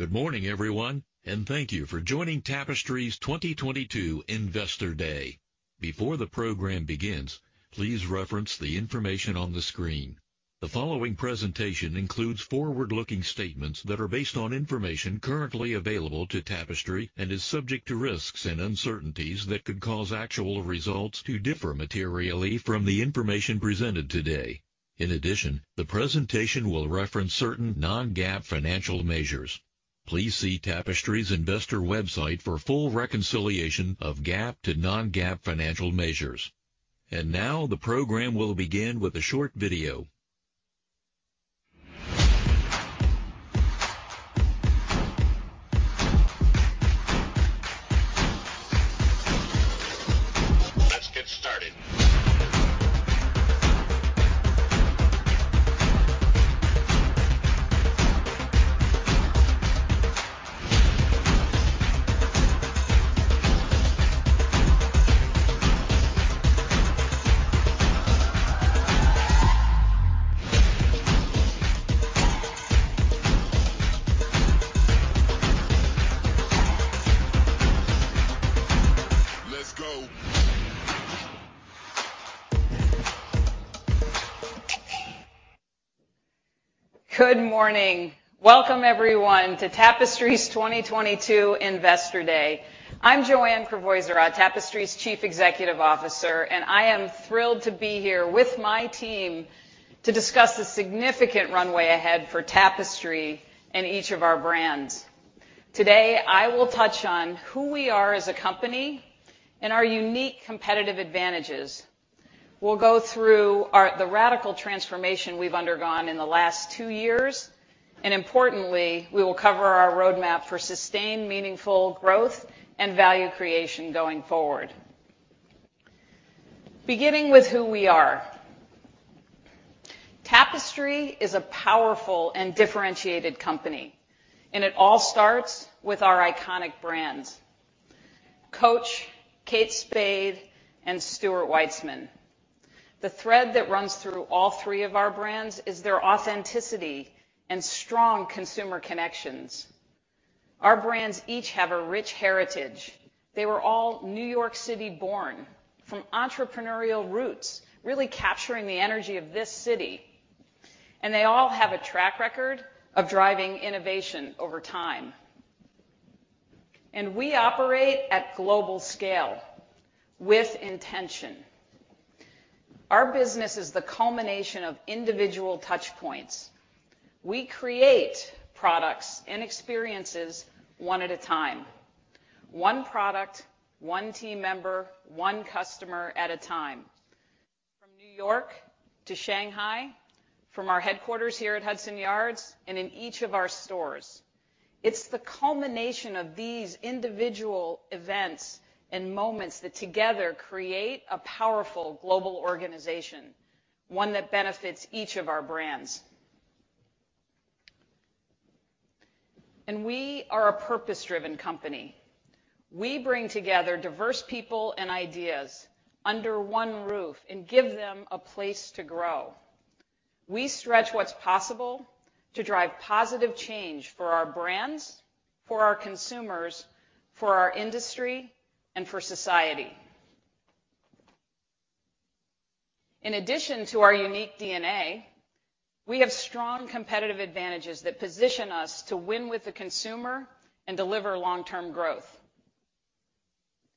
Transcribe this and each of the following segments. Good morning, everyone, and thank you for joining Tapestry's 2022 Investor Day. Before the program begins, please reference the information on the screen. The following presentation includes forward-looking statements that are based on information currently available to Tapestry and is subject to risks and uncertainties that could cause actual results to differ materially from the information presented today. In addition, the presentation will reference certain non-GAAP financial measures. Please see Tapestry's investor website for full reconciliation of GAAP to non-GAAP financial measures. Now the program will begin with a short video. Let's get started. Let's go. Good morning. Welcome everyone to Tapestry's 2022 Investor Day. I'm Joanne Crevoiserat, Tapestry's Chief Executive Officer, and I am thrilled to be here with my team to discuss the significant runway ahead for Tapestry and each of our brands. Today, I will touch on who we are as a company and our unique competitive advantages. We'll go through the radical transformation we've undergone in the last two years, and importantly, we will cover our roadmap for sustained, meaningful growth and value creation going forward. Beginning with who we are. Tapestry is a powerful and differentiated company, and it all starts with our iconic brands, Coach, Kate Spade, and Stuart Weitzman. The thread that runs through all three of our brands is their authenticity and strong consumer connections. Our brands each have a rich heritage. They were all New York City born from entrepreneurial roots, really capturing the energy of this city, and they all have a track record of driving innovation over time. We operate at global scale with intention. Our business is the culmination of individual touch points. We create products and experiences one at a time. One product, one team member, one customer at a time. From New York to Shanghai, from our headquarters here at Hudson Yards, and in each of our stores. It's the culmination of these individual events and moments that together create a powerful global organization, one that benefits each of our brands. We are a purpose-driven company. We bring together diverse people and ideas under one roof and give them a place to grow. We stretch what's possible to drive positive change for our brands, for our consumers, for our industry, and for society. In addition to our unique DNA, we have strong competitive advantages that position us to win with the consumer and deliver long-term growth.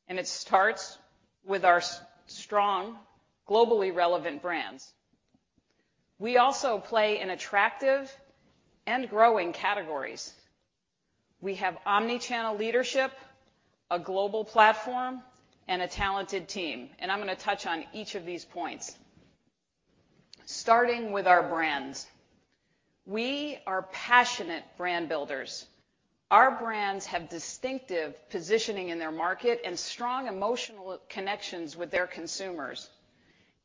It starts with our strong, globally relevant brands. We also play in attractive and growing categories. We have omni-channel leadership, a global platform, and a talented team, and I'm gonna touch on each of these points. Starting with our brands. We are passionate brand builders. Our brands have distinctive positioning in their market and strong emotional connections with their consumers,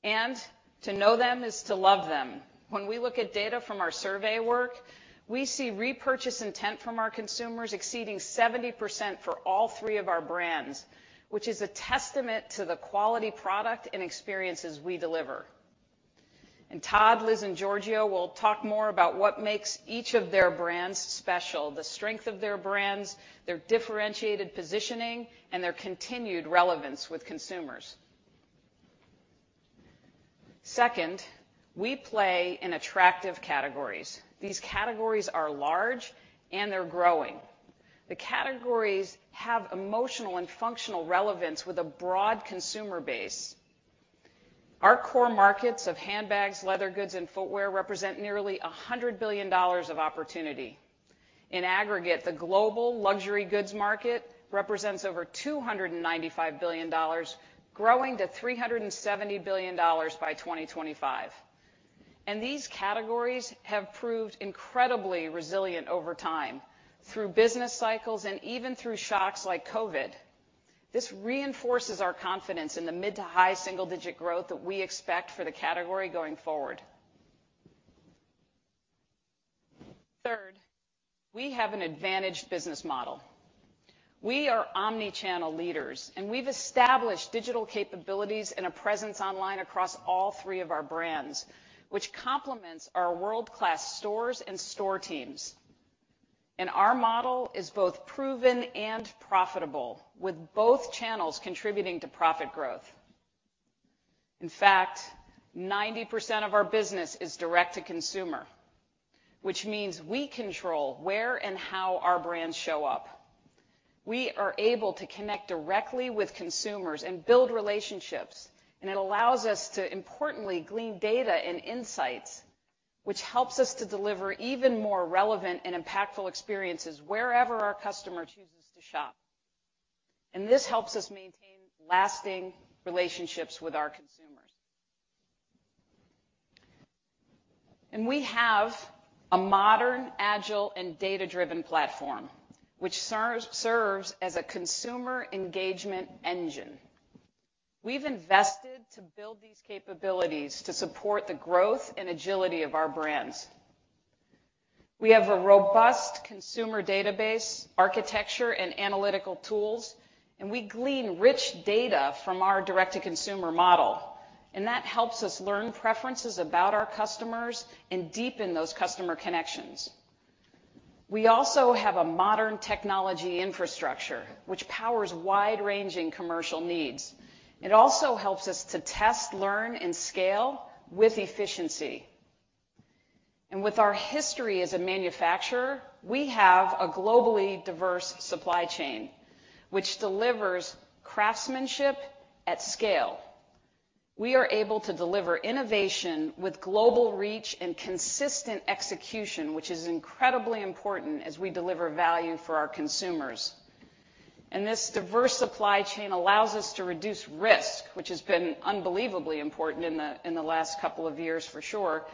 and to know them is to love them. When we look at data from our survey work, we see repurchase intent from our consumers exceeding 70% for all three of our brands, which is a testament to the quality product and experiences we deliver. Todd, Liz, and Giorgio will talk more about what makes each of their brands special, the strength of their brands, their differentiated positioning, and their continued relevance with consumers. Second, we play in attractive categories. These categories are large, and they're growing. The categories have emotional and functional relevance with a broad consumer base. Our core markets of handbags, leather goods, and footwear represent nearly $100 billion of opportunity. In aggregate, the global luxury goods market represents over $295 billion, growing to $370 billion by 2025. These categories have proved incredibly resilient over time, through business cycles and even through shocks like COVID. This reinforces our confidence in the mid- to high single-digit growth that we expect for the category going forward. Third, we have an advantaged business model. We are omni-channel leaders, and we've established digital capabilities and a presence online across all three of our brands, which complements our world-class stores and store teams. Our model is both proven and profitable, with both channels contributing to profit growth. In fact, 90% of our business is direct-to-consumer, which means we control where and how our brands show up. We are able to connect directly with consumers and build relationships, and it allows us to importantly glean data and insights, which helps us to deliver even more relevant and impactful experiences wherever our customer chooses to shop. This helps us maintain lasting relationships with our consumers. We have a modern, agile, and data-driven platform which serves as a consumer engagement engine. We've invested to build these capabilities to support the growth and agility of our brands. We have a robust consumer database, architecture, and analytical tools, and we glean rich data from our direct-to-consumer model, and that helps us learn preferences about our customers and deepen those customer connections. We also have a modern technology infrastructure which powers wide-ranging commercial needs. It also helps us to test, learn, and scale with efficiency. With our history as a manufacturer, we have a globally diverse supply chain which delivers craftsmanship at scale. We are able to deliver innovation with global reach and consistent execution, which is incredibly important as we deliver value for our consumers. This diverse supply chain allows us to reduce risk, which has been unbelievably important in the last couple of years for sure.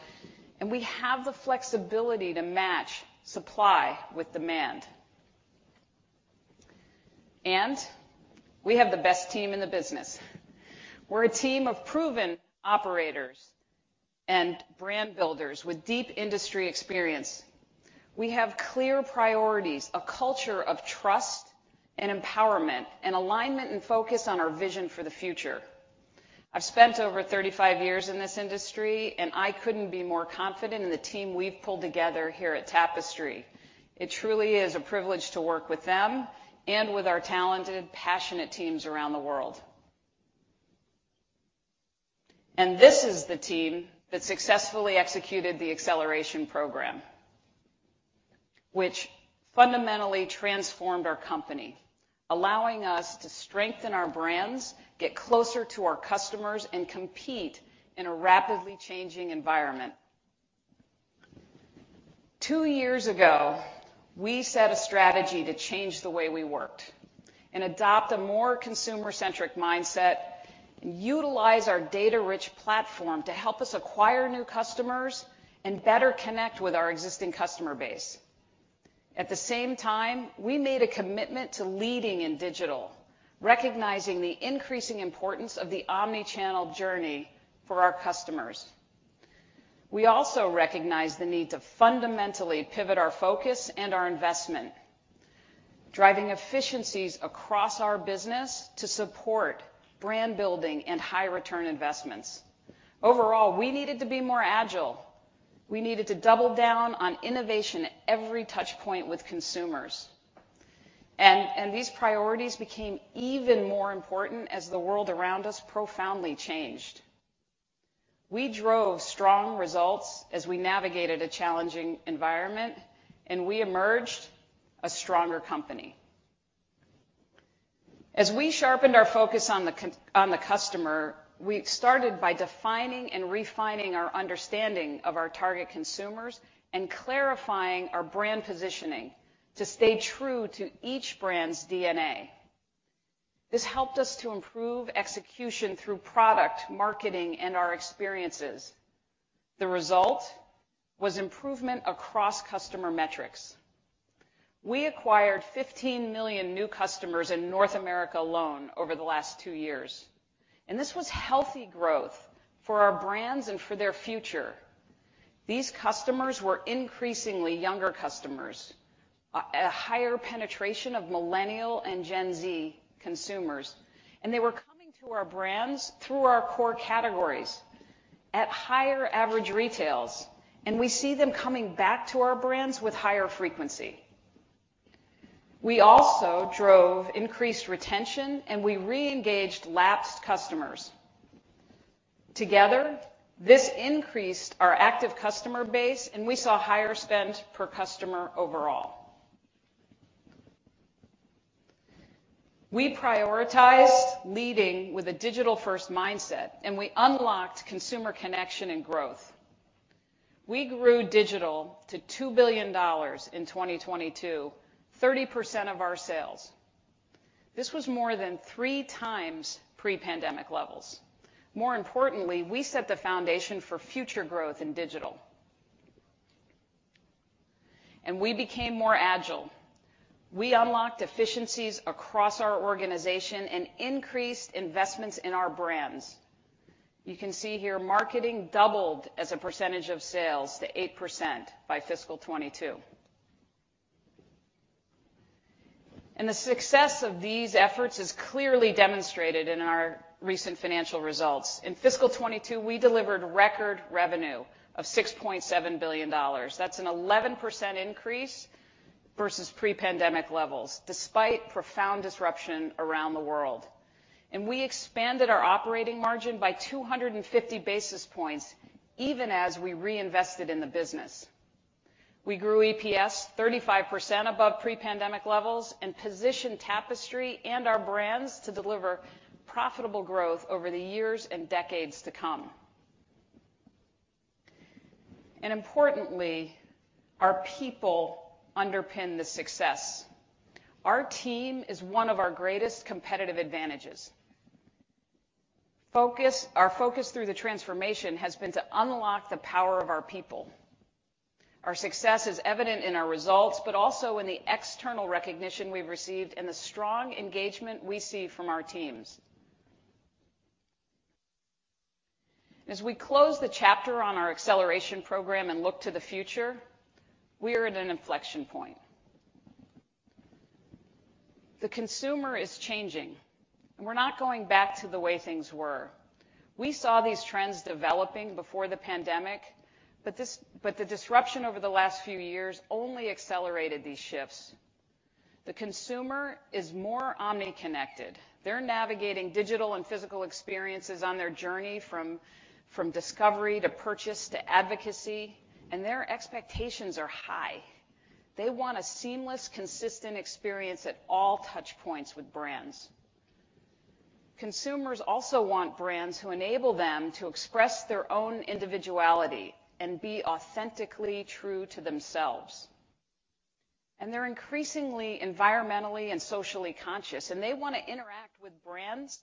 We have the flexibility to match supply with demand. We have the best team in the business. We're a team of proven operators and brand builders with deep industry experience. We have clear priorities, a culture of trust and empowerment, and alignment and focus on our vision for the future. I've spent over 35 years in this industry, and I couldn't be more confident in the team we've pulled together here at Tapestry. It truly is a privilege to work with them and with our talented, passionate teams around the world. This is the team that successfully executed the Acceleration Program which fundamentally transformed our company, allowing us to strengthen our brands, get closer to our customers, and compete in a rapidly changing environment. Two years ago, we set a strategy to change the way we worked and adopt a more consumer-centric mindset and utilize our data-rich platform to help us acquire new customers and better connect with our existing customer base. At the same time, we made a commitment to leading in digital, recognizing the increasing importance of the omni-channel journey for our customers. We also recognized the need to fundamentally pivot our focus and our investment, driving efficiencies across our business to support brand building and high return investments. Overall, we needed to be more agile. We needed to double down on innovation at every touch point with consumers. And these priorities became even more important as the world around us profoundly changed. We drove strong results as we navigated a challenging environment, and we emerged a stronger company. As we sharpened our focus on the customer, we started by defining and refining our understanding of our target consumers and clarifying our brand positioning to stay true to each brand's DNA. This helped us to improve execution through product, marketing, and our experiences. The result was improvement across customer metrics. We acquired 15 million new customers in North America alone over the last 2 years, and this was healthy growth for our brands and for their future. These customers were increasingly younger customers, a higher penetration of Millennial and Gen Z consumers, and they were coming to our brands through our core categories at higher average retails, and we see them coming back to our brands with higher frequency. We also drove increased retention, and we re-engaged lapsed customers. Together, this increased our active customer base, and we saw higher spend per customer overall. We prioritized leading with a digital-first mindset, and we unlocked consumer connection and growth. We grew digital to $2 billion in 2022, 30% of our sales. This was more than three times pre-pandemic levels. More importantly, we set the foundation for future growth in digital. We became more agile. We unlocked efficiencies across our organization and increased investments in our brands. You can see here marketing doubled as a percentage of sales to 8% by fiscal 2022. The success of these efforts is clearly demonstrated in our recent financial results. In fiscal 2022, we delivered record revenue of $6.7 billion. That's an 11% increase versus pre-pandemic levels, despite profound disruption around the world. We expanded our operating margin by 250 basis points even as we reinvested in the business. We grew EPS 35% above pre-pandemic levels and positioned Tapestry and our brands to deliver profitable growth over the years and decades to come. Importantly, our people underpin the success. Our team is one of our greatest competitive advantages. Our focus through the transformation has been to unlock the power of our people. Our success is evident in our results, but also in the external recognition we've received and the strong engagement we see from our teams. As we close the chapter on our Acceleration Program and look to the future, we are at an inflection point. The consumer is changing, and we're not going back to the way things were. We saw these trends developing before the pandemic, but the disruption over the last few years only accelerated these shifts. The consumer is more omni-connected. They're navigating digital and physical experiences on their journey from discovery to purchase to advocacy, and their expectations are high. They want a seamless, consistent experience at all touch points with brands. Consumers also want brands who enable them to express their own individuality and be authentically true to themselves. They're increasingly environmentally and socially conscious, and they wanna interact with brands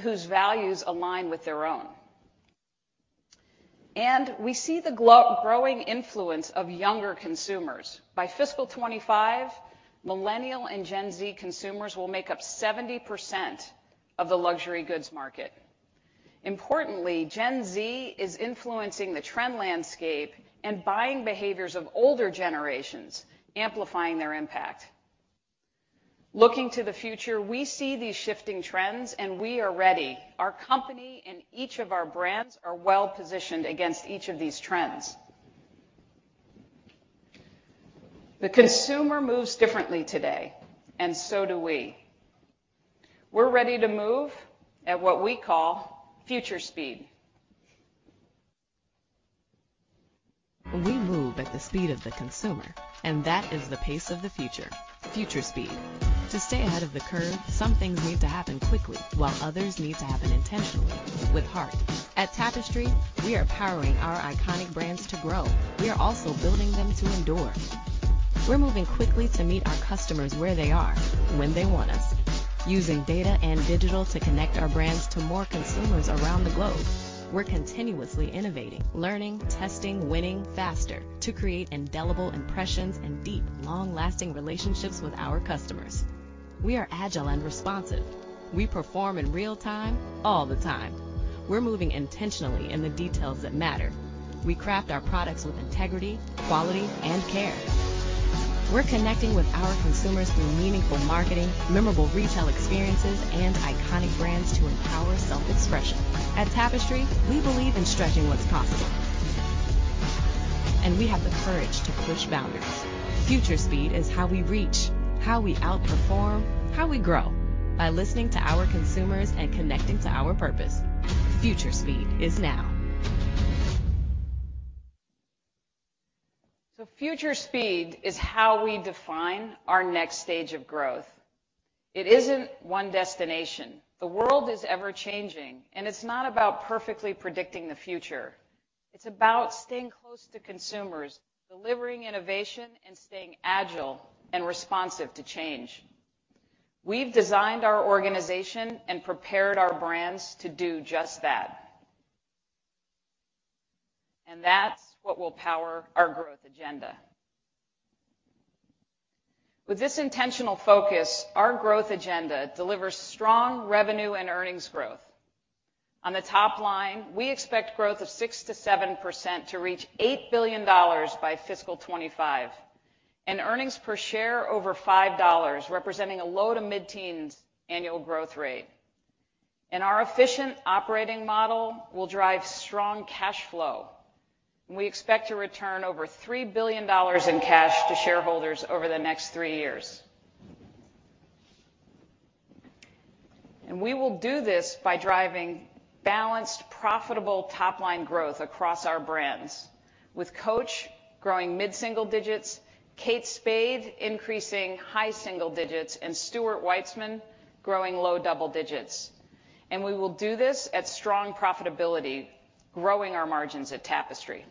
whose values align with their own. We see the growing influence of younger consumers. By fiscal 2025, Millennial and Gen Z consumers will make up 70% of the luxury goods market. Importantly, Gen Z is influencing the trend landscape and buying behaviors of older generations, amplifying their impact. Looking to the future, we see these shifting trends and we are ready. Our company and each of our brands are well-positioned against each of these trends. The consumer moves differently today, and so do we. We're ready to move at what we call future speed. We move at the speed of the consumer, and that is the pace of the future speed. To stay ahead of the curve, some things need to happen quickly, while others need to happen intentionally with heart. At Tapestry, we are powering our iconic brands to grow. We are also building them to endure. We're moving quickly to meet our customers where they are when they want us. Using data and digital to connect our brands to more consumers around the globe, we're continuously innovating, learning, testing, winning faster to create indelible impressions and deep, long-lasting relationships with our customers. We are agile and responsive. We perform in real time, all the time. We're moving intentionally in the details that matter. We craft our products with integrity, quality, and care. We're connecting with our consumers through meaningful marketing, memorable retail experiences, and iconic brands to empower self-expression. At Tapestry, we believe in stretching what's possible. We have the courage to push boundaries. Future speed is how we reach, how we outperform, how we grow. By listening to our consumers and connecting to our purpose. Future speed is now. Future speed is how we define our next stage of growth. It isn't one destination. The world is ever-changing, and it's not about perfectly predicting the future. It's about staying close to consumers, delivering innovation, and staying agile and responsive to change. We've designed our organization and prepared our brands to do just that. That's what will power our growth agenda. With this intentional focus, our growth agenda delivers strong revenue and earnings growth. On the top line, we expect growth of 6%-7% to reach $8 billion by fiscal 2025, and earnings per share over $5, representing a low-to-mid teens annual growth rate. Our efficient operating model will drive strong cash flow. We expect to return over $3 billion in cash to shareholders over the next three years. We will do this by driving balanced, profitable top-line growth across our brands. With Coach growing mid-single digits, Kate Spade increasing high-single digits, and Stuart Weitzman growing low double digits. We will do this at strong profitability, growing our margins at Tapestry.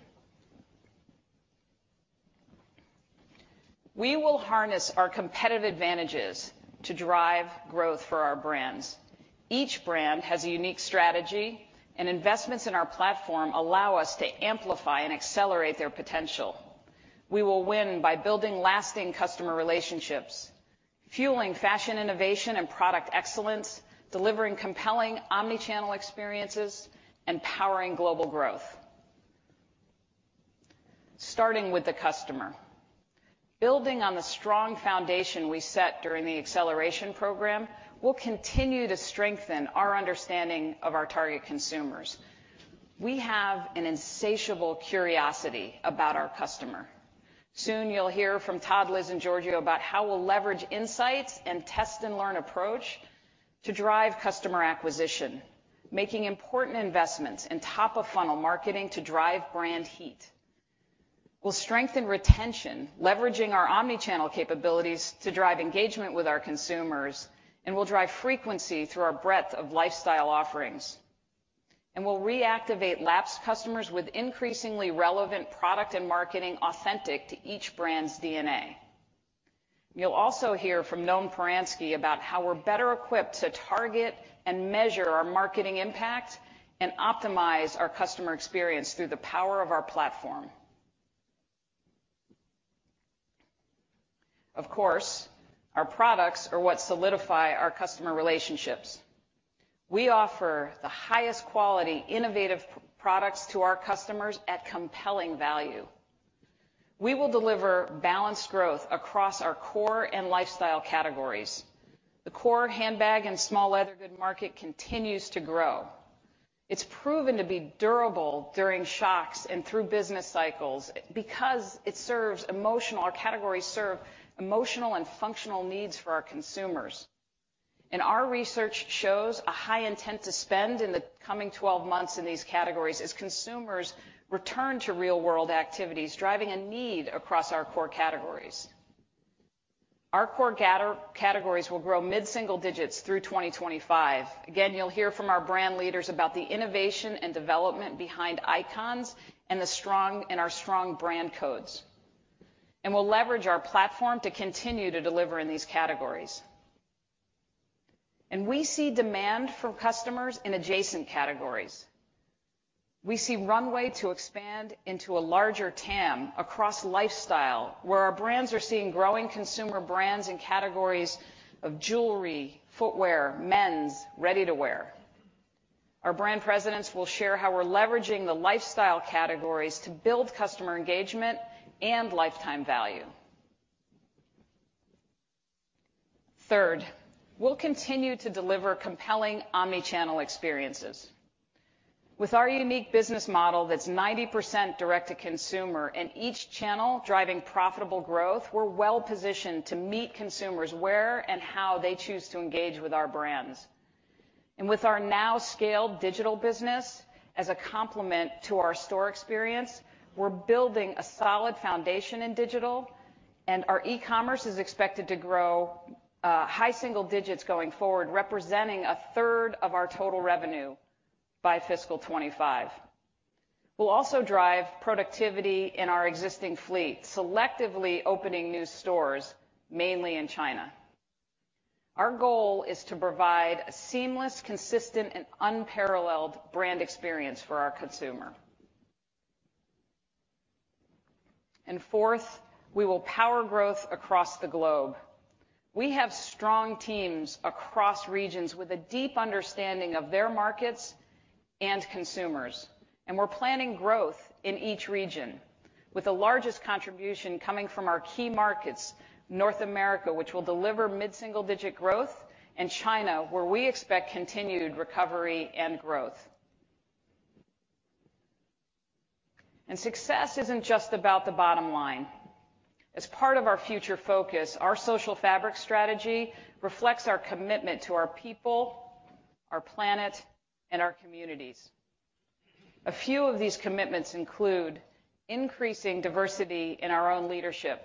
We will harness our competitive advantages to drive growth for our brands. Each brand has a unique strategy, and investments in our platform allow us to amplify and accelerate their potential. We will win by building lasting customer relationships. Fueling fashion innovation and product excellence, delivering compelling omni-channel experiences, and powering global growth. Starting with the customer. Building on the strong foundation we set during the Acceleration Program, we'll continue to strengthen our understanding of our target consumers. We have an insatiable curiosity about our customer. Soon you'll hear from Todd, Liz, and Giorgio about how we'll leverage insights and test-and-learn approach to drive customer acquisition, making important investments in top-of-funnel marketing to drive brand heat. We'll strengthen retention, leveraging our omni-channel capabilities to drive engagement with our consumers, and we'll drive frequency through our breadth of lifestyle offerings. We'll reactivate lapsed customers with increasingly relevant product and marketing authentic to each brand's DNA. You'll also hear from Noam Paransky about how we're better equipped to target and measure our marketing impact and optimize our customer experience through the power of our platform. Of course, our products are what solidify our customer relationships. We offer the highest quality, innovative products to our customers at compelling value. We will deliver balanced growth across our core and lifestyle categories. The core handbag and small leather goods market continues to grow. It's proven to be durable during shocks and through business cycles because it serves emotional. Our categories serve emotional and functional needs for our consumers. Our research shows a high intent to spend in the coming 12 months in these categories as consumers return to real-world activities, driving a need across our core categories. Our core categories will grow mid-single digits through 2025. Again, you'll hear from our brand leaders about the innovation and development behind icons and our strong brand codes. We'll leverage our platform to continue to deliver in these categories. We see demand from customers in adjacent categories. We see runway to expand into a larger TAM across lifestyle, where our brands are seeing growing consumer brands in categories of jewelry, footwear, men's, ready-to-wear. Our brand presidents will share how we're leveraging the lifestyle categories to build customer engagement and lifetime value. Third, we'll continue to deliver compelling omni-channel experiences. With our unique business model that's 90% direct-to-consumer and each channel driving profitable growth, we're well positioned to meet consumers where and how they choose to engage with our brands. With our now scaled digital business as a complement to our store experience, we're building a solid foundation in digital, and our e-commerce is expected to grow high single digits going forward, representing a third of our total revenue by fiscal 2025. We'll also drive productivity in our existing fleet, selectively opening new stores, mainly in China. Our goal is to provide a seamless, consistent, and unparalleled brand experience for our consumer. Fourth, we will power growth across the globe. We have strong teams across regions with a deep understanding of their markets and consumers, and we're planning growth in each region, with the largest contribution coming from our key markets, North America, which will deliver mid-single-digit growth, and China, where we expect continued recovery and growth. Success isn't just about the bottom line. As part of our future focus, Our Social Fabric strategy reflects our commitment to our people, our planet, and our communities. A few of these commitments include increasing diversity in our own leadership,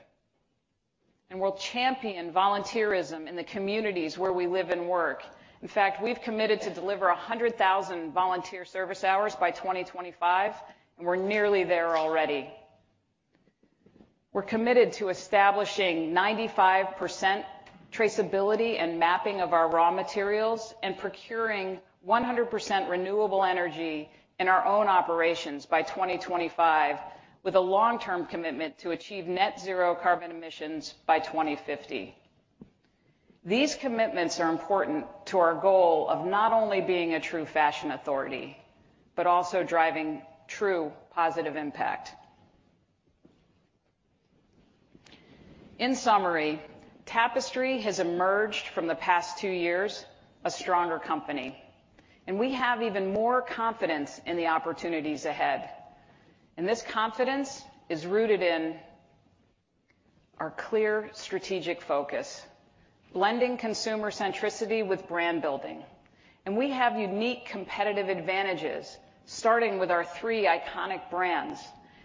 and we'll champion volunteerism in the communities where we live and work. In fact, we've committed to deliver 100,000 volunteer service hours by 2025, and we're nearly there already. We're committed to establishing 95% traceability and mapping of our raw materials and procuring 100% renewable energy in our own operations by 2025, with a long-term commitment to achieve net zero carbon emissions by 2050. These commitments are important to our goal of not only being a true fashion authority, but also driving true positive impact. In summary, Tapestry has emerged from the past 2 years a stronger company, and we have even more confidence in the opportunities ahead. This confidence is rooted in our clear strategic focus, blending consumer centricity with brand building. We have unique competitive advantages, starting with our three iconic brands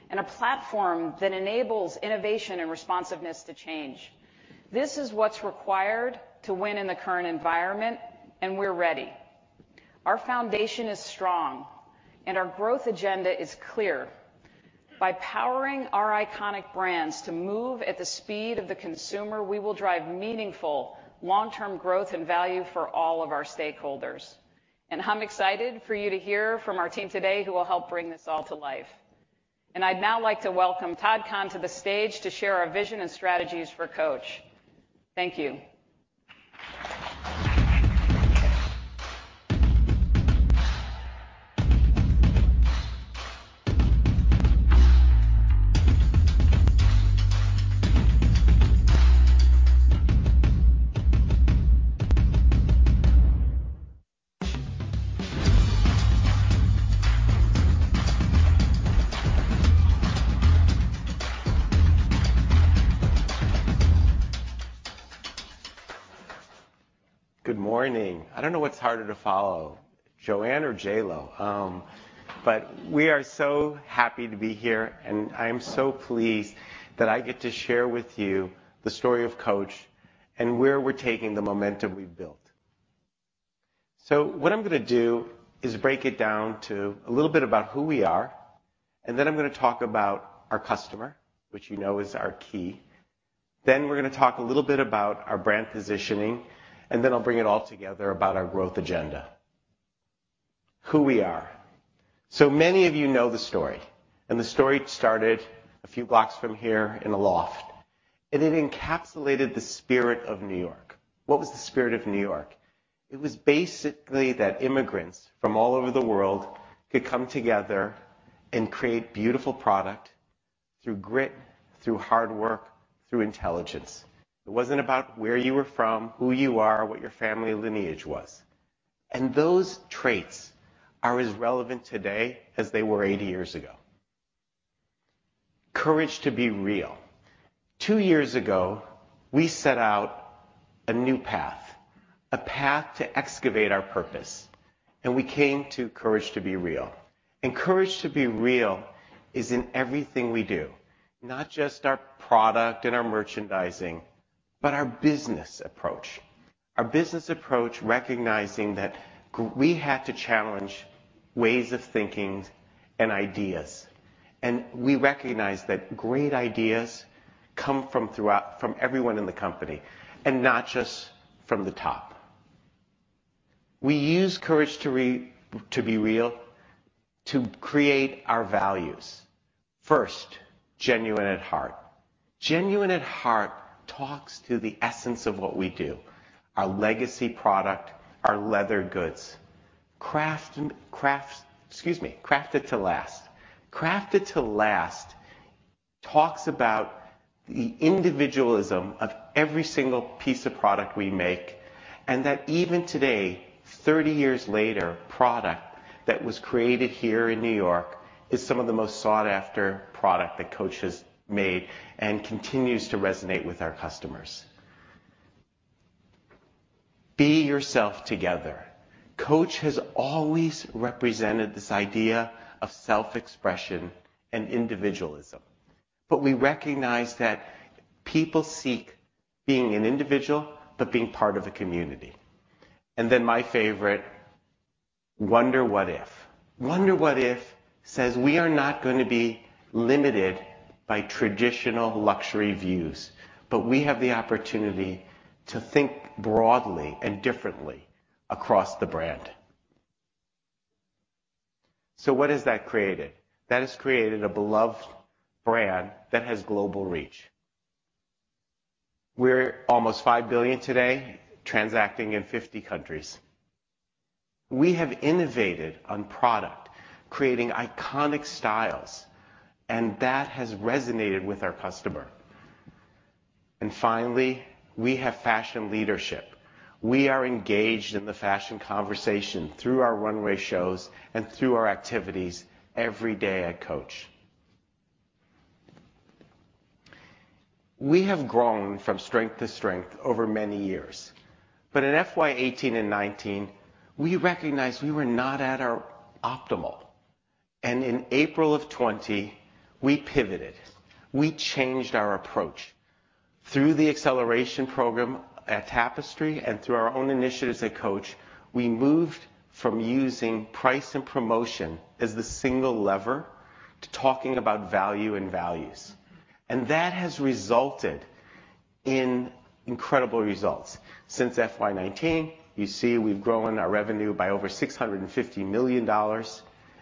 and a platform that enables innovation and responsiveness to change. This is what's required to win in the current environment, and we're ready. Our foundation is strong and our growth agenda is clear. By powering our iconic brands to move at the speed of the consumer, we will drive meaningful long-term growth and value for all of our stakeholders. I'm excited for you to hear from our team today who will help bring this all to life. I'd now like to welcome Todd Kahn to the stage to share our vision and strategies for Coach. Thank you. Good morning. I don't know what's harder to follow, Joanne or J.Lo, but we are so happy to be here, and I am so pleased that I get to share with you the story of Coach and where we're taking the momentum we've built. What I'm gonna do is break it down to a little bit about who we are, and then I'm gonna talk about our customer, which you know is our key. We're gonna talk a little bit about our brand positioning, and then I'll bring it all together about our growth agenda. Who we are. Many of you know the story, and the story started a few blocks from here in a loft, and it encapsulated the spirit of New York. What was the spirit of New York? It was basically that immigrants from all over the world could come together and create beautiful product through grit, through hard work, through intelligence. It wasn't about where you were from, who you are, what your family lineage was. Those traits are as relevant today as they were 80 years ago. Courage to be real. Two years ago, we set out a new path, a path to excavate our purpose, and we came to courage to be real. Courage to be real is in everything we do. Not just our product and our merchandising, but our business approach. Our business approach, recognizing that we had to challenge ways of thinking and ideas, and we recognized that great ideas come from everyone in the company, and not just from the top. We use courage to be real, to create our values. First, genuine at heart. Genuine at heart talks to the essence of what we do, our legacy product, our leather goods. Crafted to last. Crafted to last talks about the individualism of every single piece of product we make, and that even today, 30 years later, product that was created here in New York is some of the most sought-after product that Coach has made and continues to resonate with our customers. Be yourself together. Coach has always represented this idea of self-expression and individualism, but we recognize that people seek being an individual, but being part of a community. My favorite, wonder what if. Wonder what if says we are not gonna be limited by traditional luxury views, but we have the opportunity to think broadly and differently across the brand. What has that created? That has created a beloved brand that has global reach. We're almost $5 billion today, transacting in 50 countries. We have innovated on product, creating iconic styles, and that has resonated with our customer. Finally, we have fashion leadership. We are engaged in the fashion conversation through our runway shows and through our activities every day at Coach. We have grown from strength to strength over many years. In FY 2018 and 2019, we recognized we were not at our optimal. In April of 2020, we pivoted. We changed our approach. Through the Acceleration Program at Tapestry and through our own initiatives at Coach, we moved from using price and promotion as the single lever to talking about value and values. That has resulted in incredible results. Since FY 2019, you see we've grown our revenue by over $650 million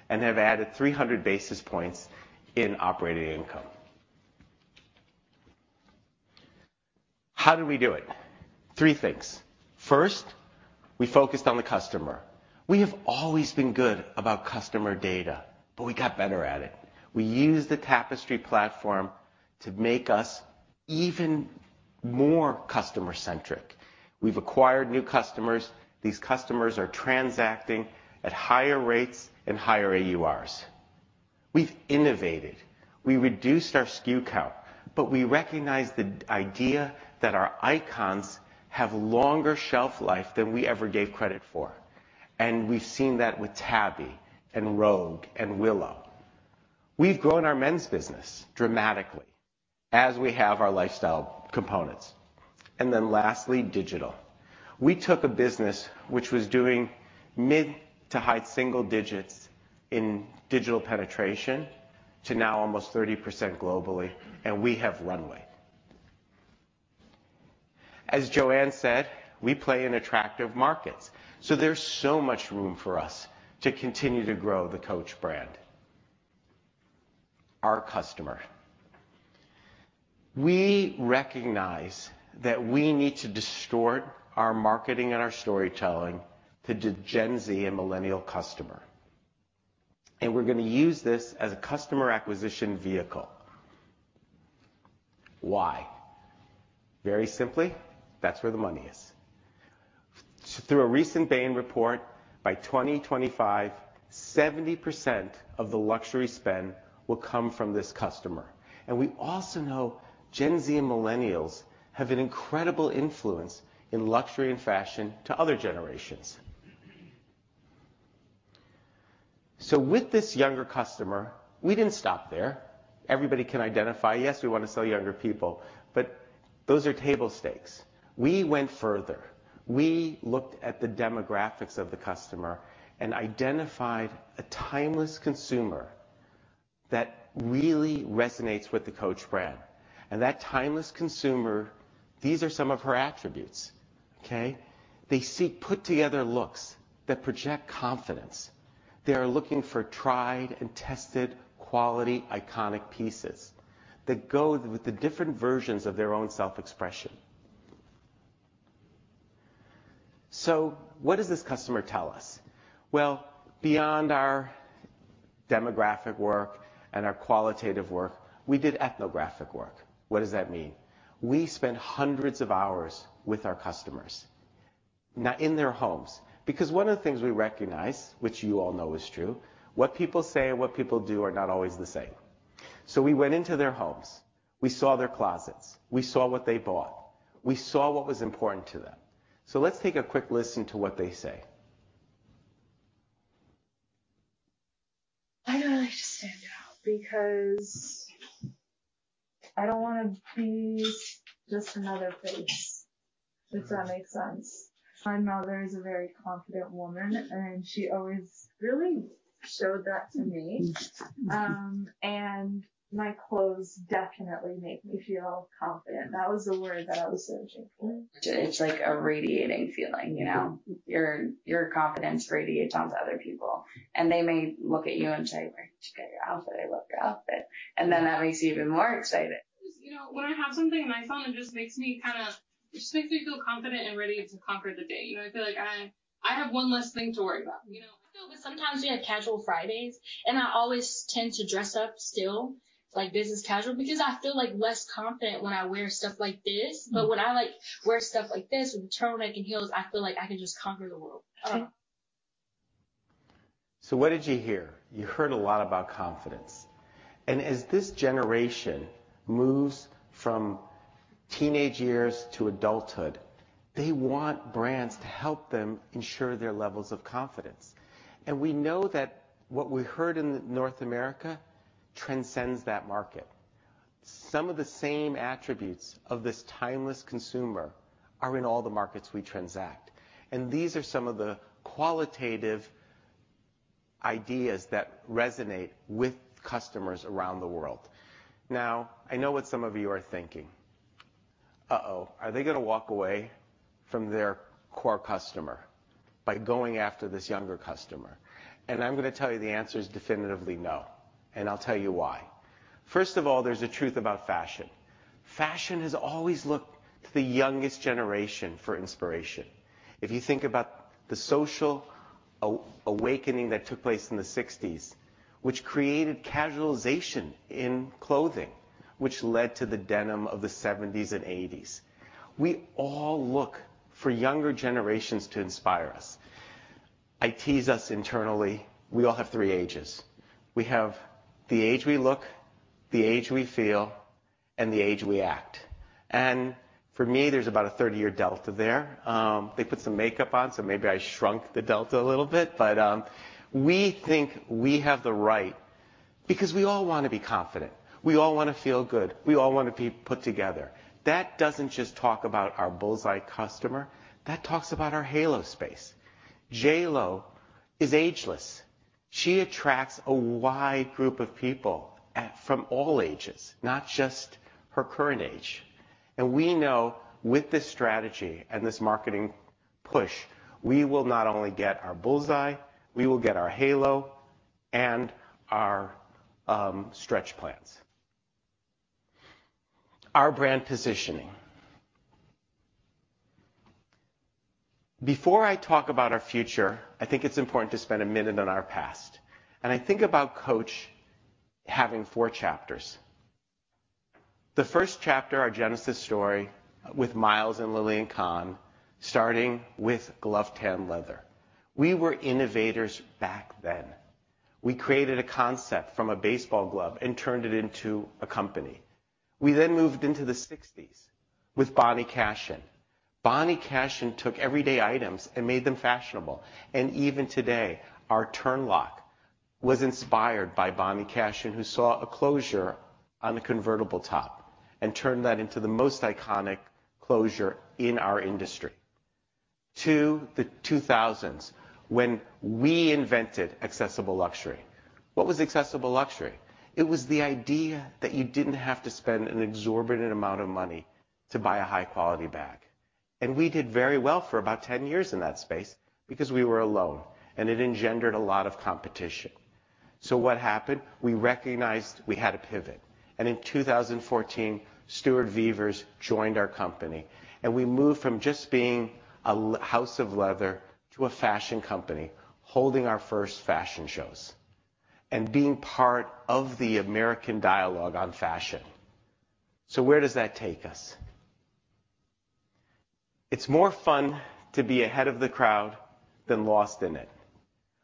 and have added 300 basis points in operating income. How did we do it? Three things. First, we focused on the customer. We have always been good about customer data, but we got better at it. We used the Tapestry platform to make us even more customer-centric. We've acquired new customers. These customers are transacting at higher rates and higher AURs. We've innovated. We reduced our SKU count, but we recognized the idea that our icons have longer shelf life than we ever gave credit for, and we've seen that with Tabby, and Rogue, and Willow. We've grown our men's business dramatically as we have our lifestyle components. Lastly, digital. We took a business which was doing mid- to high-single digits in digital penetration to now almost 30% globally, and we have runway. As Joanne said, we play in attractive markets, so there's so much room for us to continue to grow the Coach brand. Our customer. We recognize that we need to distort our marketing and our storytelling to the Gen Z and Millennial customer, and we're gonna use this as a customer acquisition vehicle. Why? Very simply, that's where the money is. Through a recent Bain report, by 2025, 70% of the luxury spend will come from this customer. We also know Gen Z and Millennials have an incredible influence in luxury and fashion to other generations. With this younger customer, we didn't stop there. Everybody can identify, yes, we wanna sell younger people, but those are table stakes. We went further. We looked at the demographics of the customer and identified a timeless consumer that really resonates with the Coach brand, and that timeless consumer, these are some of her attributes. Okay? They seek put-together looks that project confidence. They are looking for tried and tested, quality, iconic pieces that go with the different versions of their own self-expression. What does this customer tell us? Well, beyond our demographic work and our qualitative work, we did ethnographic work. What does that mean? We spent hundreds of hours with our customers, now, in their homes, because one of the things we recognize, which you all know is true, what people say and what people do are not always the same. We went into their homes. We saw their closets. We saw what they bought. We saw what was important to them. Let's take a quick listen to what they say. I like to stand out because I don't wanna be just another face, if that makes sense. My mother is a very confident woman, and she always really showed that to me. My clothes definitely make me feel confident. That was the word that I was searching for. It's like a radiating feeling, you know? Your confidence radiates onto other people, and they may look at you and say, "Where'd you get your outfit? I love your outfit." That makes you even more excited. Just, you know, when I have something in my phone, it just makes me kinda. It just makes me feel confident and ready to conquer the day. You know, I feel like I have one less thing to worry about. You know? I feel. Sometimes we have casual Fridays, and I always tend to dress up still, like business casual, because I feel, like, less confident when I wear stuff like this. When I, like, wear stuff like this with a turtleneck and heels, I feel like I can just conquer the world. What did you hear? You heard a lot about confidence. As this generation moves from teenage years to adulthood, they want brands to help them ensure their levels of confidence. We know that what we heard in North America transcends that market. Some of the same attributes of this timeless consumer are in all the markets we transact, and these are some of the qualitative ideas that resonate with customers around the world. Now, I know what some of you are thinking, "Uh-oh. Are they gonna walk away from their core customer by going after this younger customer?" I'm gonna tell you the answer is definitively no, and I'll tell you why. First of all, there's a truth about fashion. Fashion has always looked to the youngest generation for inspiration. If you think about the social awakening that took place in the 1960s, which created casualization in clothing, which led to the denim of the 1970s and 1980s. We all look for younger generations to inspire us. I tease us internally, we all have three ages. We have the age we look, the age we feel, and the age we act, and for me, there's about a 30-year delta there. They put some makeup on, so maybe I shrunk the delta a little bit, but we think we have the right, because we all wanna be confident. We all wanna feel good. We all wanna be put together. That doesn't just talk about our bull's-eye customer. That talks about our halo space. J.Lo is ageless. She attracts a wide group of people from all ages, not just her current age. We know with this strategy and this marketing push, we will not only get our bull's eye, we will get our halo and our stretch plans. Our brand positioning. Before I talk about our future, I think it's important to spend a minute on our past, and I think about Coach having four chapters. The first chapter, our genesis story with Miles and Lillian Cahn, starting with glove-tanned leather. We were innovators back then. We created a concept from a baseball glove and turned it into a company. We then moved into the 1960s with Bonnie Cashin. Bonnie Cashin took everyday items and made them fashionable. Even today, our turnlock was inspired by Bonnie Cashin, who saw a closure on a convertible top and turned that into the most iconic closure in our industry. Into the 2000s, when we invented accessible luxury. What was accessible luxury? It was the idea that you didn't have to spend an exorbitant amount of money to buy a high-quality bag. We did very well for about 10 years in that space because we were alone, and it engendered a lot of competition. What happened? We recognized we had to pivot, and in 2014, Stuart Vevers joined our company, and we moved from just being a house of leather to a fashion company, holding our first fashion shows and being part of the American dialogue on fashion. Where does that take us? It's more fun to be ahead of the crowd than lost in it.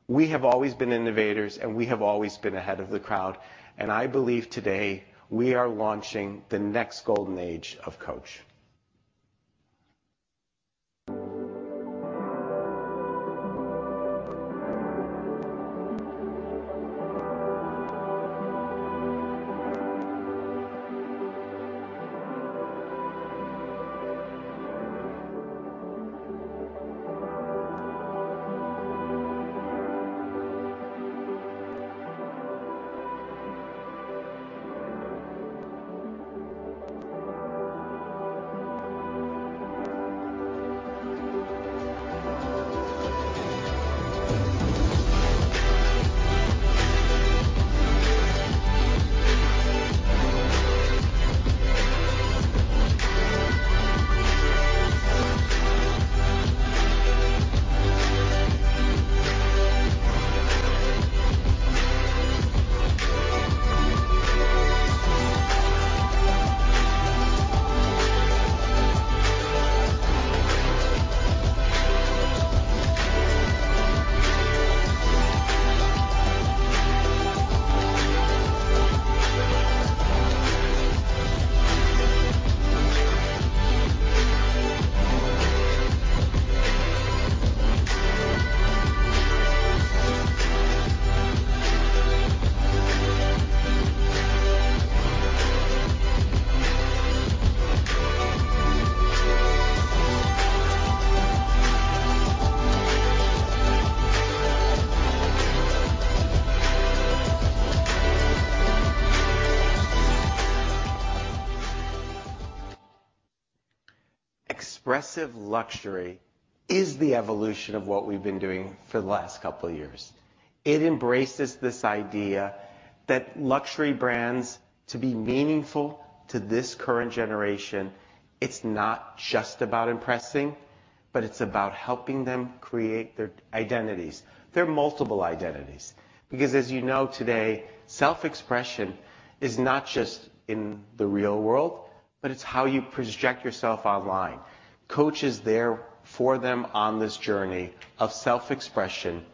We have always been innovators, and we have always been ahead of the crowd, and I believe today we are launching the next golden age of Coach. Expressive luxury is the evolution of what we've been doing for the last couple of years. It embraces this idea that luxury brands, to be meaningful to this current generation, it's not just about impressing, but it's about helping them create their identities, their multiple identities. Because as you know today, self-expression is not just in the real world, but it's how you project yourself online. Coach is there for them on this journey of self-expression,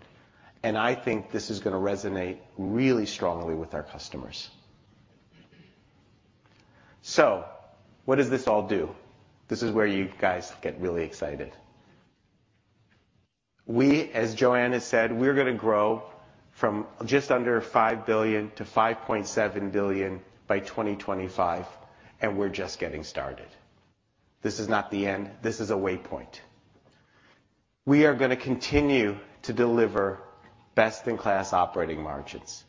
and I think this is gonna resonate really strongly with our customers. What does this all do? This is where you guys get really excited. We, as Joanne has said, we're gonna grow from just under $5 billion to $5.7 billion by 2025, and we're just getting started. This is not the end. This is a way point. We are gonna continue to deliver best-in-class operating margins.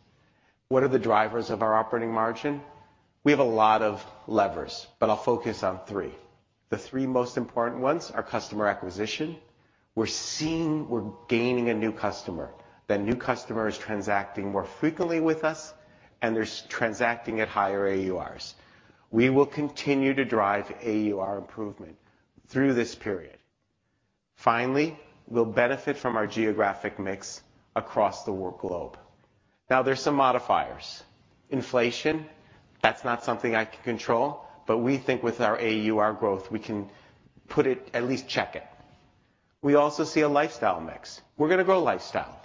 What are the drivers of our operating margin? We have a lot of levers, but I'll focus on three. The three most important ones are customer acquisition. We're gaining a new customer. That new customer is transacting more frequently with us, and they're transacting at higher AURs. We will continue to drive AUR improvement through this period. Finally, we'll benefit from our geographic mix across the globe. Now, there's some modifiers. Inflation, that's not something I can control, but we think with our AUR growth, we can at least check it. We also see a lifestyle mix. We're gonna grow lifestyle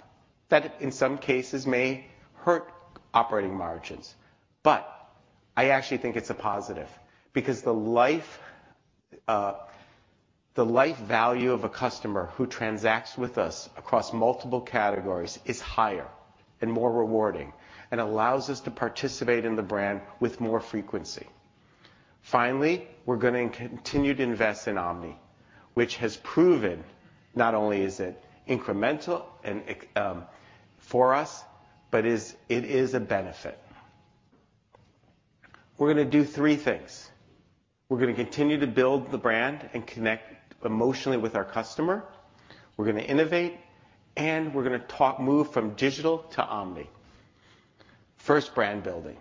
that in some cases may hurt operating margins, but I actually think it's a positive because the lifetime value of a customer who transacts with us across multiple categories is higher and more rewarding and allows us to participate in the brand with more frequency. Finally, we're gonna continue to invest in Omni, which has proven not only that it is incremental for us, but it is a benefit. We're gonna do three things. We're gonna continue to build the brand and connect emotionally with our customer. We're gonna innovate, and we're gonna move from digital to omni. First, brand building.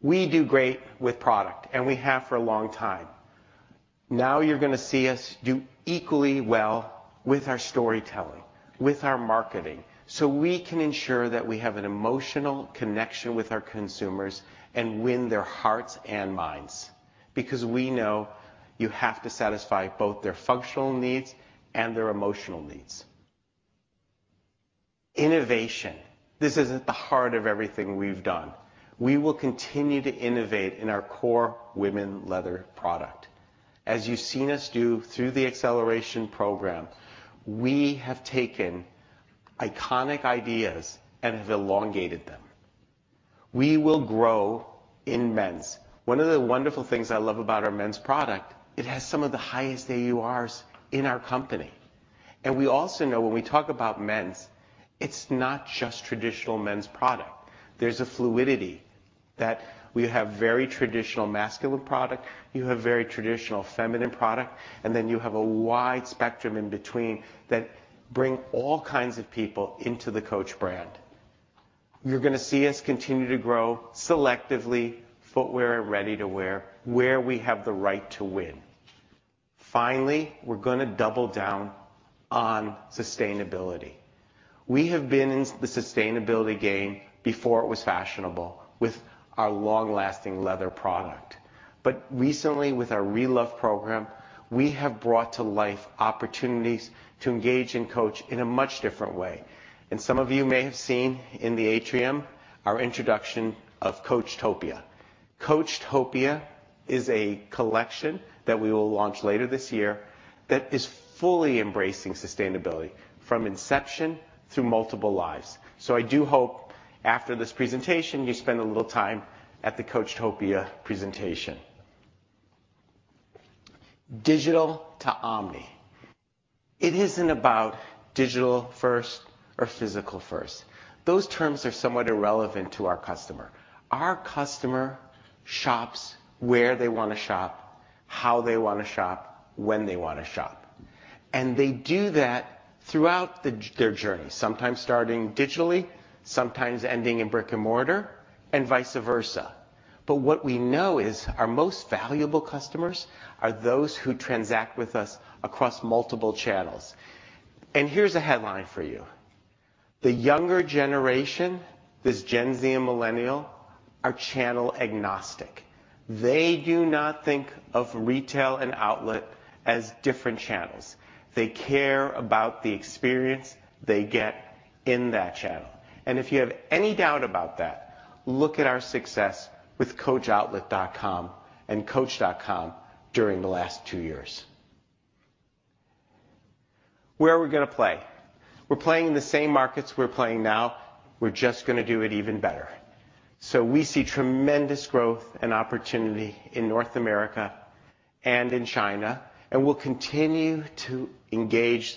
We do great with product, and we have for a long time. Now, you're gonna see us do equally well with our storytelling, with our marketing, so we can ensure that we have an emotional connection with our consumers and win their hearts and minds because we know you have to satisfy both their functional needs and their emotional needs. Innovation. This is at the heart of everything we've done. We will continue to innovate in our core women leather product. As you've seen us do through the Acceleration Program, we have taken iconic ideas and have elongated them. We will grow in men's. One of the wonderful things I love about our men's product, it has some of the highest AURs in our company. We also know when we talk about men's, it's not just traditional men's product. There's a fluidity that we have very traditional masculine product, you have very traditional feminine product, and then you have a wide spectrum in between that bring all kinds of people into the Coach brand. You're gonna see us continue to grow selectively, footwear, ready-to-wear, where we have the right to win. Finally, we're gonna double down on sustainability. We have been in the sustainability game before it was fashionable with our long-lasting leather product. But recently, with our (Re)Love program, we have brought to life opportunities to engage in Coach in a much different way. Some of you may have seen in the atrium, our introduction of Coachtopia. Coachtopia is a collection that we will launch later this year that is fully embracing sustainability from inception through multiple lives. I do hope after this presentation, you spend a little time at the Coachtopia presentation. Digital to omni. It isn't about digital first or physical first. Those terms are somewhat irrelevant to our customer. Our customer shops where they wanna shop, how they wanna shop, when they wanna shop, and they do that throughout their journey, sometimes starting digitally, sometimes ending in brick-and-mortar, and vice versa. What we know is our most valuable customers are those who transact with us across multiple channels. Here's a headline for you. The younger generation, this Gen Z and Millennial, are channel agnostic. They do not think of retail and outlet as different channels. They care about the experience they get in that channel. If you have any doubt about that, look at our success with coachoutlet.com and coach.com during the last two years. Where are we gonna play? We're playing in the same markets we're playing now, we're just gonna do it even better. We see tremendous growth and opportunity in North America and in China, and we'll continue to engage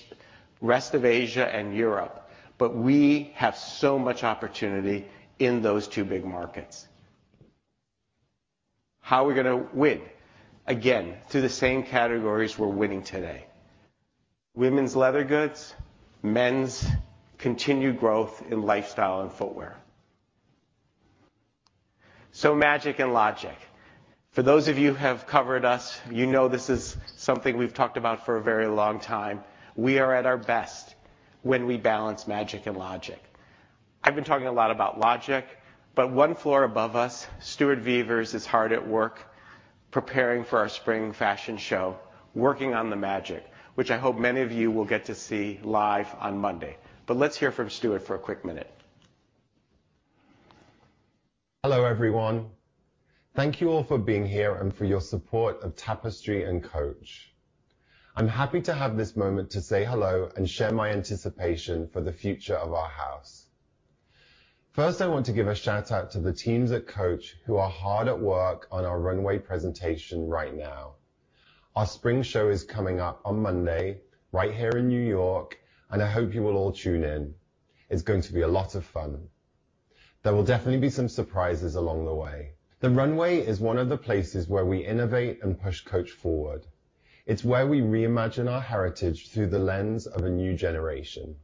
rest of Asia and Europe, but we have so much opportunity in those two big markets. How are we gonna win? Again, through the same categories we're winning today. Women's leather goods, men's, continued growth in lifestyle and footwear. Magic and Logic. For those of you who have covered us, you know this is something we've talked about for a very long time. We are at our best when we balance Magic and Logic. I've been talking a lot about Logic, but one floor above us, Stuart Vevers is hard at work preparing for our spring fashion show, working on the Magic, which I hope many of you will get to see live on Monday. Let's hear from Stuart for a quick minute. Hello, everyone. Thank you all for being here and for your support of Tapestry and Coach. I'm happy to have this moment to say hello and share my anticipation for the future of our house. First, I want to give a shout-out to the teams at Coach who are hard at work on our runway presentation right now. Our spring show is coming up on Monday, right here in New York, and I hope you will all tune in. It's going to be a lot of fun. There will definitely be some surprises along the way. The runway is one of the places where we innovate and push Coach forward. It's where we reimagine our heritage through the lens of a new generation,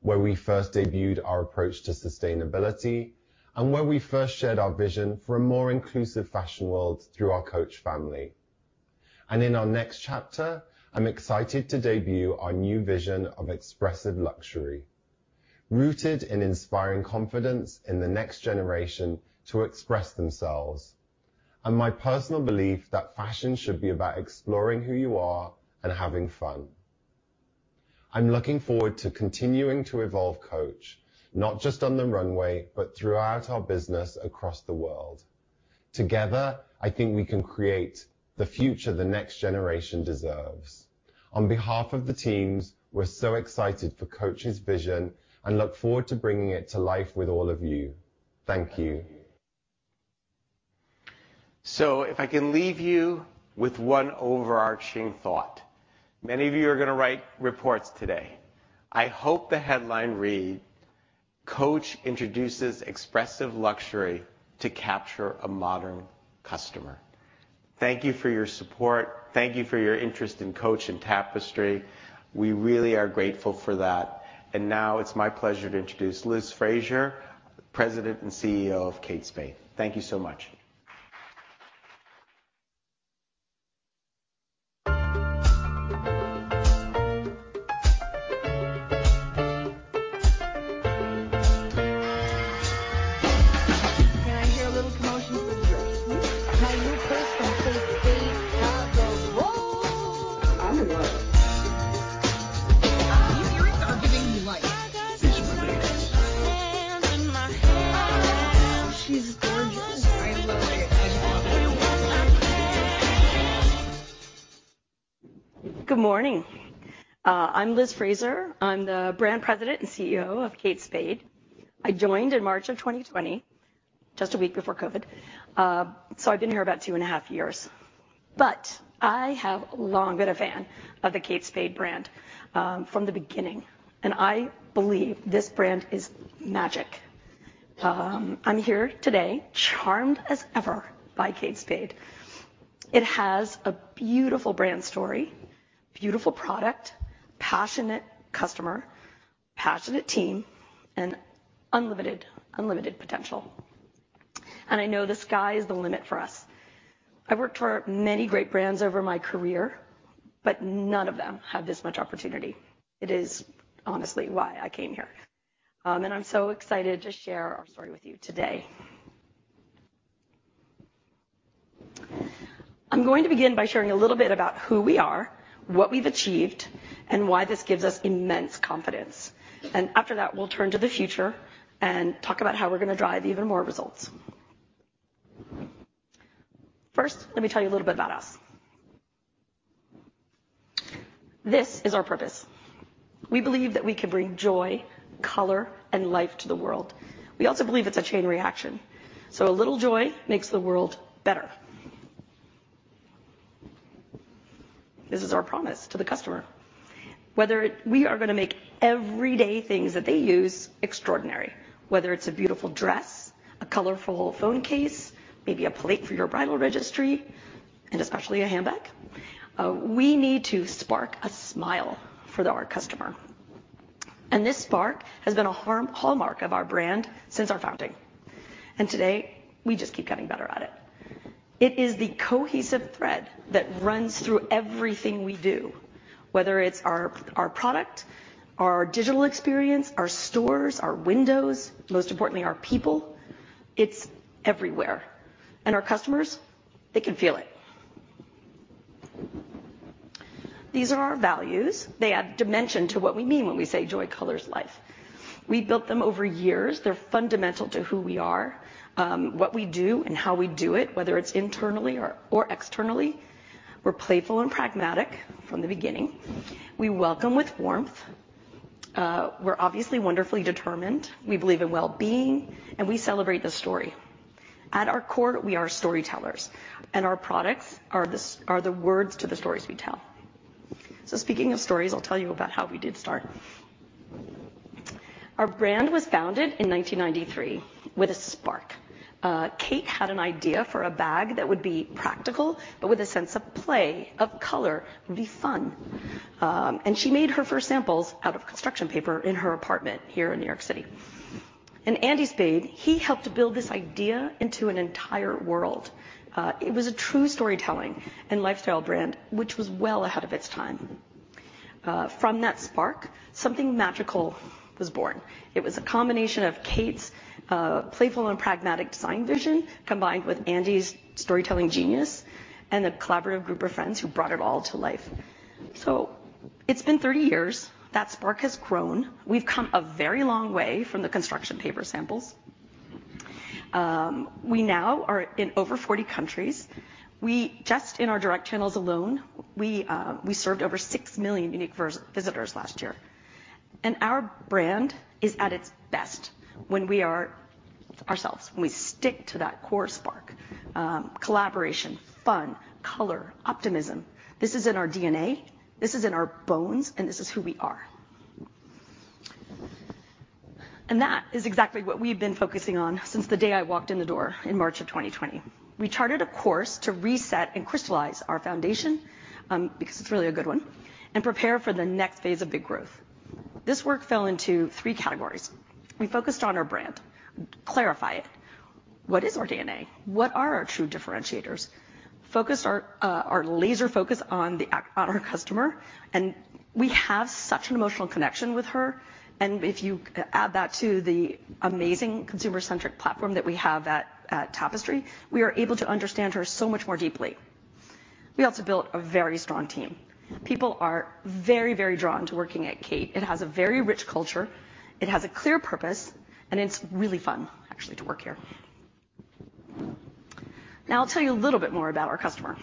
where we first debuted our approach to sustainability, and where we first shared our vision for a more inclusive fashion world through our Coach family. In our next chapter, I'm excited to debut our new vision of expressive luxury, rooted in inspiring confidence in the next generation to express themselves, and my personal belief that fashion should be about exploring who you are and having fun. I'm looking forward to continuing to evolve Coach, not just on the runway, but throughout our business across the world. Together, I think we can create the future the next generation deserves. On behalf of the teams, we're so excited for Coach's vision and look forward to bringing it to life with all of you. Thank you. If I can leave you with one overarching thought, many of you are gonna write reports today. I hope the headline read, "Coach introduces expressive luxury to capture a modern customer." Thank you for your support. Thank you for your interest in Coach and Tapestry. We really are grateful for that. Now it's my pleasure to introduce Liz Fraser, President and CEO of Kate Spade. Thank you so much. Can I hear a little commotion for Drew? Can I hear it for Drew from Kate Spade? Y'all go wild. I'm in love. These earrings are giving me like. Fish Mondays. Got his hands in my hair. She's gorgeous Good morning. I'm Liz Fraser. I'm the brand president and CEO of Kate Spade. I joined in March of 2020, just a week before COVID. I've been here about two and a half years. I have long been a fan of the Kate Spade brand from the beginning, and I believe this brand is magic. I'm here today charmed as ever by Kate Spade. It has a beautiful brand story, beautiful product, passionate customer, passionate team, and unlimited potential, and I know the sky is the limit for us. I've worked for many great brands over my career, but none of them have this much opportunity. It is honestly why I came here. I'm so excited to share our story with you today. I'm going to begin by sharing a little bit about who we are, what we've achieved, and why this gives us immense confidence, and after that, we'll turn to the future and talk about how we're gonna drive even more results. First, let me tell you a little bit about us. This is our purpose. We believe that we can bring joy, color, and life to the world. We also believe it's a chain reaction, so a little joy makes the world better. This is our promise to the customer. We are gonna make everyday things that they use extraordinary, whether it's a beautiful dress, a colorful phone case, maybe a plate for your bridal registry, and especially a handbag. We need to spark a smile for our customer, and this spark has been a hallmark of our brand since our founding, and today we just keep getting better at it. It is the cohesive thread that runs through everything we do, whether it's our product, our digital experience, our stores, our windows, most importantly, our people. It's everywhere, and our customers, they can feel it. These are our values. They add dimension to what we mean when we say, "Joy colors life." We built them over years. They're fundamental to who we are, what we do, and how we do it, whether it's internally or externally. We're playful and pragmatic from the beginning. We welcome with warmth. We're obviously wonderfully determined. We believe in well-being, and we celebrate the story. At our core, we are storytellers, and our products are the words to the stories we tell. Speaking of stories, I'll tell you about how we did start. Our brand was founded in 1993 with a spark. Kate had an idea for a bag that would be practical, but with a sense of play, of color. It would be fun. She made her first samples out of construction paper in her apartment here in New York City. Andy Spade, he helped build this idea into an entire world. It was a true storytelling and lifestyle brand which was well ahead of its time. From that spark, something magical was born. It was a combination of Kate's playful and pragmatic design vision, combined with Andy's storytelling genius and the collaborative group of friends who brought it all to life. It's been 30 years. That spark has grown. We've come a very long way from the construction paper samples. We now are in over 40 countries. Just in our direct channels alone, we served over 6 million unique visitors last year. Our brand is at its best when we are ourselves, when we stick to that core spark. Collaboration, fun, color, optimism, this is in our DNA, this is in our bones, and this is who we are. That is exactly what we've been focusing on since the day I walked in the door in March of 2020. We charted a course to reset and crystallize our foundation, because it's really a good one, and prepare for the next phase of big growth. This work fell into three categories. We focused on our brand, clarify it. What is our DNA? What are our true differentiators? Focused our laser focus on our customer, and we have such an emotional connection with her, and if you add that to the amazing consumer-centric platform that we have at Tapestry, we are able to understand her so much more deeply. We also built a very strong team. People are very drawn to working at Kate. It has a very rich culture, it has a clear purpose, and it's really fun actually to work here. Now I'll tell you a little bit more about our customer.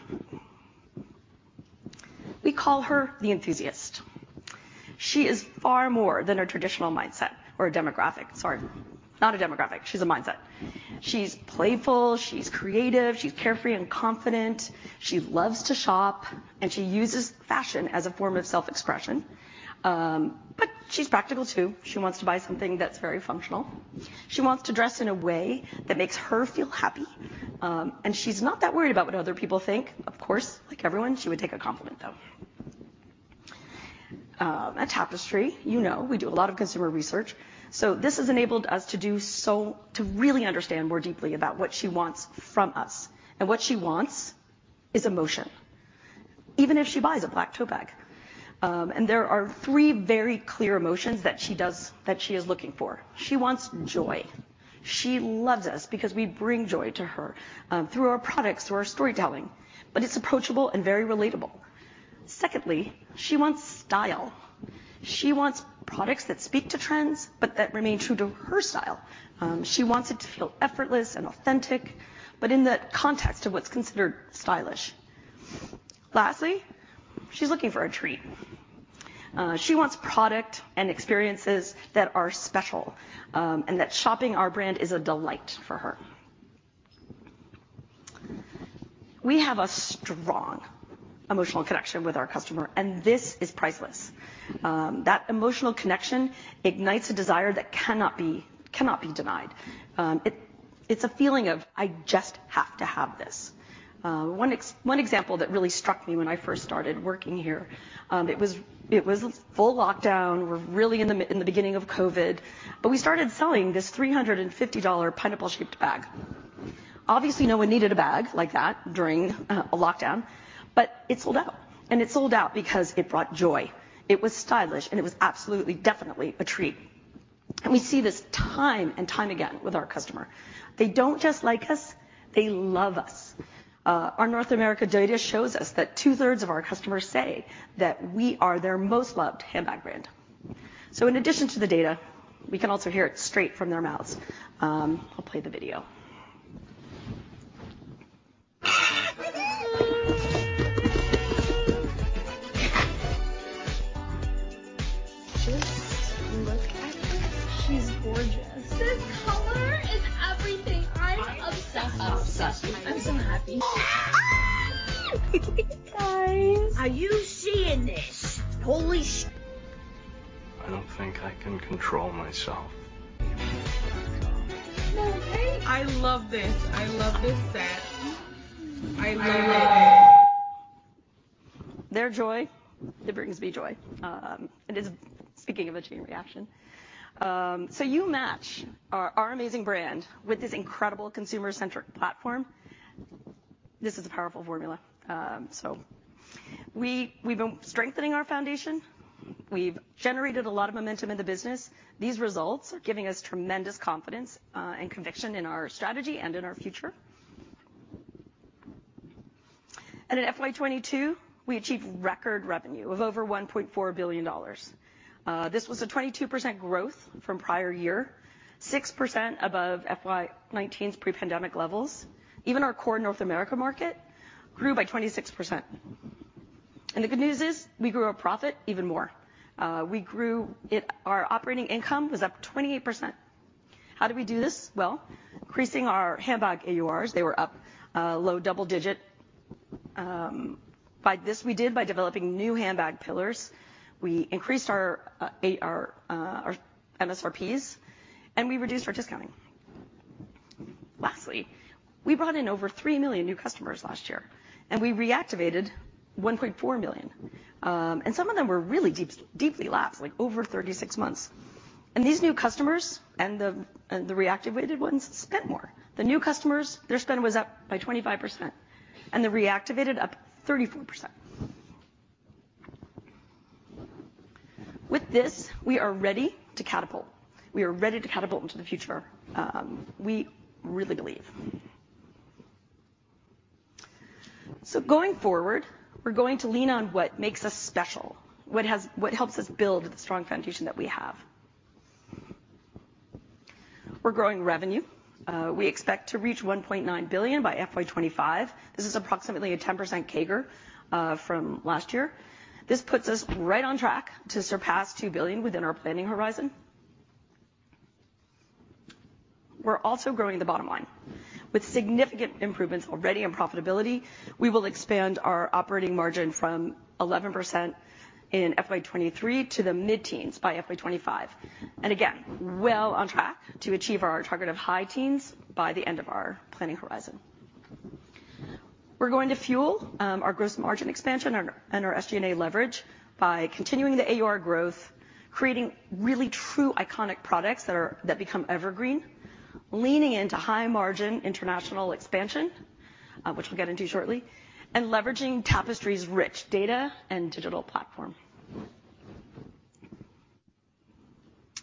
We call her the enthusiast. She is far more than a traditional mindset or a demographic. Sorry, not a demographic. She's a mindset. She's playful. She's creative. She's carefree and confident. She loves to shop, and she uses fashion as a form of self-expression. She's practical too. She wants to buy something that's very functional. She wants to dress in a way that makes her feel happy. She's not that worried about what other people think. Of course, like everyone, she would take a compliment though. At Tapestry, you know, we do a lot of consumer research, so this has enabled us to really understand more deeply about what she wants from us, and what she wants is emotion, even if she buys a black tote bag. There are three very clear emotions that she is looking for. She wants joy. She loves us because we bring joy to her, through our products, through our storytelling, but it's approachable and very relatable. Secondly, she wants style. She wants products that speak to trends, but that remain true to her style. She wants it to feel effortless and authentic, but in the context of what's considered stylish. Lastly, she's looking for a treat. She wants product and experiences that are special, and that shopping our brand is a delight for her. We have a strong emotional connection with our customer, and this is priceless. That emotional connection ignites a desire that cannot be denied. It's a feeling of, "I just have to have this." One example that really struck me when I first started working here, it was full lockdown. We're really in the beginning of COVID, but we started selling this $350 pineapple-shaped bag. Obviously, no one needed a bag like that during a lockdown, but it sold out, and it sold out because it brought joy, it was stylish, and it was absolutely, definitely a treat. We see this time and time again with our customer. They don't just like us, they love us. Our North America data shows us that two-thirds of our customers say that we are their most loved handbag brand. In addition to the data, we can also hear it straight from their mouths. I'll play the video. Just look at her. She's gorgeous. This color is everything. I'm obsessed. I'm so happy. Guys. Are you seeing this? Holy sh. I don't think I can control myself. No way. I love this. I love this set. I love it. Their joy, it brings me joy. Speaking of a chain reaction. You match our amazing brand with this incredible consumer-centric platform. This is a powerful formula. We've been strengthening our foundation. We've generated a lot of momentum in the business. These results are giving us tremendous confidence and conviction in our strategy and in our future. In FY 2022, we achieved record revenue of over $1.4 billion. This was a 22% growth from prior year, 6% above FY 2019's pre-pandemic levels. Even our core North America market grew by 26%. The good news is we grew our profit even more. We grew it. Our operating income was up 28%. How did we do this? Well, increasing our handbag AURs, they were up low double-digit. By this, we did by developing new handbag pillars. We increased our AURs, our MSRPs, and we reduced our discounting. Lastly, we brought in over 3 million new customers last year, and we reactivated 1.4 million, and some of them were really deeply lapsed, like over 36 months. These new customers and the reactivated ones spent more. The new customers, their spend was up by 25%, and the reactivated up 34%. With this, we are ready to catapult. We are ready to catapult into the future. We really believe. Going forward, we're going to lean on what makes us special, what helps us build the strong foundation that we have. We're growing revenue. We expect to reach $1.9 billion by FY 2025. This is approximately a 10% CAGR from last year. This puts us right on track to surpass $2 billion within our planning horizon. We're also growing the bottom line. With significant improvements already in profitability, we will expand our operating margin from 11% in FY 2023 to the mid-teens% by FY 2025, and again, well on track to achieve our target of high teens% by the end of our planning horizon. We're going to fuel our gross margin expansion and our SG&A leverage by continuing the AUR growth, creating really true iconic products that become evergreen, leaning into high-margin international expansion, which we'll get into shortly, and leveraging Tapestry's rich data and digital platform.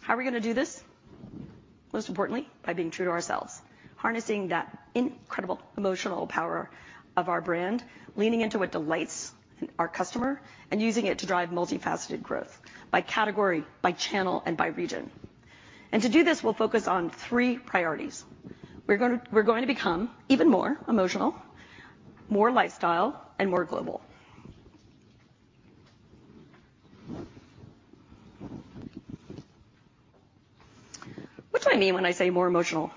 How are we gonna do this? Most importantly, by being true to ourselves, harnessing that incredible emotional power of our brand, leaning into what delights our customer, and using it to drive multifaceted growth by category, by channel, and by region. To do this, we'll focus on three priorities. We're going to become even more emotional, more lifestyle, and more global. What do I mean when I say more emotional?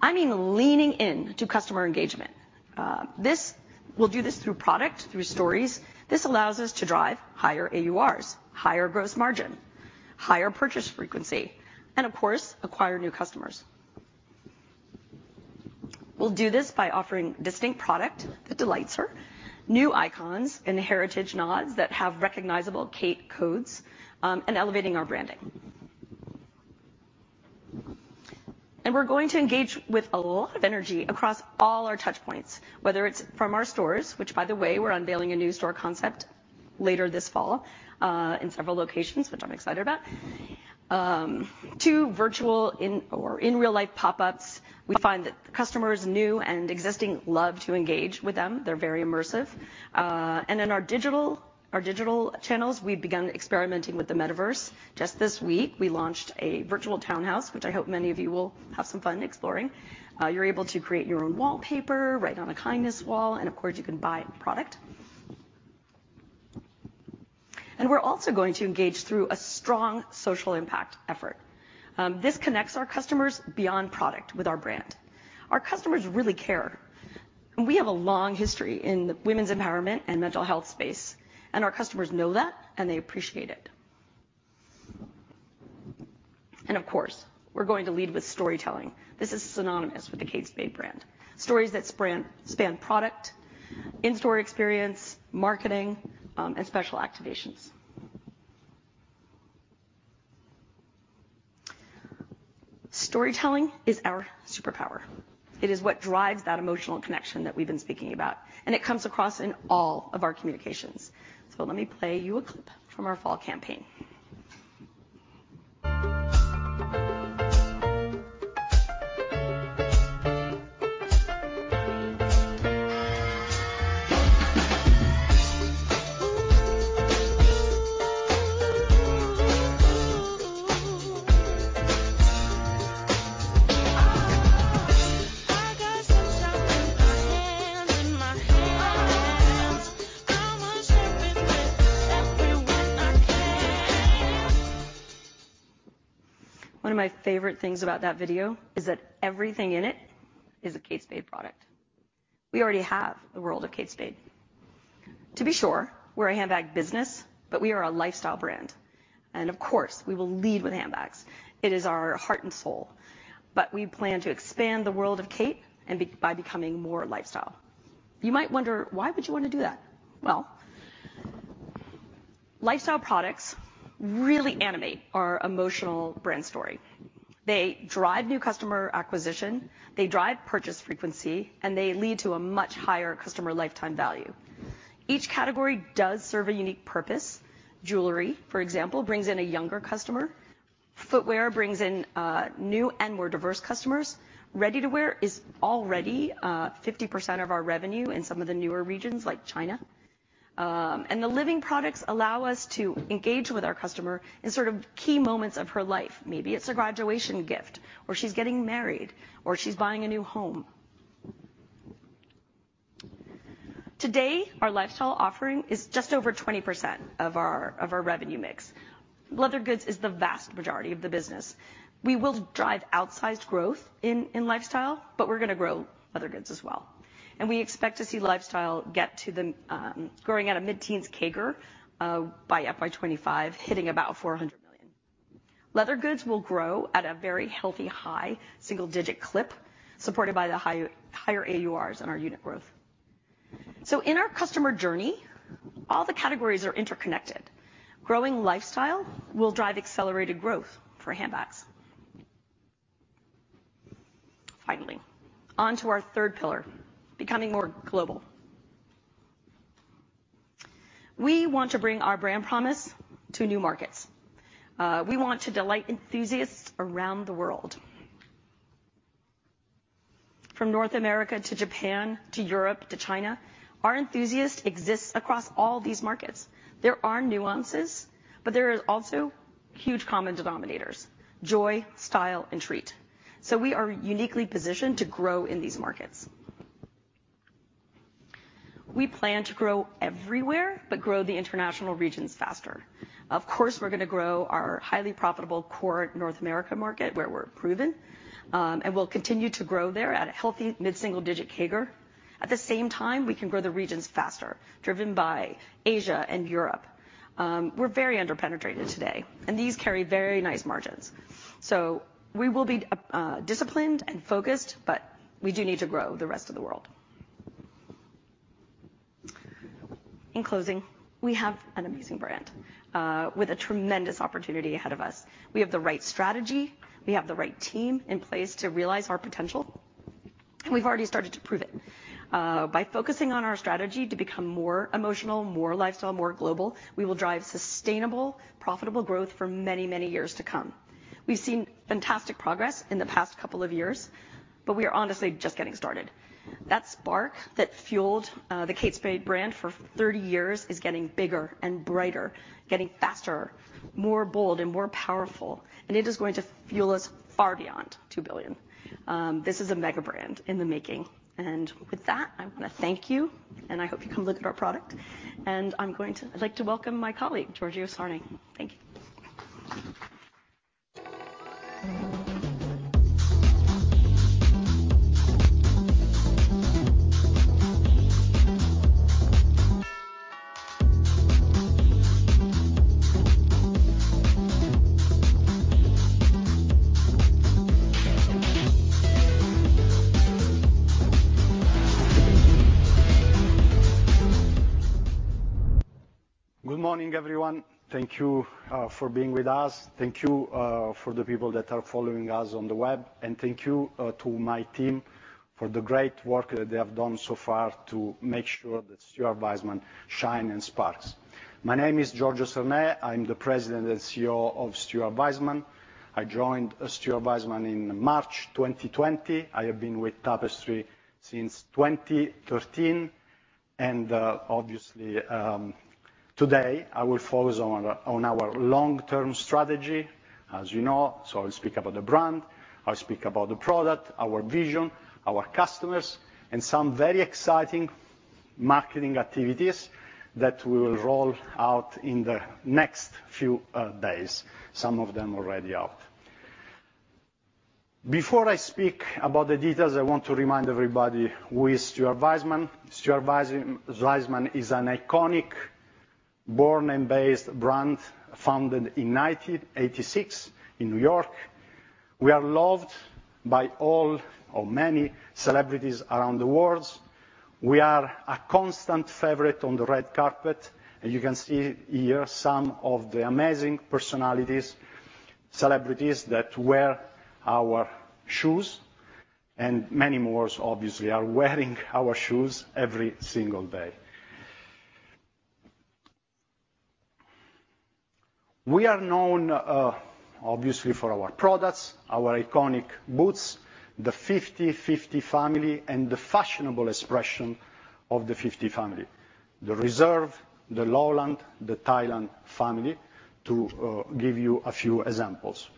I mean leaning into customer engagement. We'll do this through product, through stories. This allows us to drive higher AURs, higher gross margin, higher purchase frequency, and of course, acquire new customers. We'll do this by offering distinct product that delights her, new icons and heritage nods that have recognizable Kate codes, and elevating our branding. We're going to engage with a lot of energy across all our touch points, whether it's from our stores, which by the way, we're unveiling a new store concept later this fall, in several locations, which I'm excited about. Two virtual or in real life pop-ups. We find that customers, new and existing, love to engage with them. They're very immersive. In our digital channels, we've begun experimenting with the metaverse. Just this week, we launched a virtual townhouse, which I hope many of you will have some fun exploring. You're able to create your own wallpaper, write on a kindness wall, and of course you can buy product. We're also going to engage through a strong social impact effort. This connects our customers beyond product with our brand. Our customers really care, and we have a long history in the women's empowerment and mental health space, and our customers know that and they appreciate it. Of course, we're going to lead with storytelling. This is synonymous with the Kate Spade brand. Stories that span product, in-store experience, marketing, and special activations. Storytelling is our superpower. It is what drives that emotional connection that we've been speaking about, and it comes across in all of our communications. Let me play you a clip from our fall campaign. One of my favorite things about that video is that everything in it is a Kate Spade product. We already have the world of Kate Spade. To be sure, we're a handbag business, but we are a lifestyle brand, and of course, we will lead with handbags. It is our heart and soul. We plan to expand the world of Kate by becoming more lifestyle. You might wonder, why would you wanna do that? Well, lifestyle products really animate our emotional brand story. They drive new customer acquisition, they drive purchase frequency, and they lead to a much higher customer lifetime value. Each category does serve a unique purpose. Jewelry, for example, brings in a younger customer. Footwear brings in new and more diverse customers. Ready-to-wear is already 50% of our revenue in some of the newer regions like China. The living products allow us to engage with our customer in sort of key moments of her life. Maybe it's a graduation gift, or she's getting married, or she's buying a new home. Today, our lifestyle offering is just over 20% of our revenue mix. Leather goods is the vast majority of the business. We will drive outsized growth in lifestyle, but we're gonna grow other goods as well. We expect to see lifestyle growing at a mid-teens CAGR by FY 2025, hitting about $400 million. Leather goods will grow at a very healthy high single-digit clip, supported by higher AURs and our unit growth. In our customer journey, all the categories are interconnected. Growing lifestyle will drive accelerated growth for handbags. Finally, on to our third pillar, becoming more global. We want to bring our brand promise to new markets. We want to delight enthusiasts around the world. From North America to Japan, to Europe, to China, our enthusiasts exist across all these markets. There are nuances, but there are also huge common denominators. Joy, style, and treat. We are uniquely positioned to grow in these markets. We plan to grow everywhere, but grow the international regions faster. Of course, we're gonna grow our highly profitable core North America market, where we're proven. We'll continue to grow there at a healthy mid-single digit CAGR. At the same time, we can grow the regions faster, driven by Asia and Europe. We're very under-penetrated today, and these carry very nice margins. We will be disciplined and focused, but we do need to grow the rest of the world. In closing, we have an amazing brand with a tremendous opportunity ahead of us. We have the right strategy. We have the right team in place to realize our potential, and we've already started to prove it. By focusing on our strategy to become more emotional, more lifestyle, more global, we will drive sustainable, profitable growth for many, many years to come. We've seen fantastic progress in the past couple of years, but we are honestly just getting started. That spark that fueled the Kate Spade brand for 30 years is getting bigger and brighter, getting faster, more bold and more powerful, and it is going to fuel us far beyond $2 billion. This is a mega brand in the making. With that, I'm gonna thank you, and I hope you come look at our product. I'd like to welcome my colleague, Giorgio Sarné. Thank you. Good morning, everyone. Thank you for being with us. Thank you for the people that are following us on the web, and thank you to my team for the great work that they have done so far to make sure that Stuart Weitzman shines and sparks. My name is Giorgio Sarné. I'm the President and CEO of Stuart Weitzman. I joined Stuart Weitzman in March 2020. I have been with Tapestry since 2013, and obviously, today I will focus on our long-term strategy as you know. I'll speak about the brand. I'll speak about the product, our vision, our customers, and some very exciting marketing activities that we will roll out in the next few days, some of them already out. Before I speak about the details, I want to remind everybody who is Stuart Weitzman. Stuart Weitzman is an iconic born and based brand founded in 1986 in New York. We are loved by all or many celebrities around the world. We are a constant favorite on the red carpet, and you can see here some of the amazing personalities, celebrities that wear our shoes, and many more obviously are wearing our shoes every single day. We are known obviously for our products, our iconic boots, the 5050 family, and the fashionable expression of the 5050 family, the Reserve, the Lowland, the Highland family, to give you a few examples.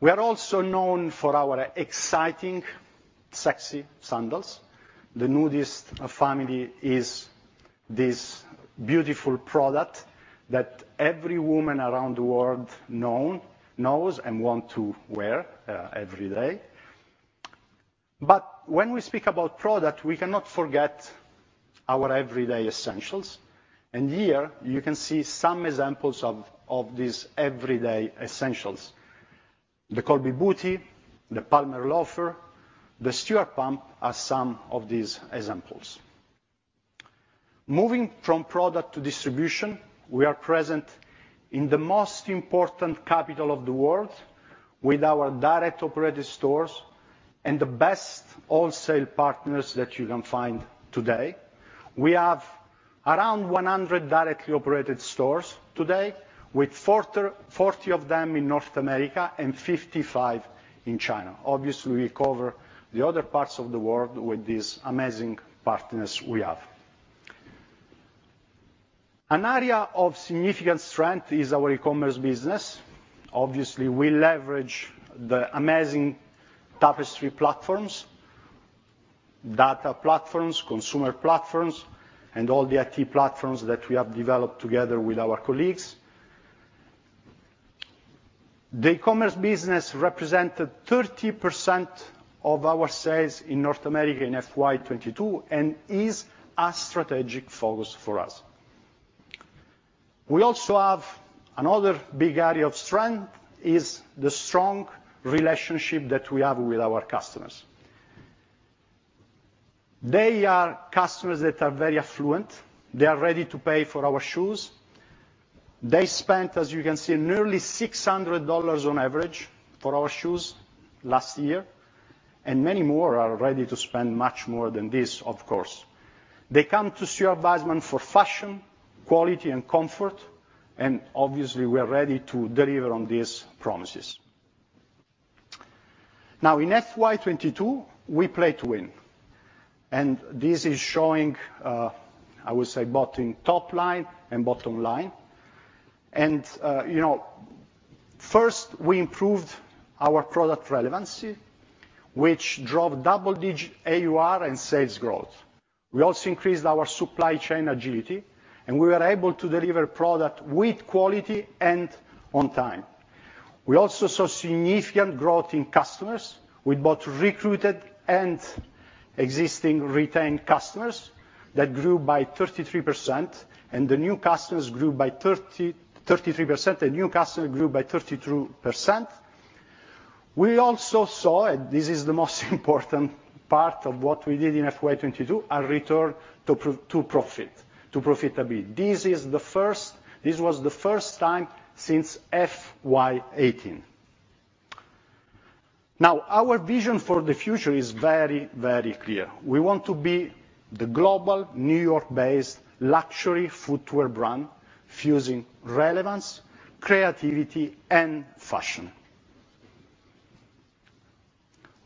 We are also known for our exciting, sexy sandals. The NUDIST family is this beautiful product that every woman around the world knows and wants to wear every day. When we speak about product, we cannot forget our everyday essentials. Here you can see some examples of these everyday essentials. The Colby Bootie, the PALMER LOAFER, the Stuart Pump are some of these examples. Moving from product to distribution, we are present in the most important capital of the world with our direct operated stores and the best wholesale partners that you can find today. We have around 100 directly operated stores today with 40 of them in North America and 55 in China. Obviously, we cover the other parts of the world with these amazing partners we have. An area of significant strength is our e-commerce business. Obviously, we leverage the amazing Tapestry platforms, data platforms, consumer platforms, and all the IT platforms that we have developed together with our colleagues. The e-commerce business represented 30% of our sales in North America in FY 2022 and is a strategic focus for us. We also have another big area of strength, is the strong relationship that we have with our customers. They are customers that are very affluent. They are ready to pay for our shoes. They spent, as you can see, nearly $600 on average for our shoes last year, and many more are ready to spend much more than this, of course. They come to Stuart Weitzman for fashion, quality and comfort, and obviously, we are ready to deliver on these promises. Now in FY 2022, we played to win, and this is showing, I would say, both in top line and bottom line. You know, first, we improved our product relevancy, which drove double-digit AUR and sales growth. We also increased our supply chain agility, and we were able to deliver product with quality and on time. We also saw significant growth in customers with both recruited and existing retained customers that grew by 33%, and the new customers grew by 33%. The new customer grew by 32%. We also saw, this is the most important part of what we did in FY 2022, a return to profitability. This was the first time since FY 2018. Now, our vision for the future is very, very clear. We want to be the global New York-based luxury footwear brand, fusing relevance, creativity and fashion.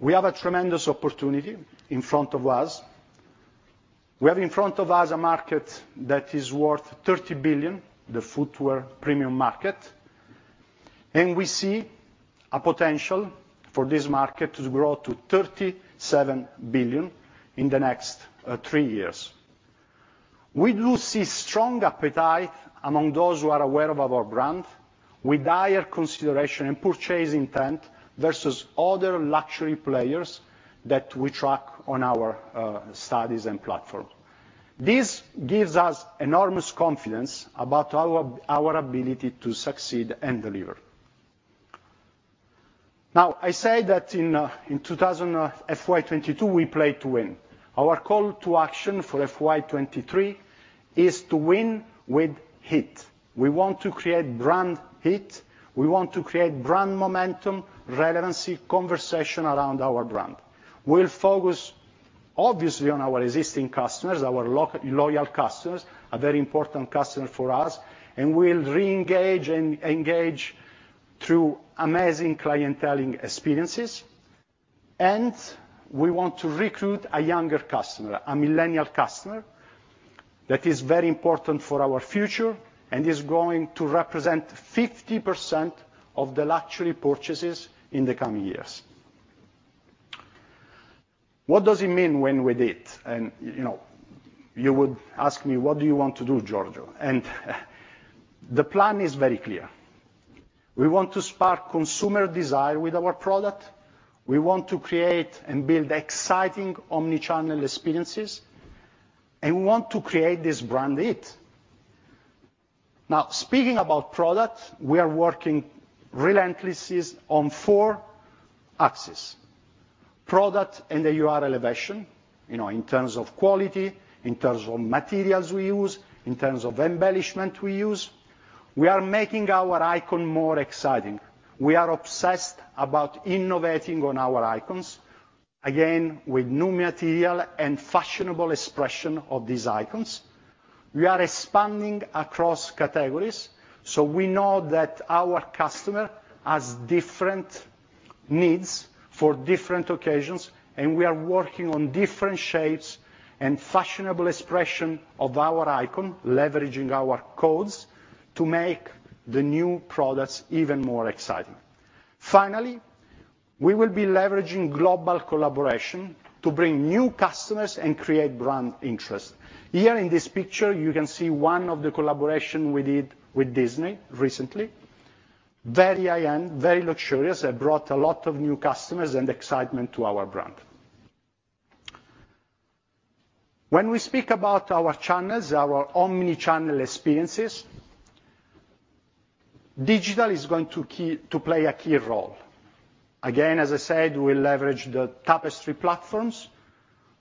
We have a tremendous opportunity in front of us. We have in front of us a market that is worth $30 billion, the footwear premium market, and we see a potential for this market to grow to $37 billion in the next 3 years. We do see strong appetite among those who are aware of our brand with higher consideration and purchase intent versus other luxury players that we track on our studies and platform. This gives us enormous confidence about our ability to succeed and deliver. Now, I said that in FY 2022, we played to win. Our call to action for FY 2023 is to win with heat. We want to create brand heat. We want to create brand momentum, relevancy, conversation around our brand. We'll focus. Obviously, on our existing customers, our loyal customers, are very important customers for us, and we'll re-engage and engage through amazing clienteling experiences. We want to recruit a younger customer, a Millennial customer, that is very important for our future and is going to represent 50% of the luxury purchases in the coming years. What does it mean when we're it? You know, you would ask me, what do you want to do, Giorgio? The plan is very clear. We want to spark consumer desire with our product, we want to create and build exciting omni-channel experiences, and we want to create this brand heat. Now speaking about product, we are working relentlessly on four axes. Product and the AUR elevation, you know, in terms of quality, in terms of materials we use, in terms of embellishment we use. We are making our icon more exciting. We are obsessed about innovating on our icons, again, with new material and fashionable expression of these icons. We are expanding across categories, so we know that our customer has different needs for different occasions, and we are working on different shapes and fashionable expression of our icon, leveraging our codes to make the new products even more exciting. Finally, we will be leveraging global collaboration to bring new customers and create brand interest. Here in this picture, you can see one of the collaboration we did with Disney recently. Very high-end, very luxurious, and brought a lot of new customers and excitement to our brand. When we speak about our channels, our omni-channel experiences, digital is going to play a key role. Again, as I said, we leverage the Tapestry platforms,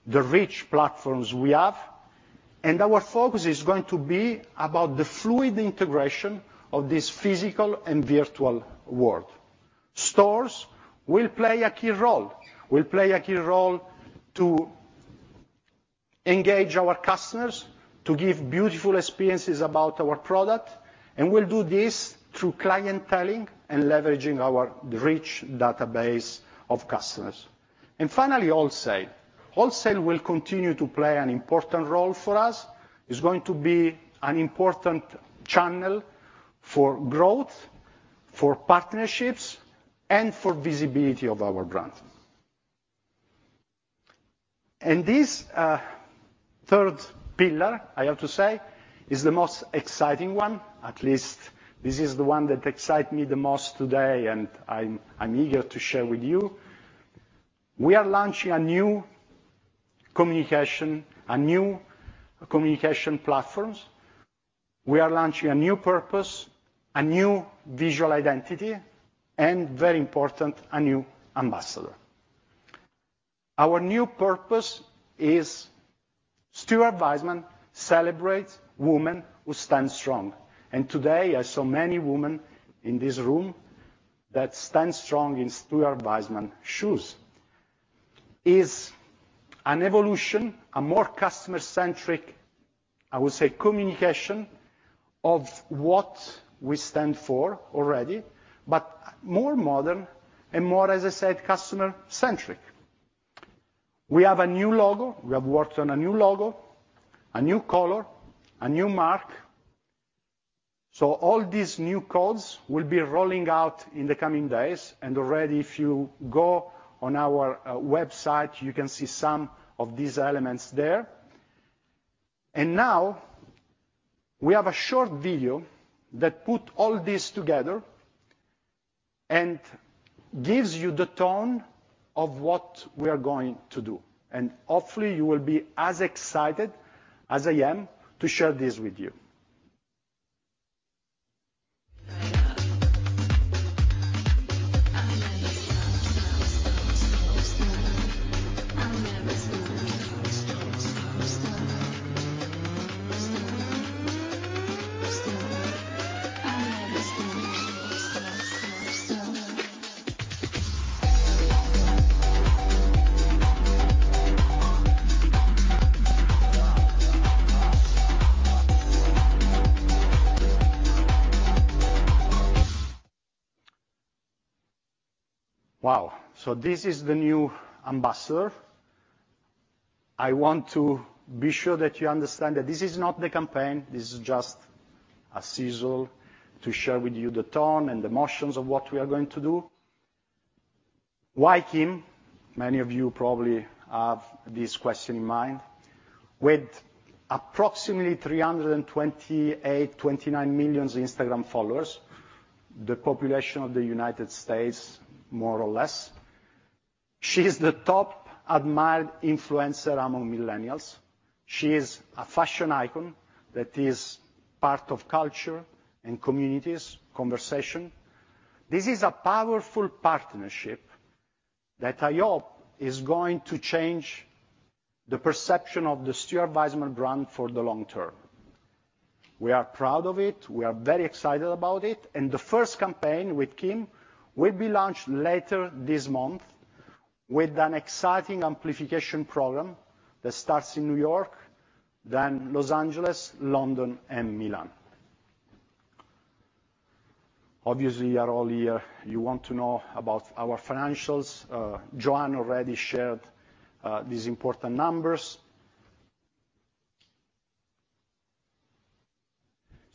the rich platforms we have, and our focus is going to be about the fluid integration of this physical and virtual world. Stores will play a key role to engage our customers, to give beautiful experiences about our product, and we'll do this through clienteling and leveraging our rich database of customers. Finally, wholesale. Wholesale will continue to play an important role for us. It's going to be an important channel for growth, for partnerships, and for visibility of our brand. This third pillar, I have to say, is the most exciting one. At least this is the one that excite me the most today and I'm eager to share with you. We are launching a new communication platform. We are launching a new purpose, a new visual identity, and very important, a new ambassador. Our new purpose is Stuart Weitzman celebrates women who stand strong. Today, I saw many women in this room that stand strong in Stuart Weitzman shoes. It's an evolution, a more customer-centric, I would say, communication of what we stand for already, but more modern and more, as I said, customer-centric. We have a new logo. We have worked on a new logo, a new color, a new mark. All these new codes will be rolling out in the coming days, and already if you go on our website, you can see some of these elements there. Now we have a short video that put all this together and gives you the tone of what we are going to do. Hopefully, you will be as excited as I am to share this with you. Wow. This is the new ambassador. I want to be sure that you understand that this is not the campaign, this is just a sizzle to share with you the tone and the motions of what we are going to do. Why Kim? Many of you probably have this question in mind. With approximately 328 million-329 million Instagram followers, the population of the United States more or less, she's the top admired influencer among millennials. She is a fashion icon that is part of culture and communities conversation. This is a powerful partnership that I hope is going to change the perception of the Stuart Weitzman brand for the long term. We are proud of it, we are very excited about it, and the first campaign with Kim will be launched later this month with an exciting amplification program that starts in New York, then Los Angeles, London, and Milan. Obviously, you are all here, you want to know about our financials. Joanne already shared these important numbers.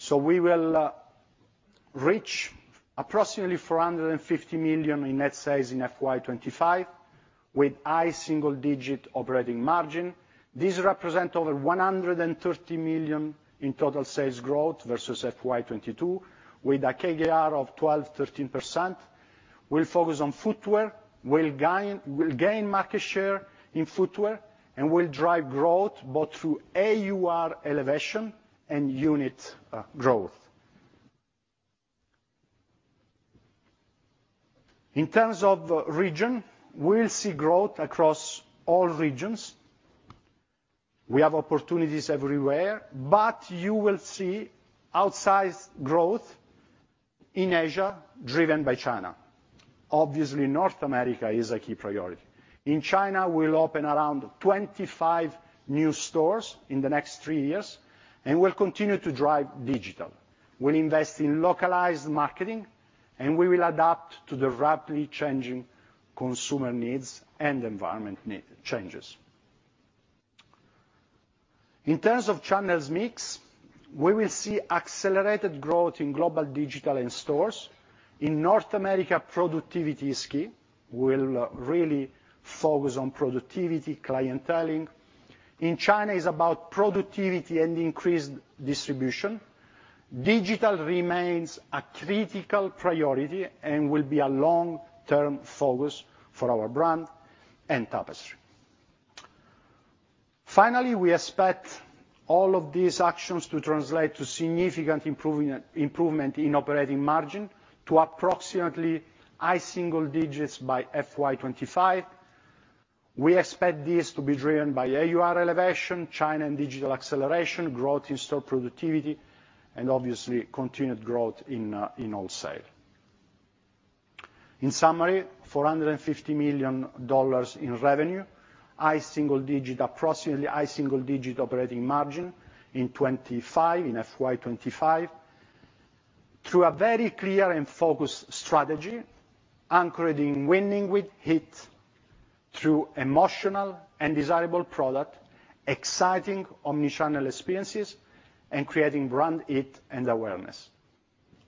We will reach approximately $450 million in net sales in FY 2025, with high single-digit operating margin. These represent over $130 million in total sales growth versus FY 2022, with a CAGR of 12%-13%. We'll focus on footwear, we'll gain market share in footwear, and we'll drive growth both through AUR elevation and unit growth. In terms of region, we'll see growth across all regions. We have opportunities everywhere, but you will see outsized growth in Asia driven by China. Obviously, North America is a key priority. In China, we'll open around 25 new stores in the next three years, and we'll continue to drive digital. We'll invest in localized marketing, and we will adapt to the rapidly changing consumer needs and environment changes. In terms of channels mix, we will see accelerated growth in global digital and stores. In North America, productivity is key. We'll really focus on productivity, clienteling. In China, it's about productivity and increased distribution. Digital remains a critical priority and will be a long-term focus for our brand and Tapestry. Finally, we expect all of these actions to translate to significant improvement in operating margin to approximately high single digits by FY 2025. We expect this to be driven by AUR elevation, China and digital acceleration, growth in store productivity, and obviously continued growth in wholesale. In summary, $450 million in revenue, high single-digit, approximately high single-digit operating margin in 2025, in FY 2025, through a very clear and focused strategy anchoring winning with heat through emotional and desirable product, exciting omni-channel experiences, and creating brand heat and awareness.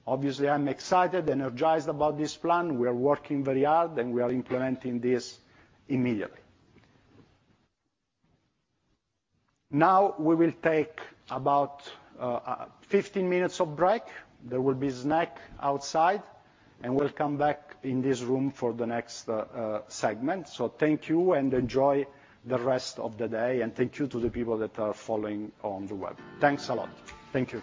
Obviously, I'm excited, energized about this plan. We are working very hard, and we are implementing this immediately. Now, we will take about 15 minutes of break. There will be snack outside, and we'll come back in this room for the next segment. Thank you and enjoy the rest of the day and thank you to the people that are following on the web. Thanks a lot. Thank you.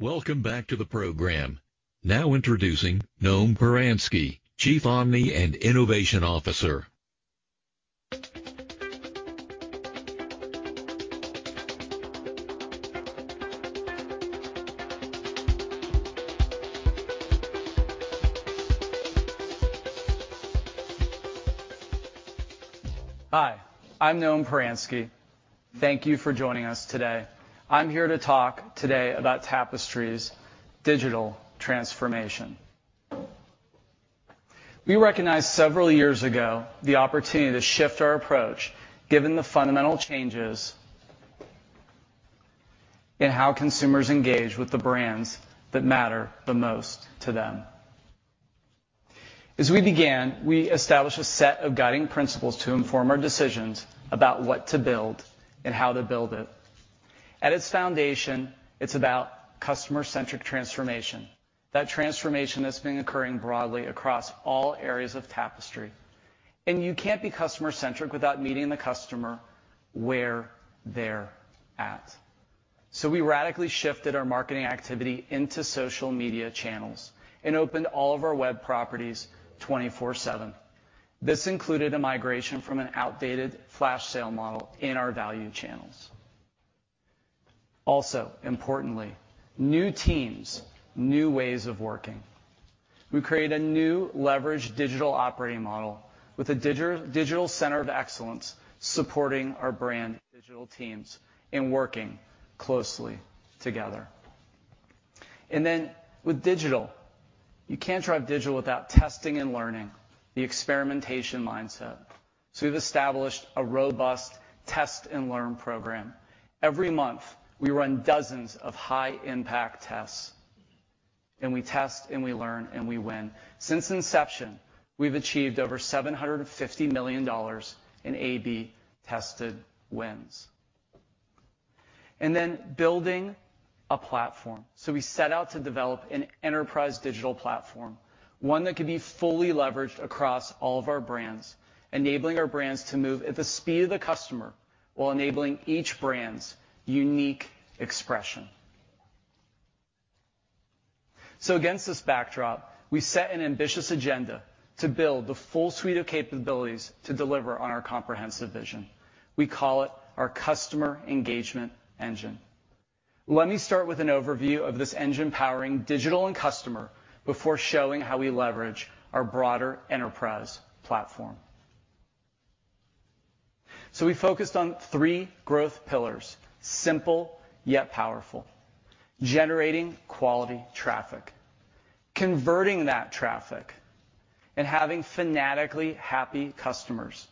Welcome back to the program. Now introducing Noam Paransky, Chief Omni and Innovation Officer. Hi, I'm Noam Paransky. Thank you for joining us today. I'm here to talk today about Tapestry's digital transformation. We recognized several years ago the opportunity to shift our approach given the fundamental changes in how consumers engage with the brands that matter the most to them. As we began, we established a set of guiding principles to inform our decisions about what to build and how to build it. At its foundation, it's about customer-centric transformation. That transformation that's been occurring broadly across all areas of Tapestry. You can't be customer-centric without meeting the customer where they're at. We radically shifted our marketing activity into social media channels and opened all of our web properties 24/7. This included a migration from an outdated flash sale model in our value channels. Also, importantly, new teams, new ways of working. We create a new leveraged digital operating model with a digital center of excellence supporting our brand digital teams and working closely together. With digital, you can't drive digital without testing and learning, the experimentation mindset. We've established a robust test-and-learn program. Every month, we run dozens of high-impact tests, and we test and we learn and we win. Since inception, we've achieved over $750 million in A/B-tested wins. Building a platform. We set out to develop an enterprise digital platform, one that could be fully leveraged across all of our brands, enabling our brands to move at the speed of the customer while enabling each brand's unique expression. Against this backdrop, we set an ambitious agenda to build the full suite of capabilities to deliver on our comprehensive vision. We call it our customer engagement engine. Let me start with an overview of this engine powering digital and customer before showing how we leverage our broader enterprise platform. We focused on three growth pillars, simple yet powerful, generating quality traffic, converting that traffic, and having fanatically happy customers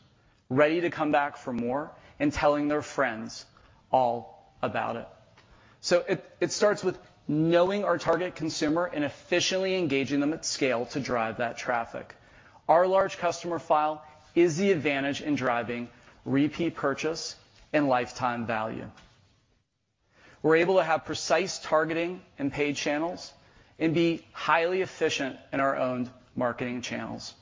ready to come back for more and telling their friends all about it. It starts with knowing our target consumer and efficiently engaging them at scale to drive that traffic. Our large customer file is the advantage in driving repeat purchase and lifetime value. We're able to have precise targeting and paid channels and be highly efficient in our own marketing channels.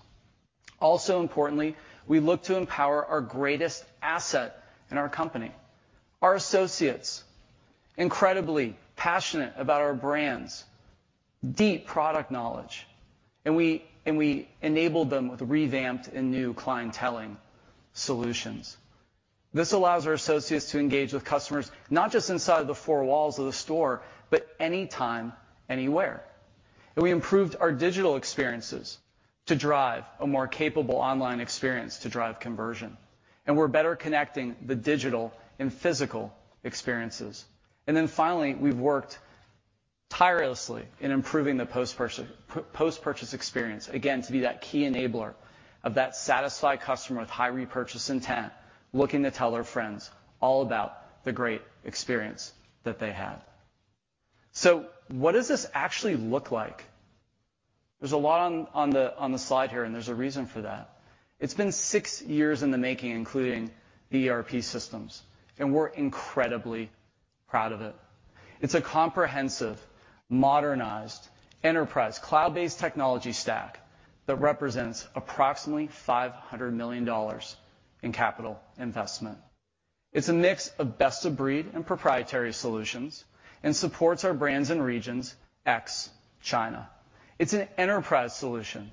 Also, importantly, we look to empower our greatest asset in our company, our associates. Incredibly passionate about our brands, deep product knowledge, and we enabled them with revamped and new clienteling solutions. This allows our associates to engage with customers not just inside the four walls of the store, but anytime, anywhere. We improved our digital experiences to drive a more capable online experience to drive conversion. We're better connecting the digital and physical experiences. Finally, we've worked tirelessly in improving the post-purchase experience, again, to be that key enabler of that satisfied customer with high repurchase intent, looking to tell their friends all about the great experience that they had. What does this actually look like? There's a lot on the slide here, and there's a reason for that. It's been six years in the making, including the ERP systems, and we're incredibly proud of it. It's a comprehensive, modernized enterprise cloud-based technology stack that represents approximately $500 million in capital investment. It's a mix of best-of-breed and proprietary solutions and supports our brands and regions, ex China. It's an enterprise solution.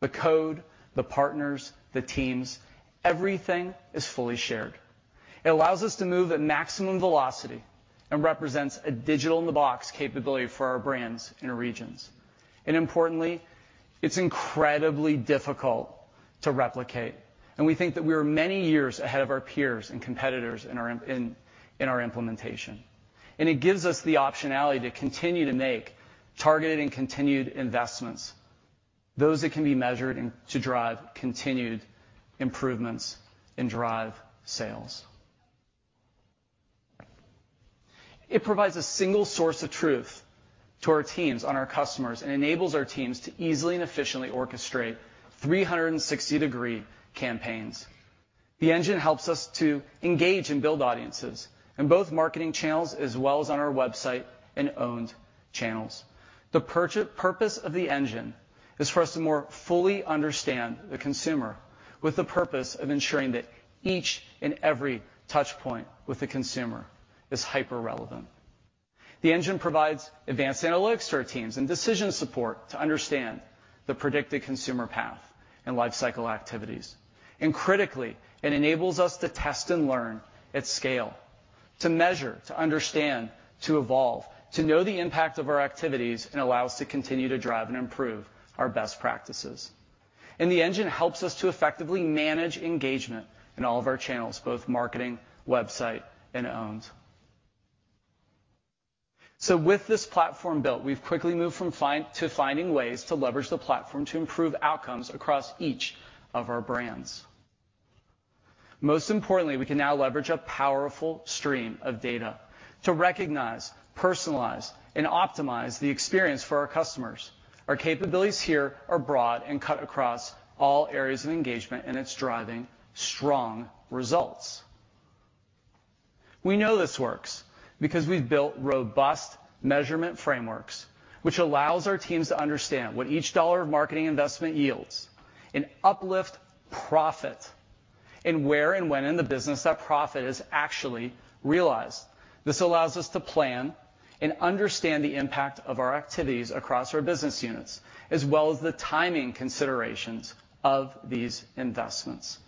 The code, the partners, the teams, everything is fully shared. It allows us to move at maximum velocity and represents a digital-in-the-box capability for our brands and regions. Importantly, it's incredibly difficult to replicate, and we think that we are many years ahead of our peers and competitors in our implementation. It gives us the optionality to continue to make targeted and continued investments, those that can be measured and to drive continued improvements and drive sales. It provides a single source of truth to our teams on our customers and enables our teams to easily and efficiently orchestrate 360-degree campaigns. The engine helps us to engage and build audiences in both marketing channels as well as on our website and owned channels. The purpose of the engine is for us to more fully understand the consumer with the purpose of ensuring that each and every touch point with the consumer is hyper relevant. The engine provides advanced analytics to our teams and decision support to understand the predicted consumer path and lifecycle activities. Critically, it enables us to test and learn at scale, to measure, to understand, to evolve, to know the impact of our activities and allow us to continue to drive and improve our best practices. The engine helps us to effectively manage engagement in all of our channels, both marketing, website, and owned. With this platform built, we've quickly moved to finding ways to leverage the platform to improve outcomes across each of our brands. Most importantly, we can now leverage a powerful stream of data to recognize, personalize, and optimize the experience for our customers. Our capabilities here are broad and cut across all areas of engagement, and it's driving strong results. We know this works because we've built robust measurement frameworks, which allows our teams to understand what each dollar of marketing investment yields and uplift profit, and where and when in the business that profit is actually realized. This allows us to plan and understand the impact of our activities across our business units, as well as the timing considerations of these investments.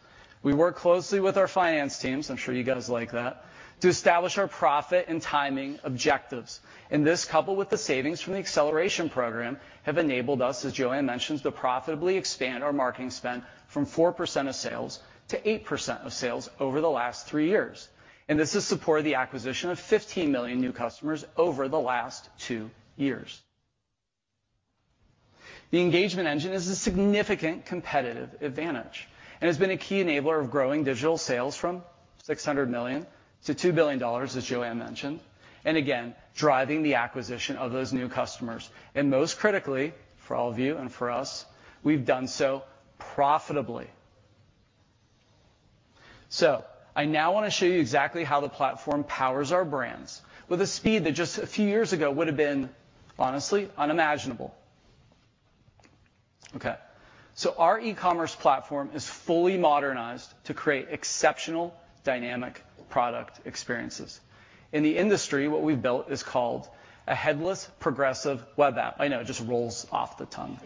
We work closely with our finance teams, I'm sure you guys like that, to establish our profit and timing objectives. This, coupled with the savings from the Acceleration Program, have enabled us, as Joanne mentioned, to profitably expand our marketing spend from 4%-8% of sales over the last three years. This has supported the acquisition of 15 million new customers over the last two years. The engagement engine is a significant competitive advantage and has been a key enabler of growing digital sales from $600 million-$2 billion, as Joanne mentioned, and again, driving the acquisition of those new customers. Most critically, for all of you and for us, we've done so profitably. I now wanna show you exactly how the platform powers our brands with a speed that just a few years ago would have been, honestly, unimaginable. Okay. Our e-commerce platform is fully modernized to create exceptional dynamic product experiences. In the industry, what we've built is called a headless progressive web app. I know, it just rolls off the tongue.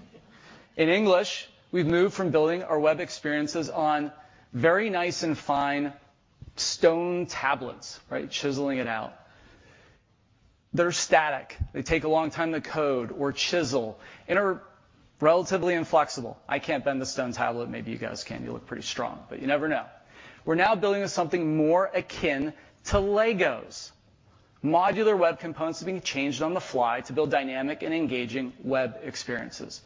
In English, we've moved from building our web experiences on very nice and fine stone tablets, right? Chiseling it out. They're static. They take a long time to code or chisel and are relatively inflexible. I can't bend the stone tablet. Maybe you guys can. You look pretty strong, but you never know. We're now building something more akin to LEGO. Modular web components are being changed on the fly to build dynamic and engaging web experiences.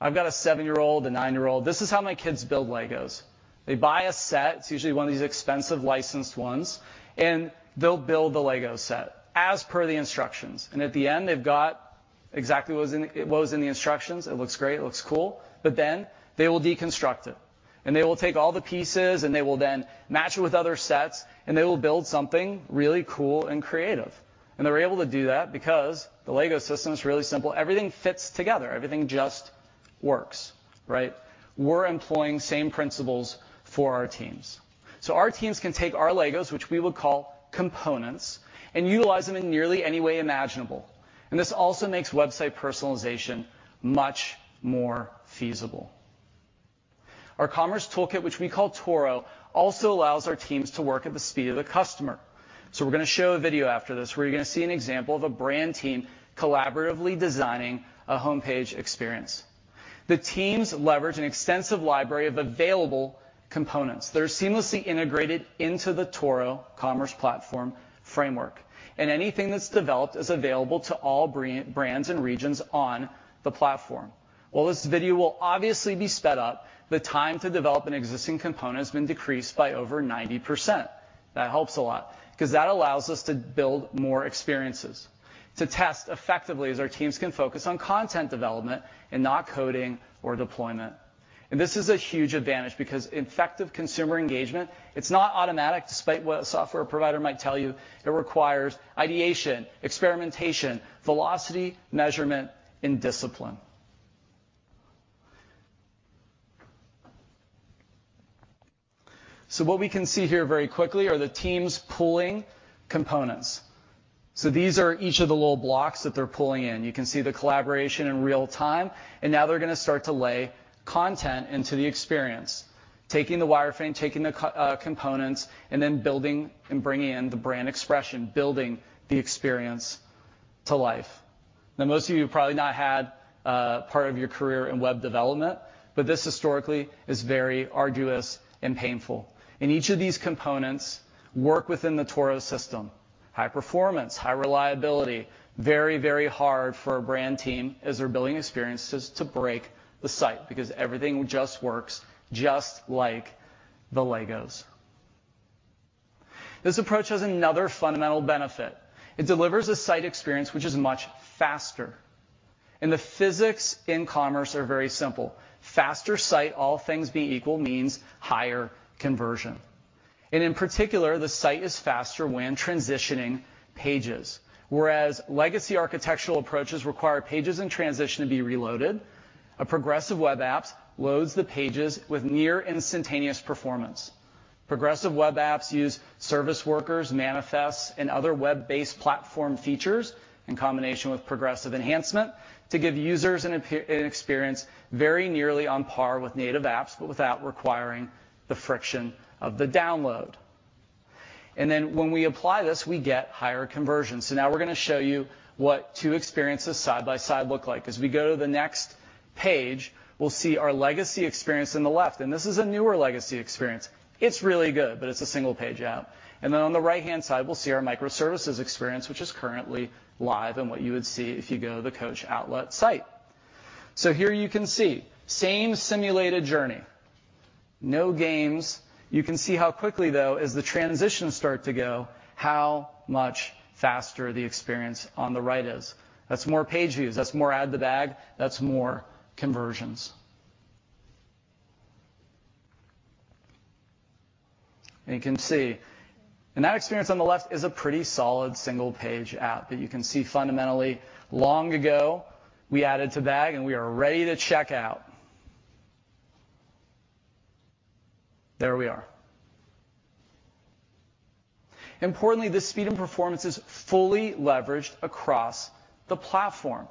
I've got a 7-year-old, a 9-year-old. This is how my kids build LEGO. They buy a set, it's usually one of these expensive licensed ones, and they'll build the LEGO set as per the instructions. At the end, they've got exactly what was in the instructions. It looks great, it looks cool, but then they will deconstruct it, and they will take all the pieces, and they will then match it with other sets, and they will build something really cool and creative. They're able to do that because the LEGO system is really simple. Everything fits together. Everything just works, right? We're employing the same principles for our teams. Our teams can take our LEGOs, which we would call components, and utilize them in nearly any way imaginable. This also makes website personalization much more feasible. Our commerce toolkit, which we call TORo, also allows our teams to work at the speed of the customer. We're gonna show a video after this where you're gonna see an example of a brand team collaboratively designing a homepage experience. The teams leverage an extensive library of available components that are seamlessly integrated into the TORo Commerce Platform framework, and anything that's developed is available to all brands and regions on the platform. Well, this video will obviously be sped up. The time to develop an existing component has been decreased by over 90%. That helps a lot 'cause that allows us to build more experiences, to test effectively as our teams can focus on content development and not coding or deployment. This is a huge advantage because effective consumer engagement, it's not automatic despite what a software provider might tell you. It requires ideation, experimentation, velocity, measurement, and discipline. What we can see here very quickly are the teams pulling components. These are each of the little blocks that they're pulling in. You can see the collaboration in real time, and now they're gonna start to lay content into the experience, taking the wireframe, taking the components, and then building and bringing in the brand expression, building the experience to life. Now, most of you have probably not had part of your career in web development, but this historically is very arduous and painful. Each of these components work within the TORo system. High performance, high reliability, very, very hard for a brand team as they're building experiences to break the site because everything just works just like the LEGO. This approach has another fundamental benefit. It delivers a site experience which is much faster. The physics in commerce are very simple. Faster site, all things being equal, means higher conversion. In particular, the site is faster when transitioning pages. Whereas legacy architectural approaches require pages in transition to be reloaded, progressive web apps load the pages with near instantaneous performance. Progressive web apps use service workers, manifests, and other web-based platform features in combination with progressive enhancement to give users an experience very nearly on par with native apps, but without requiring the friction of the download. When we apply this, we get higher conversion. Now we're gonna show you what two experiences side by side look like. As we go to the next page, we'll see our legacy experience on the left, and this is a newer legacy experience. It's really good, but it's a single page app. On the right-hand side, we'll see our microservices experience, which is currently live and what you would see if you go to the Coach Outlet site. Here you can see same simulated journey, no games. You can see how quickly, though, as the transitions start to go, how much faster the experience on the right is. That's more page views. That's more add to bag. That's more conversions. You can see. That experience on the left is a pretty solid single page app, but you can see fundamentally long ago we added to bag, and we are ready to check out. There we are. Importantly, this speed and performance is fully leveraged across the platform.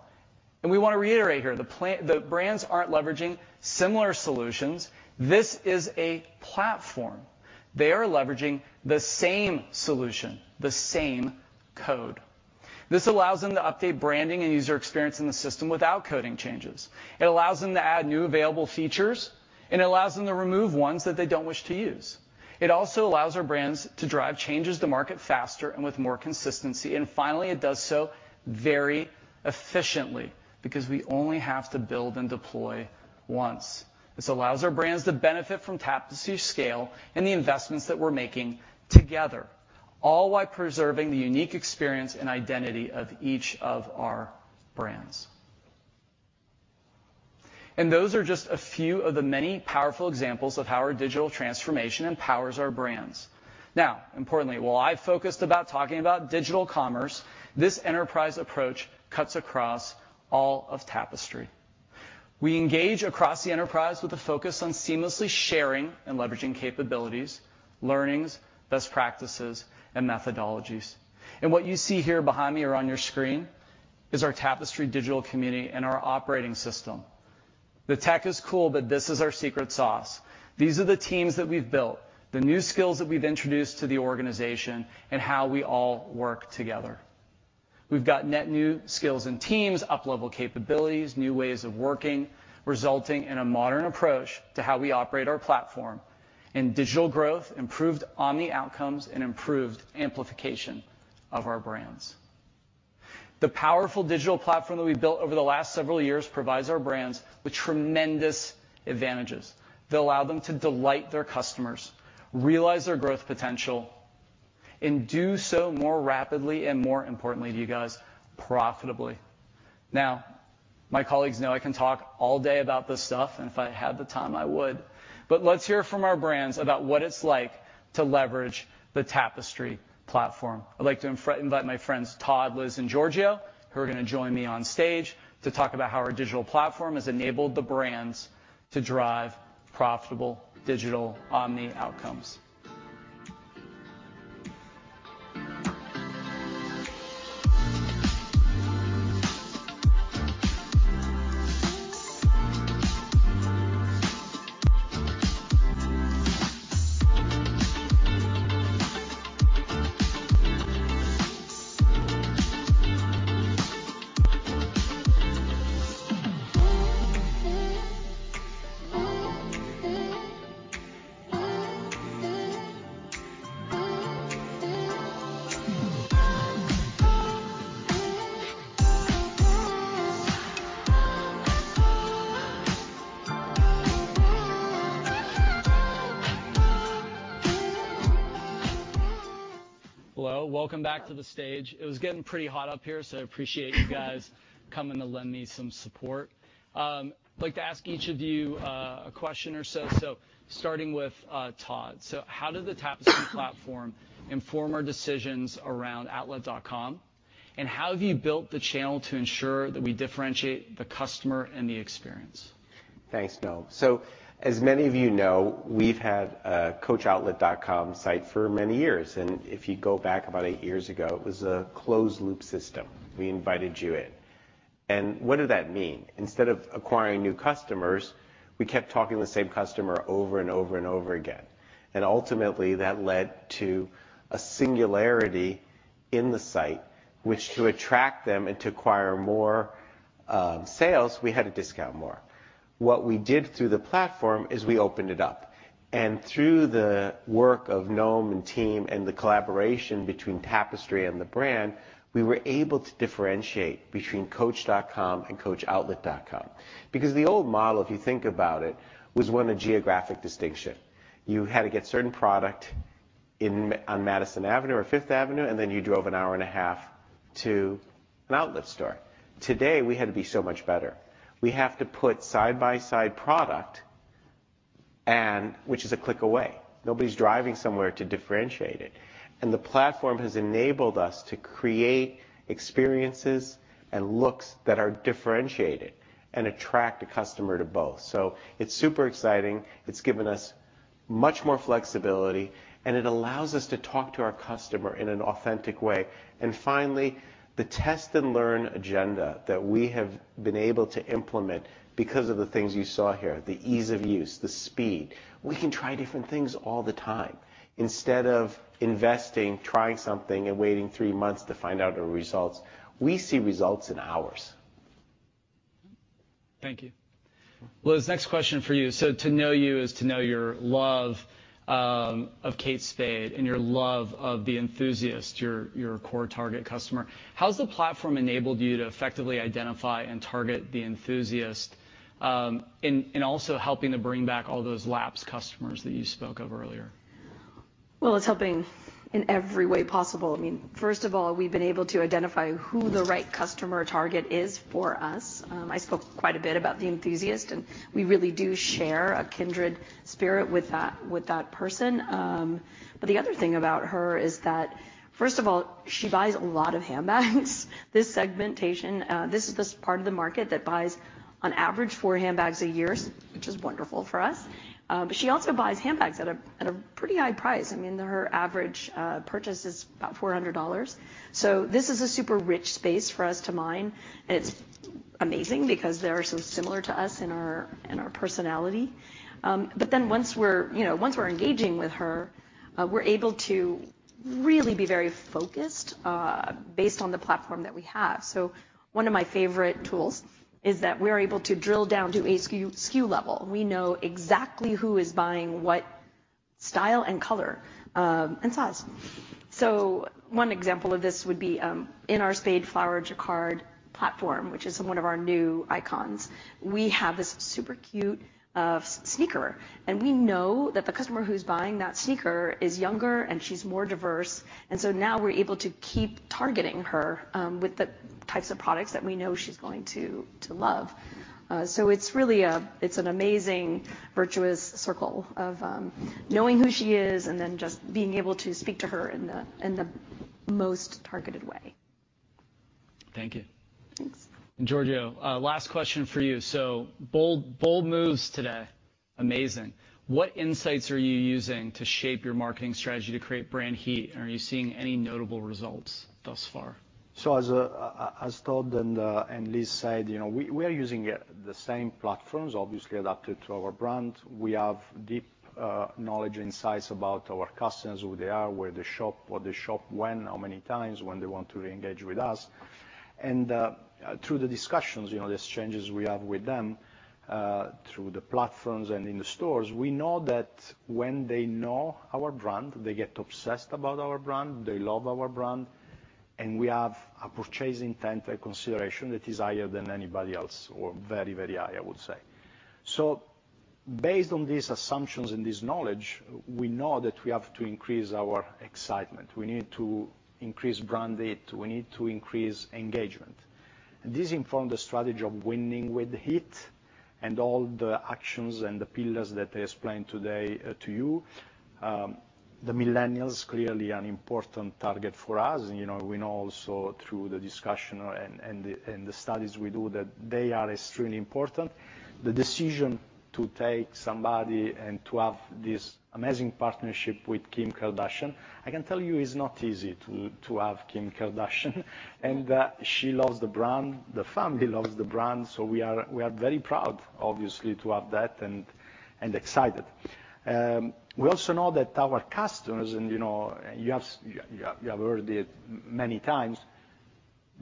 We wanna reiterate here, the brands aren't leveraging similar solutions. This is a platform. They are leveraging the same solution, the same code. This allows them to update branding and user experience in the system without coding changes. It allows them to add new available features, and it allows them to remove ones that they don't wish to use. It also allows our brands to drive changes to market faster and with more consistency. Finally, it does so very efficiently because we only have to build and deploy once. This allows our brands to benefit from Tapestry's scale and the investments that we're making together, all while preserving the unique experience and identity of each of our brands. Those are just a few of the many powerful examples of how our digital transformation empowers our brands. Now, importantly, while I focused on talking about digital commerce, this enterprise approach cuts across all of Tapestry. We engage across the enterprise with a focus on seamlessly sharing and leveraging capabilities, learnings, best practices, and methodologies. What you see here behind me or on your screen is our Tapestry digital community and our operating system. The tech is cool, but this is our secret sauce. These are the teams that we've built, the new skills that we've introduced to the organization, and how we all work together. We've got net new skills and teams, up-level capabilities, new ways of working, resulting in a modern approach to how we operate our platform, and digital growth improved omni outcomes and improved amplification of our brands. The powerful digital platform that we've built over the last several years provides our brands with tremendous advantages that allow them to delight their customers, realize their growth potential, and do so more rapidly and, more importantly to you guys, profitably. Now, my colleagues know I can talk all day about this stuff, and if I had the time, I would. Let's hear from our brands about what it's like to leverage the Tapestry platform. I'd like to invite my friends Todd, Liz, and Giorgio, who are gonna join me on stage to talk about how our digital platform has enabled the brands to drive profitable digital omni outcomes. Hello, welcome back to the stage. It was getting pretty hot up here, so I appreciate you guys coming to lend me some support. I'd like to ask each of you a question or so, starting with Todd. How did the Tapestry platform inform our decisions around outlet.com, and how have you built the channel to ensure that we differentiate the customer and the experience? Thanks, Noam. As many of you know, we've had a coachoutlet.com site for many years, and if you go back about 8 years ago, it was a closed loop system. We invited you in. What did that mean? Instead of acquiring new customers, we kept talking to the same customer over and over and over again, and ultimately that led to a singularity in the site, which to attract them and to acquire more, sales, we had to discount more. What we did through the platform is we opened it up, and through the work of Noam and team and the collaboration between Tapestry and the brand, we were able to differentiate between coach.com and coachoutlet.com. Because the old model, if you think about it, was one of geographic distinction. You had to get certain product on Madison Avenue or Fifth Avenue, and then you drove an hour and a half to an outlet store. Today, we had to be so much better. We have to put side-by-side product and which is a click away. Nobody's driving somewhere to differentiate it. The platform has enabled us to create experiences and looks that are differentiated and attract a customer to both. It's super exciting. It's given us much more flexibility, and it allows us to talk to our customer in an authentic way. Finally, the test and learn agenda that we have been able to implement because of the things you saw here, the ease of use, the speed. We can try different things all the time. Instead of investing, trying something, and waiting three months to find out the results, we see results in hours. Thank you. Liz, next question for you. To know you is to know your love of Kate Spade and your love of the enthusiast, your core target customer. How's the platform enabled you to effectively identify and target the enthusiast, in also helping to bring back all those lapsed customers that you spoke of earlier? Well, it's helping in every way possible. I mean, first of all, we've been able to identify who the right customer target is for us. I spoke quite a bit about the enthusiast, and we really do share a kindred spirit with that person. The other thing about her is that, first of all, she buys a lot of handbags. This segmentation is this part of the market that buys, on average, four handbags a year, which is wonderful for us. She also buys handbags at a pretty high price. I mean, her average purchase is about $400. This is a super rich space for us to mine, and it's amazing because they are so similar to us and our personality. Once we're, you know, once we're engaging with her, we're able to really be very focused, based on the platform that we have. One of my favorite tools is that we're able to drill down to a SKU level. We know exactly who is buying what style and color, and size. One example of this would be in our Spade Flower Jacquard platform, which is one of our new icons, we have this super cute sneaker, and we know that the customer who's buying that sneaker is younger, and she's more diverse. Now we're able to keep targeting her with the types of products that we know she's going to love. It's really a- It's an amazing virtuous circle of knowing who she is and then just being able to speak to her in the most targeted way. Thank you. Thanks. Giorgio, last question for you. Bold moves today. Amazing. What insights are you using to shape your marketing strategy to create brand heat? Are you seeing any notable results thus far? As Todd and Liz said, you know, we are using the same platforms, obviously adapted to our brand. We have deep knowledge, insights about our customers, who they are, where they shop, what they shop, when, how many times, when they want to reengage with us. Through the discussions, you know, the exchanges we have with them through the platforms and in the stores, we know that when they know our brand, they get obsessed about our brand, they love our brand, and we have a purchase intent, a consideration that is higher than anybody else, or very, very high, I would say. Based on these assumptions and this knowledge, we know that we have to increase our excitement. We need to increase brand heat. We need to increase engagement. This informed the strategy of winning with heat and all the actions and the pillars that I explained today to you. The Millennials clearly an important target for us. You know, we know also through the discussion and the studies we do, that they are extremely important. The decision to take somebody and to have this amazing partnership with Kim Kardashian, I can tell you it's not easy to have Kim Kardashian. She loves the brand. The family loves the brand. We are very proud, obviously, to have that and excited. We also know that our customers, you know, you have heard it many times,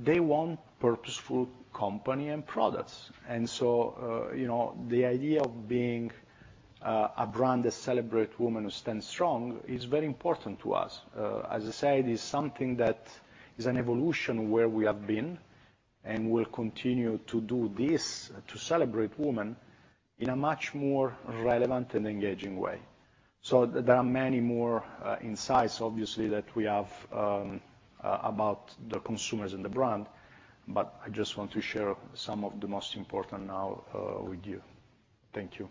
they want purposeful company and products. You know, the idea of being a brand that celebrate woman who stand strong is very important to us. As I said, it's something that is an evolution where we have been and will continue to do this to celebrate women in a much more relevant and engaging way. There are many more insights obviously that we have about the consumers and the brand, but I just want to share some of the most important now with you. Thank you.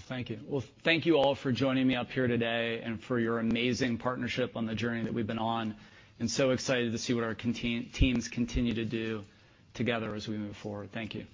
Thank you. Well, thank you all for joining me up here today and for your amazing partnership on the journey that we've been on. Excited to see what our teams continue to do together as we move forward. Thank you.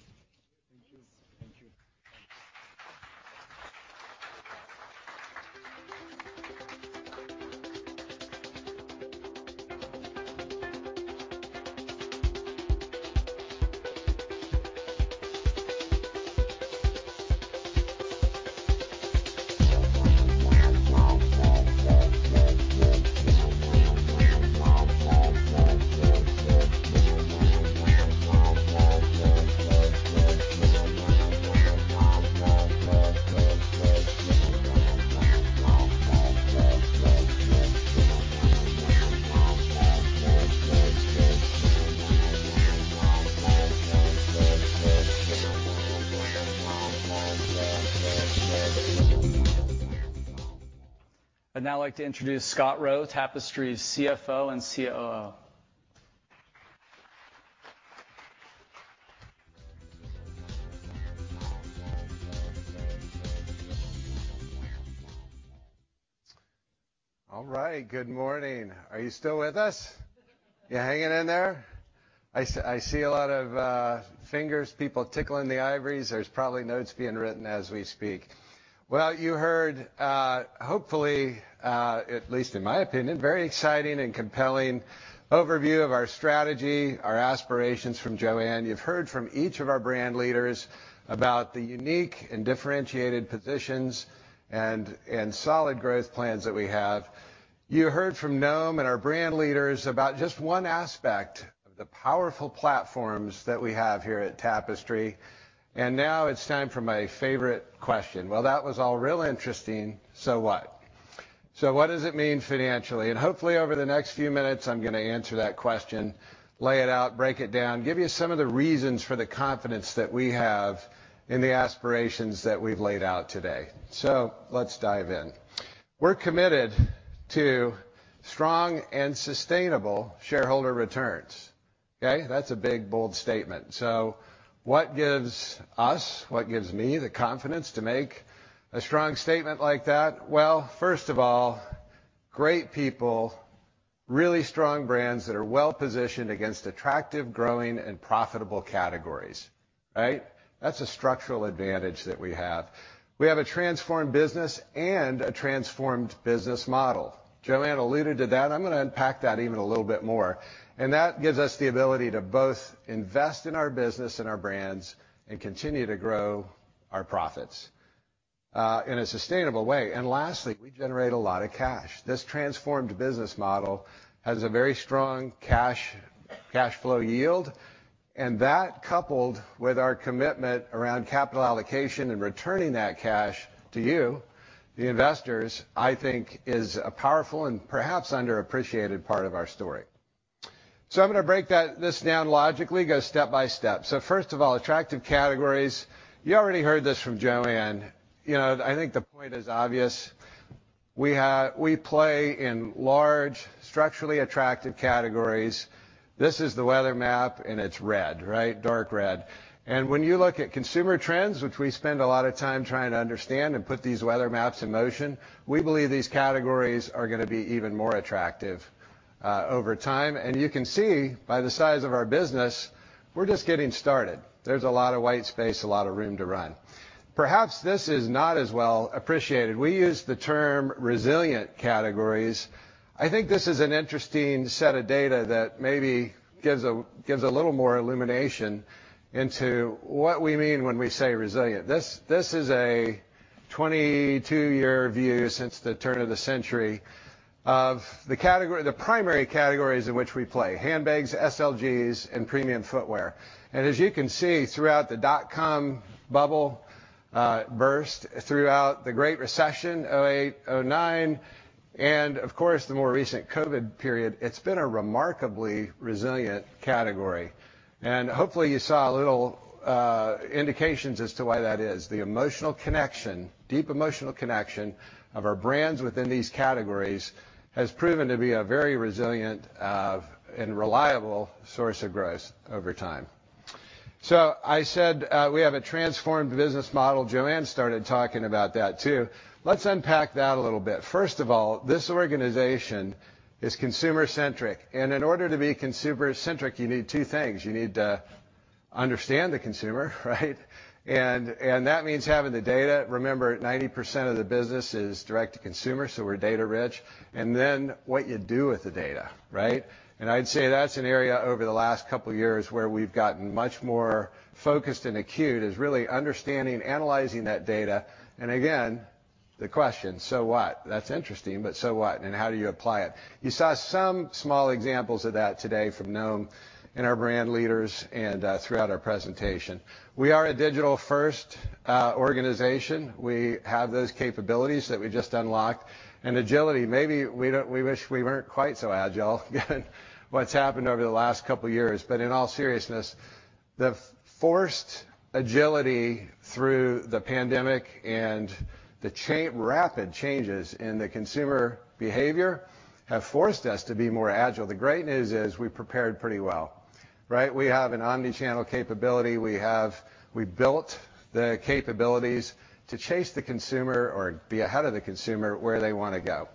Thank you. Thank you. I'd now like to introduce Scott Roe, Tapestry's CFO and COO. All right. Good morning. Are you still with us? You hanging in there? I see a lot of, fingers, people tickling the ivories. There's probably notes being written as we speak. Well, you heard, hopefully, at least in my opinion, very exciting and compelling overview of our strategy, our aspirations from Joanne. You've heard from each of our brand leaders about the unique and differentiated positions and solid growth plans that we have. You heard from Noam and our brand leaders about just one aspect of the powerful platforms that we have here at Tapestry. Now it's time for my favorite question. Well, that was all real interesting. So what? So what does it mean financially? Hopefully over the next few minutes I'm gonna answer that question, lay it out, break it down, give you some of the reasons for the confidence that we have and the aspirations that we've laid out today. Let's dive in. We're committed to strong and sustainable shareholder returns. Okay? That's a big, bold statement. What gives us, what gives me the confidence to make a strong statement like that? Well, first of all, great people, really strong brands that are well positioned against attractive, growing and profitable categories, right? That's a structural advantage that we have. We have a transformed business and a transformed business model. Joanne alluded to that. I'm gonna unpack that even a little bit more. That gives us the ability to both invest in our business and our brands and continue to grow our profits in a sustainable way. Lastly, we generate a lot of cash. This transformed business model has a very strong cash flow yield, and that coupled with our commitment around capital allocation and returning that cash to you, the investors, I think is a powerful and perhaps underappreciated part of our story. I'm gonna break this down logically, go step by step. First of all, attractive categories. You already heard this from Joanne. You know, I think the point is obvious. We play in large, structurally attractive categories. This is the weather map, and it's red, right? Dark red. When you look at consumer trends, which we spend a lot of time trying to understand and put these weather maps in motion, we believe these categories are gonna be even more attractive over time. You can see by the size of our business, we're just getting started. There's a lot of white space, a lot of room to run. Perhaps this is not as well appreciated. We use the term resilient categories. I think this is an interesting set of data that maybe gives a little more illumination into what we mean when we say resilient. This is a 22-year view since the turn of the century of the category, the primary categories in which we play, handbags, SLGs and premium footwear. You can see throughout the dot-com bubble burst, throughout the Great Recession, 2008, 2009, and of course, the more recent COVID period, it's been a remarkably resilient category. Hopefully you saw a little indications as to why that is. The emotional connection, deep emotional connection of our brands within these categories has proven to be a very resilient and reliable source of growth over time. I said we have a transformed business model. Joanne started talking about that too. Let's unpack that a little bit. First of all, this organization is consumer centric. In order to be consumer centric, you need two things. You need to understand the consumer, right? That means having the data. Remember, 90% of the business is direct-to-consumer, so we're data rich. Then what you do with the data, right? I'd say that's an area over the last couple years where we've gotten much more focused and acute. It is really understanding, analyzing that data. The question, so what? That's interesting, but so what and how do you apply it? You saw some small examples of that today from Noam and our brand leaders and throughout our presentation. We are a digital-first organization. We have those capabilities that we just unlocked. Agility, maybe we wish we weren't quite so agile given what's happened over the last couple years. In all seriousness, the forced agility through the pandemic and the rapid changes in the consumer behavior have forced us to be more agile. The great news is we prepared pretty well, right? We have an omni-channel capability. We built the capabilities to chase the consumer or be ahead of the consumer where they wanna go.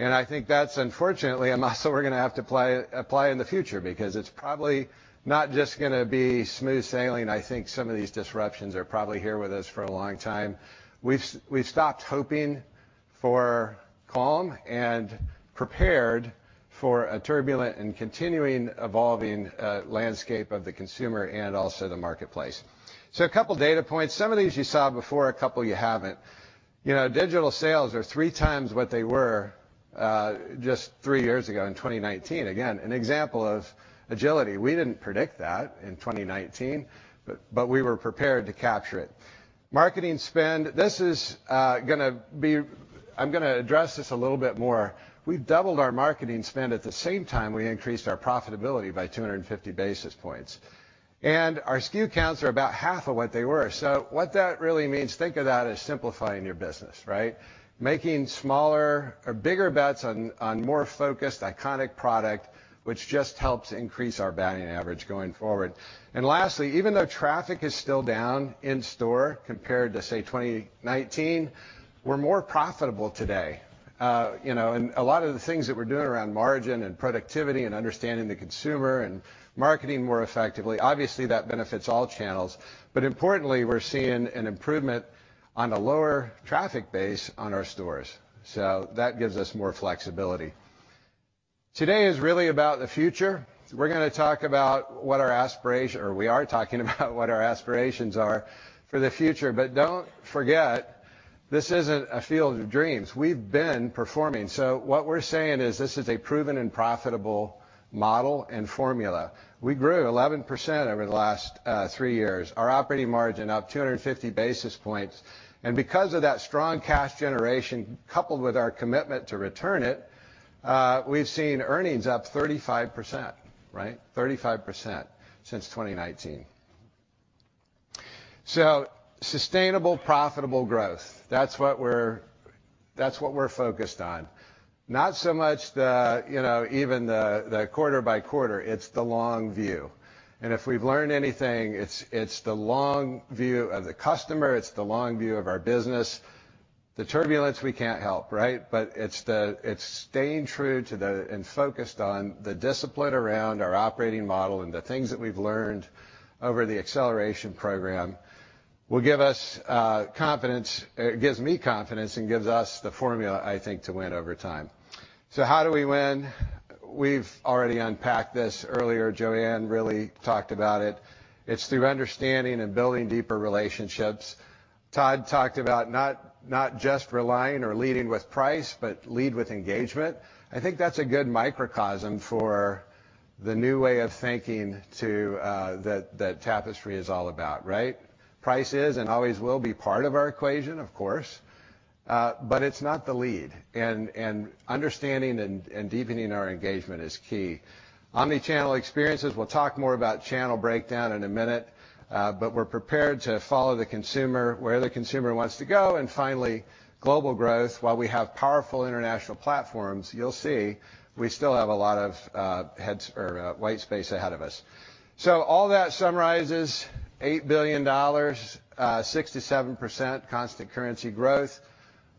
I think that's unfortunately a muscle we're gonna have to apply in the future because it's probably not just gonna be smooth sailing. I think some of these disruptions are probably here with us for a long time. We've stopped hoping for calm and prepared for a turbulent and continually evolving landscape of the consumer and also the marketplace. A couple data points. Some of these you saw before, a couple you haven't. You know, digital sales are three times what they were just 3 years ago in 2019. Again, an example of agility. We didn't predict that in 2019, but we were prepared to capture it. Marketing spend. This is gonna be. I'm gonna address this a little bit more. We've doubled our marketing spend. At the same time, we increased our profitability by 250 basis points. Our SKU counts are about half of what they were. What that really means, think of that as simplifying your business, right? Making smaller or bigger bets on more focused iconic product, which just helps increase our batting average going forward. Lastly, even though traffic is still down in store compared to, say, 2019, we're more profitable today. You know, a lot of the things that we're doing around margin and productivity and understanding the consumer and marketing more effectively, obviously, that benefits all channels. Importantly, we're seeing an improvement on a lower traffic base on our stores. That gives us more flexibility. Today is really about the future. We're gonna talk about what our aspirations are for the future. Don't forget, this isn't a field of dreams. We've been performing. What we're saying is this is a proven and profitable model and formula. We grew 11% over the last 3 years. Our operating margin up 250 basis points. Because of that strong cash generation coupled with our commitment to return it, we've seen earnings up 35%, right? 35% since 2019. Sustainable, profitable growth, that's what we're focused on. Not so much even the quarter by quarter, it's the long view. If we've learned anything, it's the long view of the customer, it's the long view of our business. The turbulence we can't help, right? But it's staying true to the, and focused on the discipline around our operating model and the things that we've learned over the Acceleration Program will give us confidence. It gives me confidence and gives us the formula, I think, to win over time. How do we win? We've already unpacked this earlier. Joanne really talked about it. It's through understanding and building deeper relationships. Todd talked about not just relying or leading with price, but lead with engagement. I think that's a good microcosm for the new way of thinking to that Tapestry is all about, right? Price is and always will be part of our equation, of course, but it's not the lead. Understanding and deepening our engagement is key. Omni-channel experiences, we'll talk more about channel breakdown in a minute, but we're prepared to follow the consumer where the consumer wants to go. Finally, global growth. While we have powerful international platforms, you'll see we still have a lot of white space ahead of us. All that summarizes $8 billion, 6%-7% constant currency growth,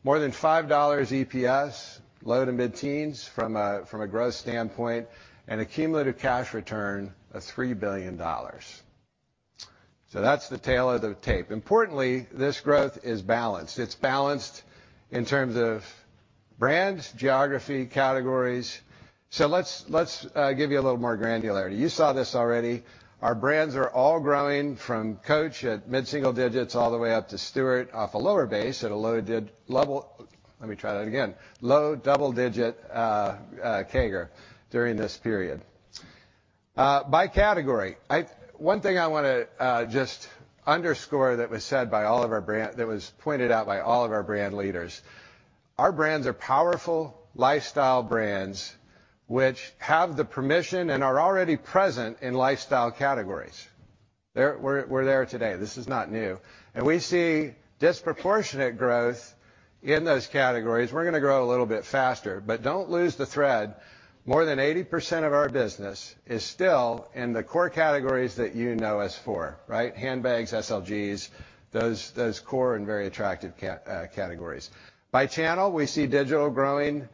more than $5 EPS, low- to mid-teens% from a growth standpoint, and a cumulative cash return of $3 billion. That's the tale of the tape. Importantly, this growth is balanced. It's balanced in terms of brands, geography, categories. Let's give you a little more granularity. You saw this already. Our brands are all growing from Coach at mid-single digits% all the way up to Stuart off a lower base at a low double-digit level. Let me try that again. Low double-digit CAGR during this period. By category, one thing I wanna just underscore that was pointed out by all of our brand leaders, our brands are powerful lifestyle brands which have the permission and are already present in lifestyle categories. We're there today. This is not new. We see disproportionate growth in those categories. We're gonna grow a little bit faster, but don't lose the thread. More than 80% of our business is still in the core categories that you know us for, right? Handbags, SLGs, those core and very attractive categories. By channel, we see digital growing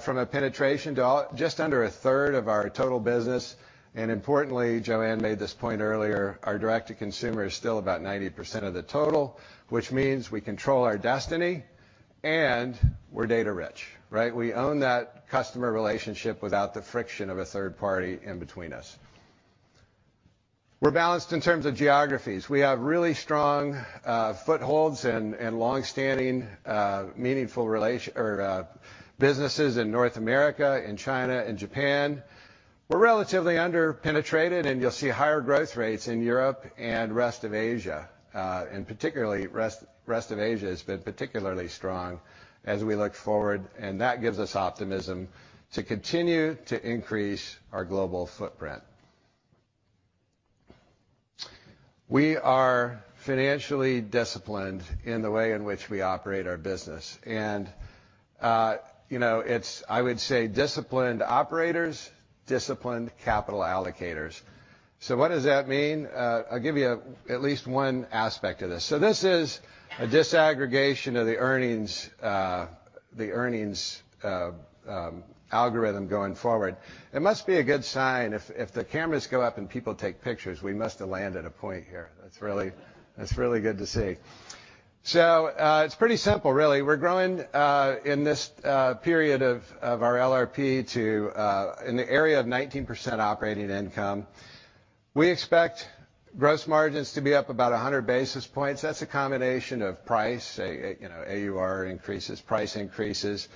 from a penetration to just under a third of our total business. Importantly, Joanne made this point earlier, our direct-to-consumer is still about 90% of the total, which means we control our destiny, and we're data rich, right? We own that customer relationship without the friction of a third party in between us. We're balanced in terms of geographies. We have really strong footholds and long-standing meaningful businesses in North America, in China, and Japan. We're relatively under-penetrated, and you'll see higher growth rates in Europe and rest of Asia. Particularly rest of Asia has been particularly strong as we look forward, and that gives us optimism to continue to increase our global footprint. We are financially disciplined in the way in which we operate our business and, you know, it's I would say disciplined operators, disciplined capital allocators. What does that mean? I'll give you at least one aspect of this. This is a disaggregation of the earnings algorithm going forward. It must be a good sign if the cameras go up, and people take pictures, we must have landed a point here. That's really good to see. It's pretty simple really. We're growing in this period of our LRP to in the area of 19% operating income. We expect gross margins to be up about 100 basis points. That's a combination of price, you know, AUR increases, price increases,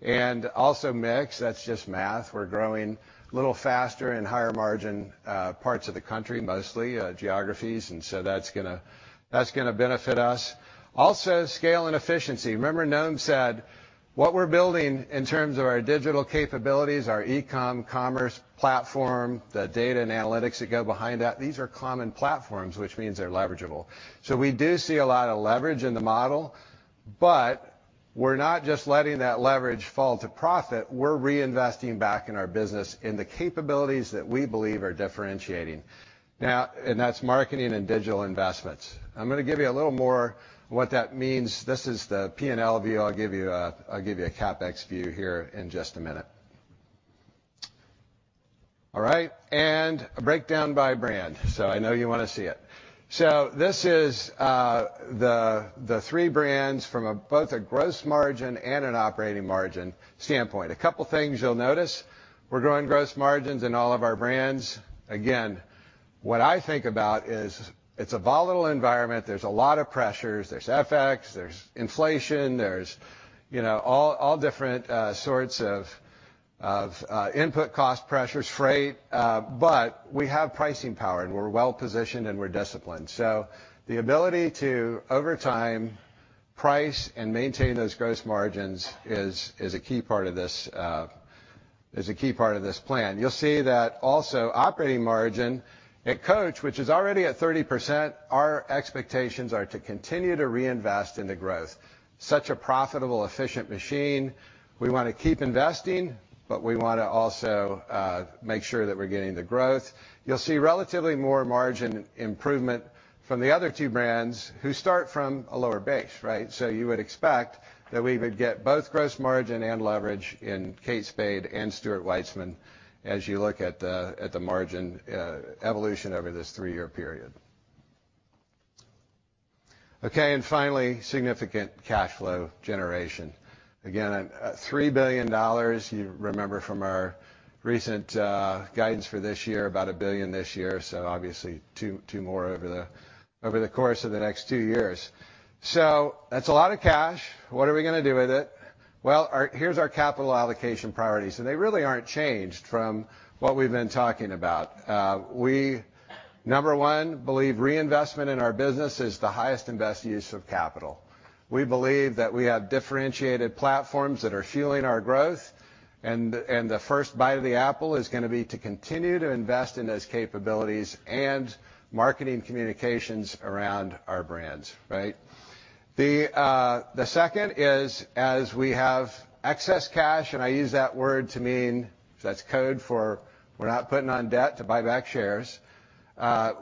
and also mix. That's just math. We're growing a little faster in higher margin parts of the country, mostly geographies, and so that's gonna benefit us. Also, scale and efficiency. Remember Noam said what we're building in terms of our digital capabilities, our e-commerce platform, the data and analytics that go behind that. These are common platforms, which means they're leverageable. We do see a lot of leverage in the model, but we're not just letting that leverage fall to profit. We're reinvesting back in our business in the capabilities that we believe are differentiating. Now, that's marketing and digital investments. I'm gonna give you a little more what that means. This is the P&L view. I'll give you a CapEx view here in just a minute. All right. A breakdown by brand. I know you wanna see it. This is the three brands from both a gross margin and an operating margin standpoint. A couple things you'll notice. We're growing gross margins in all of our brands. Again, what I think about is it's a volatile environment. There's a lot of pressures. There's FX, there's inflation, there's, you know, all different sorts of input cost pressures, freight, but we have pricing power, and we're well-positioned, and we're disciplined. The ability to, over time, price and maintain those gross margins is a key part of this plan. You'll see that also operating margin at Coach, which is already at 30%, our expectations are to continue to reinvest in the growth. Such a profitable, efficient machine, we wanna keep investing, but we wanna also make sure that we're getting the growth. You'll see relatively more margin improvement from the other two brands who start from a lower base, right? You would expect that we would get both gross margin and leverage in Kate Spade and Stuart Weitzman as you look at the margin evolution over this 3-year period. Okay, and finally, significant cash flow generation. Again, at $3 billion, you remember from our recent guidance for this year, about $1 billion this year, so obviously two more over the course of the next 2 years. That's a lot of cash. What are we gonna do with it? Well, here's our capital allocation priorities, and they really aren't changed from what we've been talking about. We number one believe reinvestment in our business is the highest and best use of capital. We believe that we have differentiated platforms that are fueling our growth, and the first bite of the apple is gonna be to continue to invest in those capabilities and marketing communications around our brands, right? The second is, as we have excess cash, and I use that word to mean that's code for we're not putting on debt to buy back shares,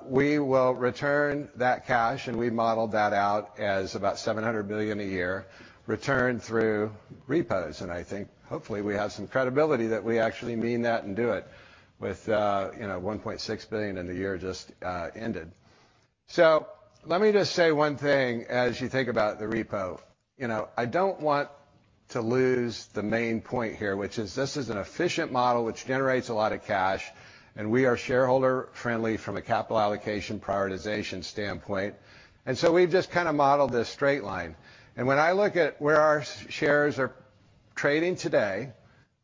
we will return that cash, and we modeled that out as about $700 million a year returned through repos. I think, hopefully, we have some credibility that we actually mean that and do it with, you know, $1.6 billion in the year just ended. Let me just say one thing as you think about the repo. You know, I don't want to lose the main point here, which is this is an efficient model which generates a lot of cash, and we are shareholder friendly from a capital allocation prioritization standpoint. We've just kinda modeled this straight line. When I look at where our shares are trading today,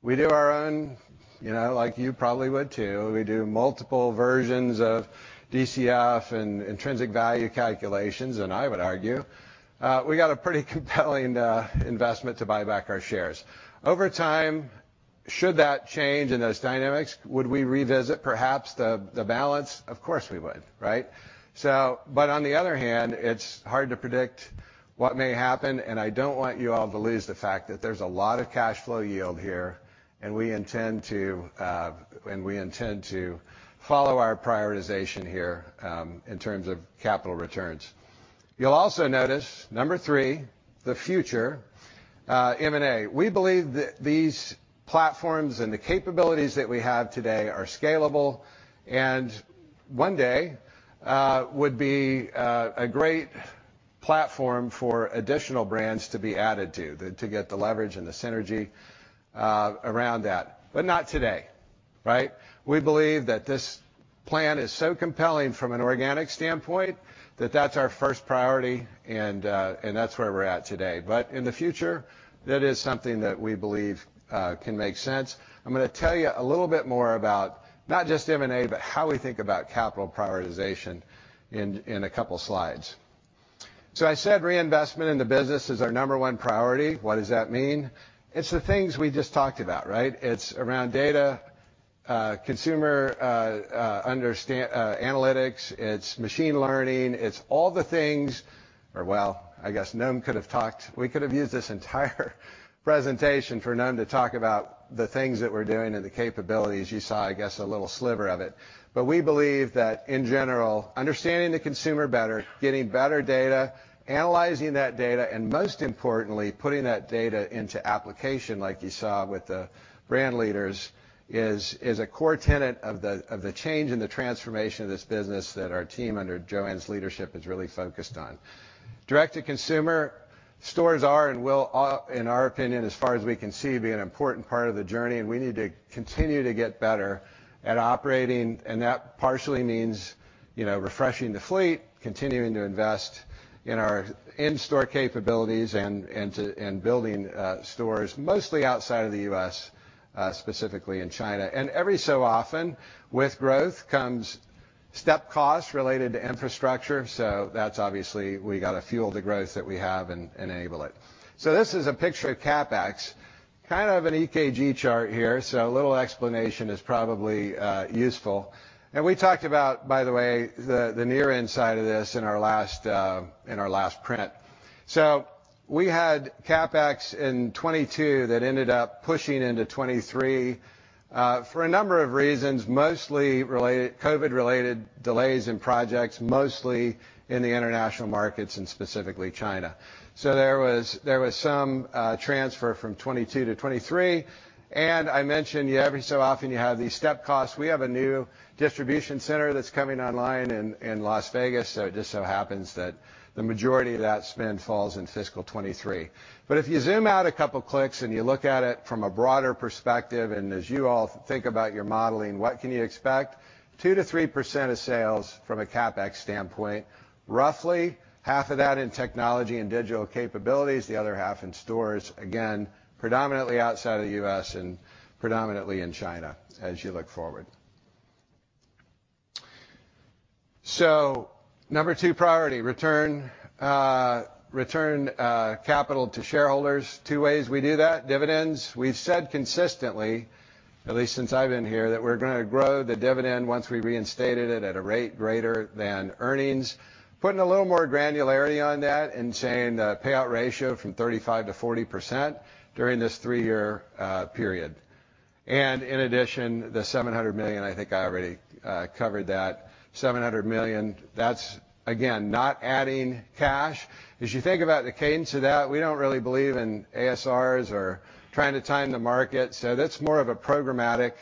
we do our own, you know, like you probably would too, we do multiple versions of DCF and intrinsic value calculations, and I would argue, we got a pretty compelling investment to buy back our shares. Over time, should that change and those dynamics, would we revisit perhaps the balance? Of course, we would, right? On the other hand, it's hard to predict what may happen, and I don't want you all to lose the fact that there's a lot of cash flow yield here, and we intend to follow our prioritization here in terms of capital returns. You'll also notice, number three, the future M&A. We believe that these platforms and the capabilities that we have today are scalable and one day would be a great platform for additional brands to be added to to get the leverage and the synergy around that. Not today, right? We believe that this plan is so compelling from an organic standpoint, that that's our first priority and that's where we're at today. In the future, that is something that we believe can make sense. I'm gonna tell you a little bit more about not just M&A, but how we think about capital prioritization in a couple slides. I said reinvestment in the business is our number one priority. What does that mean? It's the things we just talked about, right? It's around data, consumer, analytics, it's machine learning. It's all the things. Well, I guess Noam could have talked. We could have used this entire presentation for Noam to talk about the things that we're doing and the capabilities. You saw, I guess, a little sliver of it. We believe that, in general, understanding the consumer better, getting better data, analyzing that data, and most importantly, putting that data into application like you saw with the brand leaders, is a core tenet of the change and the transformation of this business that our team under Joanne's leadership is really focused on. Direct-to-consumer stores are and will, in our opinion, as far as we can see, be an important part of the journey, and we need to continue to get better at operating. That partially means, you know, refreshing the fleet, continuing to invest in our in-store capabilities and building stores mostly outside of the U.S., specifically in China. Every so often, with growth comes step costs related to infrastructure, so that's obviously. We gotta fuel the growth that we have and enable it. This is a picture of CapEx. Kind of an EKG chart here, so a little explanation is probably useful. We talked about, by the way, the near end side of this in our last print. We had CapEx in 2022 that ended up pushing into 2023 for a number of reasons, mostly COVID-related delays in projects, mostly in the international markets and specifically China. There was some transfer from 2022 to 2023. I mentioned every so often you have these step costs. We have a new distribution center that's coming online in Las Vegas, so it just so happens that the majority of that spend falls in fiscal 2023. If you zoom out a couple clicks and you look at it from a broader perspective and as you all think about your modeling, what can you expect? 2%-3% of sales from a CapEx standpoint. Roughly half of that in technology and digital capabilities, the other half in stores. Again, predominantly outside of the U.S. and predominantly in China as you look forward. Number two priority, return capital to shareholders. Two ways we do that. Dividends, we've said consistently, at least since I've been here, that we're gonna grow the dividend once we reinstated it at a rate greater than earnings. Putting a little more granularity on that and saying the payout ratio from 35%-40% during this three-year period. In addition, the $700 million, I think I already covered that. $700 million, that's again, not adding cash. As you think about the cadence of that, we don't really believe in ASRs or trying to time the market, so that's more of a programmatic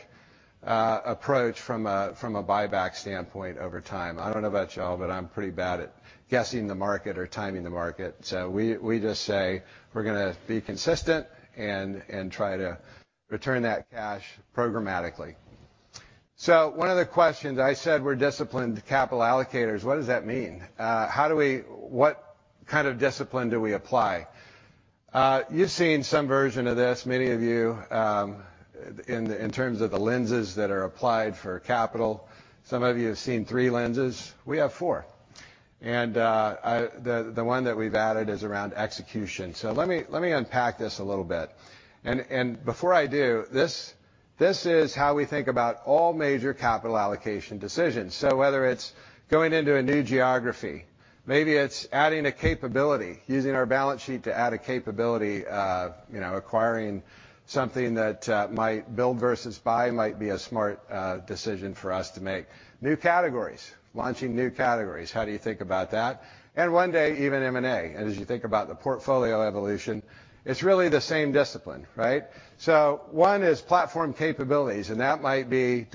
approach from a buyback standpoint over time. I don't know about y'all, but I'm pretty bad at guessing the market or timing the market. We just say we're gonna be consistent and try to return that cash programmatically. One of the questions, I said we're disciplined capital allocators. What does that mean? What kind of discipline do we apply? You've seen some version of this, many of you, in terms of the lenses that are applied for capital. Some of you have seen three lenses. We have four. The one that we've added is around execution. Let me unpack this a little bit. Before I do, this is how we think about all major capital allocation decisions. Whether it's going into a new geography, maybe it's adding a capability, using our balance sheet to add a capability, acquiring something that might build versus buy might be a smart decision for us to make. New categories, launching new categories, how do you think about that? One day, even M&A. As you think about the portfolio evolution, it's really the same discipline, right? One is platform capabilities, and that might be.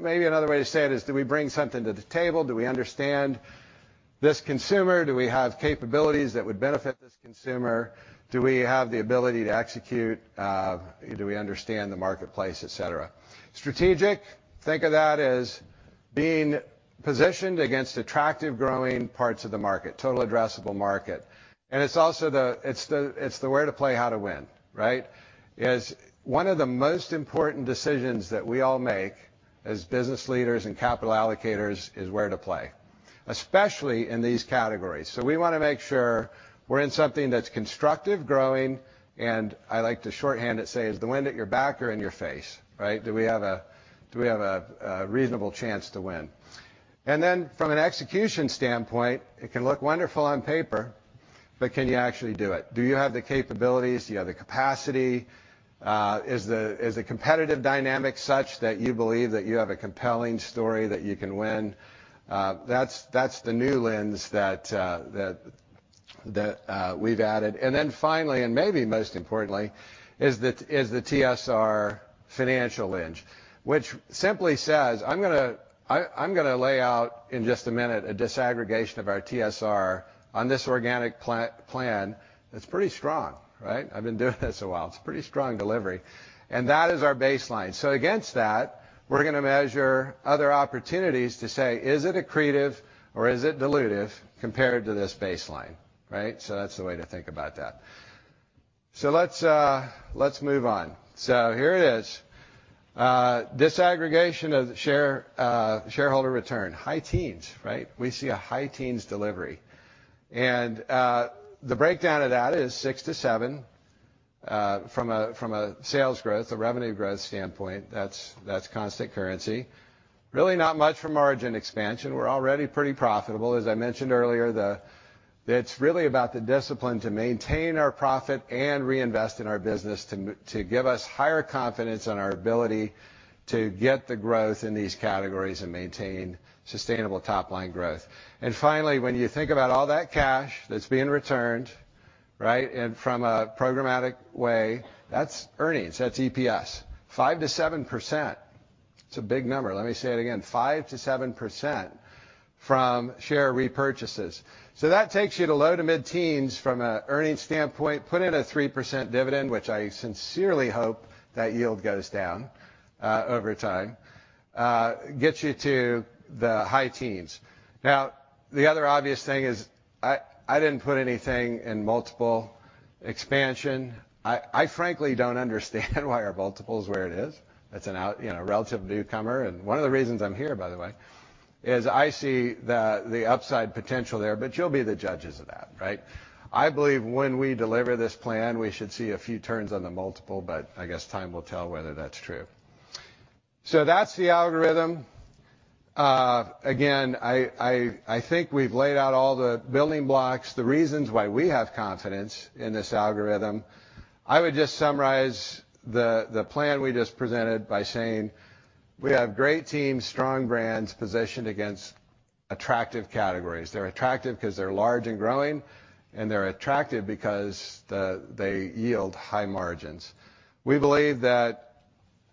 Maybe another way to say it is, do we bring something to the table? Do we understand this consumer? Do we have capabilities that would benefit this consumer? Do we have the ability to execute? Do we understand the marketplace, et cetera? Strategic, think of that as being positioned against attractive growing parts of the market, total addressable market. It's also the—it's the where to play, how to win, right? It's one of the most important decisions that we all make as business leaders and capital allocators is where to play, especially in these categories. We wanna make sure we're in something that's constructive, growing, and I like to shorthand it, say, is the wind at your back or in your face, right? Do we have a reasonable chance to win? Then from an execution standpoint, it can look wonderful on paper, but can you actually do it? Do you have the capabilities? Do you have the capacity? Is the competitive dynamic such that you believe that you have a compelling story that you can win? That's the new lens that we've added. Then finally, and maybe most importantly, is the TSR financial hinge, which simply says, I'm gonna lay out in just a minute a disaggregation of our TSR on this organic plan that's pretty strong, right? I've been doing this a while. It's pretty strong delivery, and that is our baseline. Against that, we're gonna measure other opportunities to say, "Is it accretive or is it dilutive compared to this baseline?" Right? That's the way to think about that. Let's move on. Here it is. Disaggregation of shareholder return. High teens, right? We see a high teens% delivery. The breakdown of that is 6%-7% from a sales growth, a revenue growth standpoint. That's constant currency. Really not much from margin expansion. We're already pretty profitable. As I mentioned earlier, it's really about the discipline to maintain our profit and reinvest in our business to give us higher confidence in our ability to get the growth in these categories and maintain sustainable top-line growth. Finally, when you think about all that cash that's being returned, right, and from a programmatic way, that's earnings. That's EPS. 5%-7%. It's a big number. Let me say it again. 5%-7% from share repurchases. That takes you to low-to-mid teens from a earnings standpoint. Put in a 3% dividend, which I sincerely hope that yield goes down over time, gets you to the high teens. Now, the other obvious thing is I didn't put anything in multiple expansion. I frankly don't understand why our multiple's where it is. It's an outlier, you know, relative newcomer. One of the reasons I'm here, by the way, is I see the upside potential there, but you'll be the judges of that, right? I believe when we deliver this plan, we should see a few turns on the multiple, but I guess time will tell whether that's true. That's the algorithm. Again, I think we've laid out all the building blocks, the reasons why we have confidence in this algorithm. I would just summarize the plan we just presented by saying we have great teams, strong brands positioned against attractive categories. They're attractive because they're large and growing, and they're attractive because they yield high margins. We believe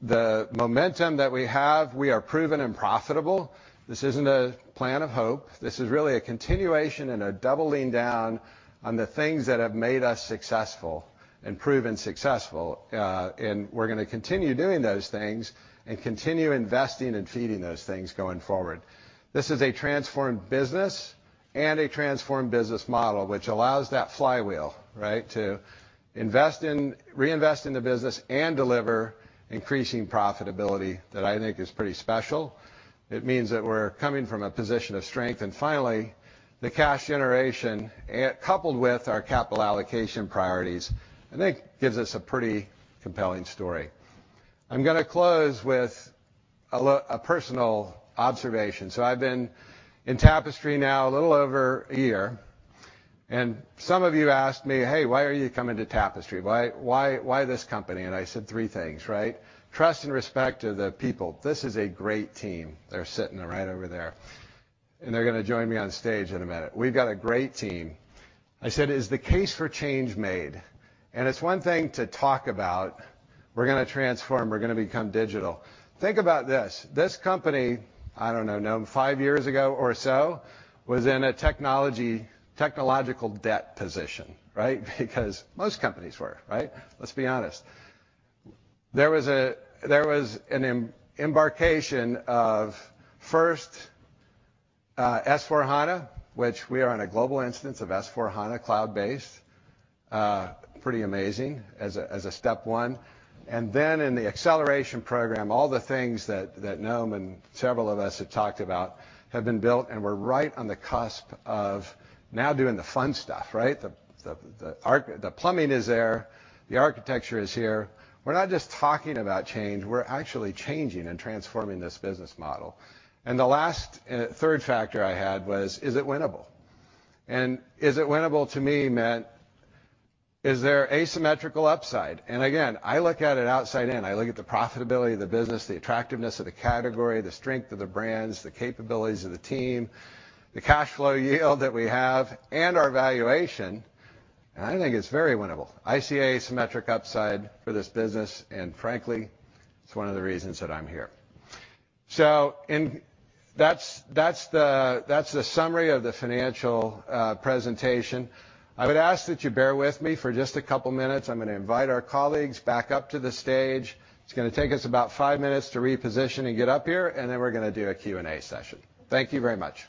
that the momentum that we have, we are proven and profitable. This isn't a plan of hope. This is really a continuation and a doubling down on the things that have made us successful and proven successful. We're gonna continue doing those things and continue investing and feeding those things going forward. This is a transformed business and a transformed business model, which allows that flywheel, right, to reinvest in the business and deliver increasing profitability that I think is pretty special. It means that we're coming from a position of strength. Finally, the cash generation, coupled with our capital allocation priorities, I think gives us a pretty compelling story. I'm gonna close with a personal observation. I've been in Tapestry now a little over a year, and some of you asked me, "Hey, why are you coming to Tapestry? Why, why this company?" I said three things, right? Trust and respect to the people. This is a great team. They're sitting right over there, and they're gonna join me on stage in a minute. We've got a great team. I said, "Is the case for change made?" It's one thing to talk about, we're gonna transform, we're gonna become digital. Think about this. This company, I don't know, Noam, five years ago or so, was in a technological debt position, right? Because most companies were, right? Let's be honest. There was an implementation of our first S/4HANA, which we are on a global instance of S/4HANA cloud-based. Pretty amazing as a step one. In the Acceleration Program, all the things that Noam and several of us have talked about have been built, and we're right on the cusp of now doing the fun stuff, right? The plumbing is there. The architecture is here. We're not just talking about change, we're actually changing and transforming this business model. The last and third factor I had was, is it winnable? Is it winnable to me meant is there asymmetrical upside? Again, I look at it outside in. I look at the profitability of the business, the attractiveness of the category, the strength of the brands, the capabilities of the team, the cash flow yield that we have, and our valuation, and I think it's very winnable. I see asymmetric upside for this business, and frankly, it's one of the reasons that I'm here. That's the summary of the financial presentation. I would ask that you bear with me for just a couple minutes. I'm gonna invite our colleagues back up to the stage. It's gonna take us about 5 minutes to reposition and get up here, and then we're gonna do a Q&A session. Thank you very much.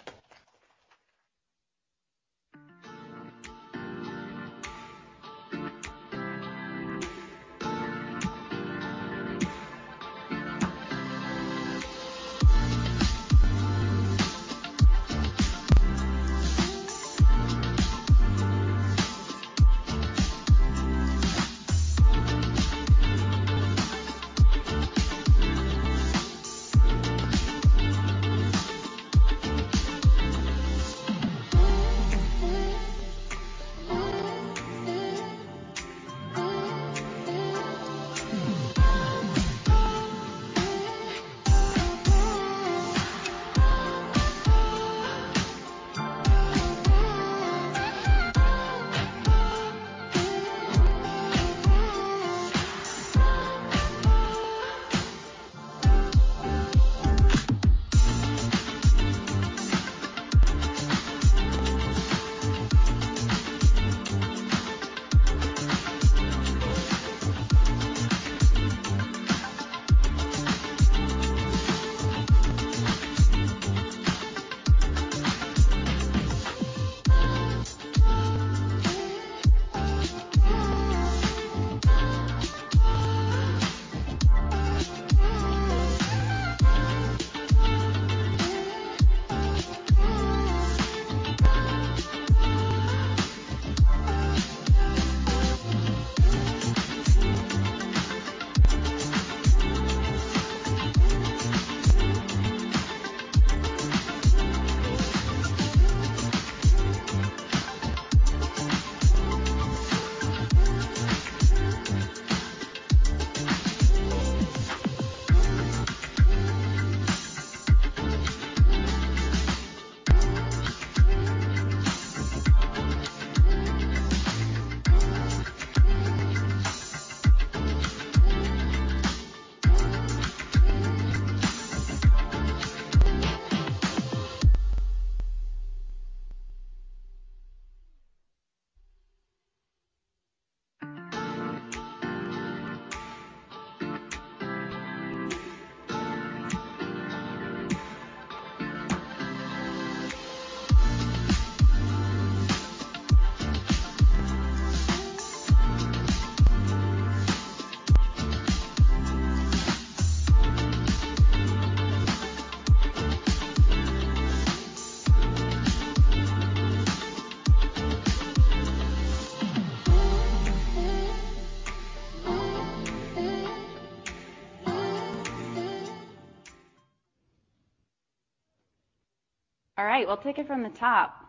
All right, we'll take it from the top.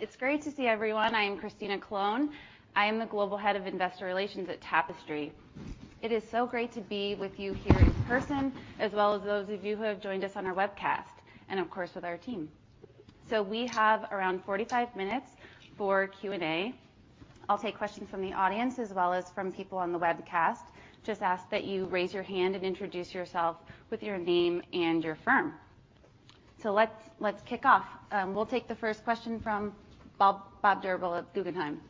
It's great to see everyone. I am Christina Colone. I am the Global Head of Investor Relations at Tapestry. It is so great to be with you here in person, as well as those of you who have joined us on our webcast, and of course with our team. We have around 45 minutes for Q&A. I'll take questions from the audience as well as from people on the webcast. Just ask that you raise your hand and introduce yourself with your name and your firm. Let's kick off. We'll take the first question from Bob Drbul at Guggenheim.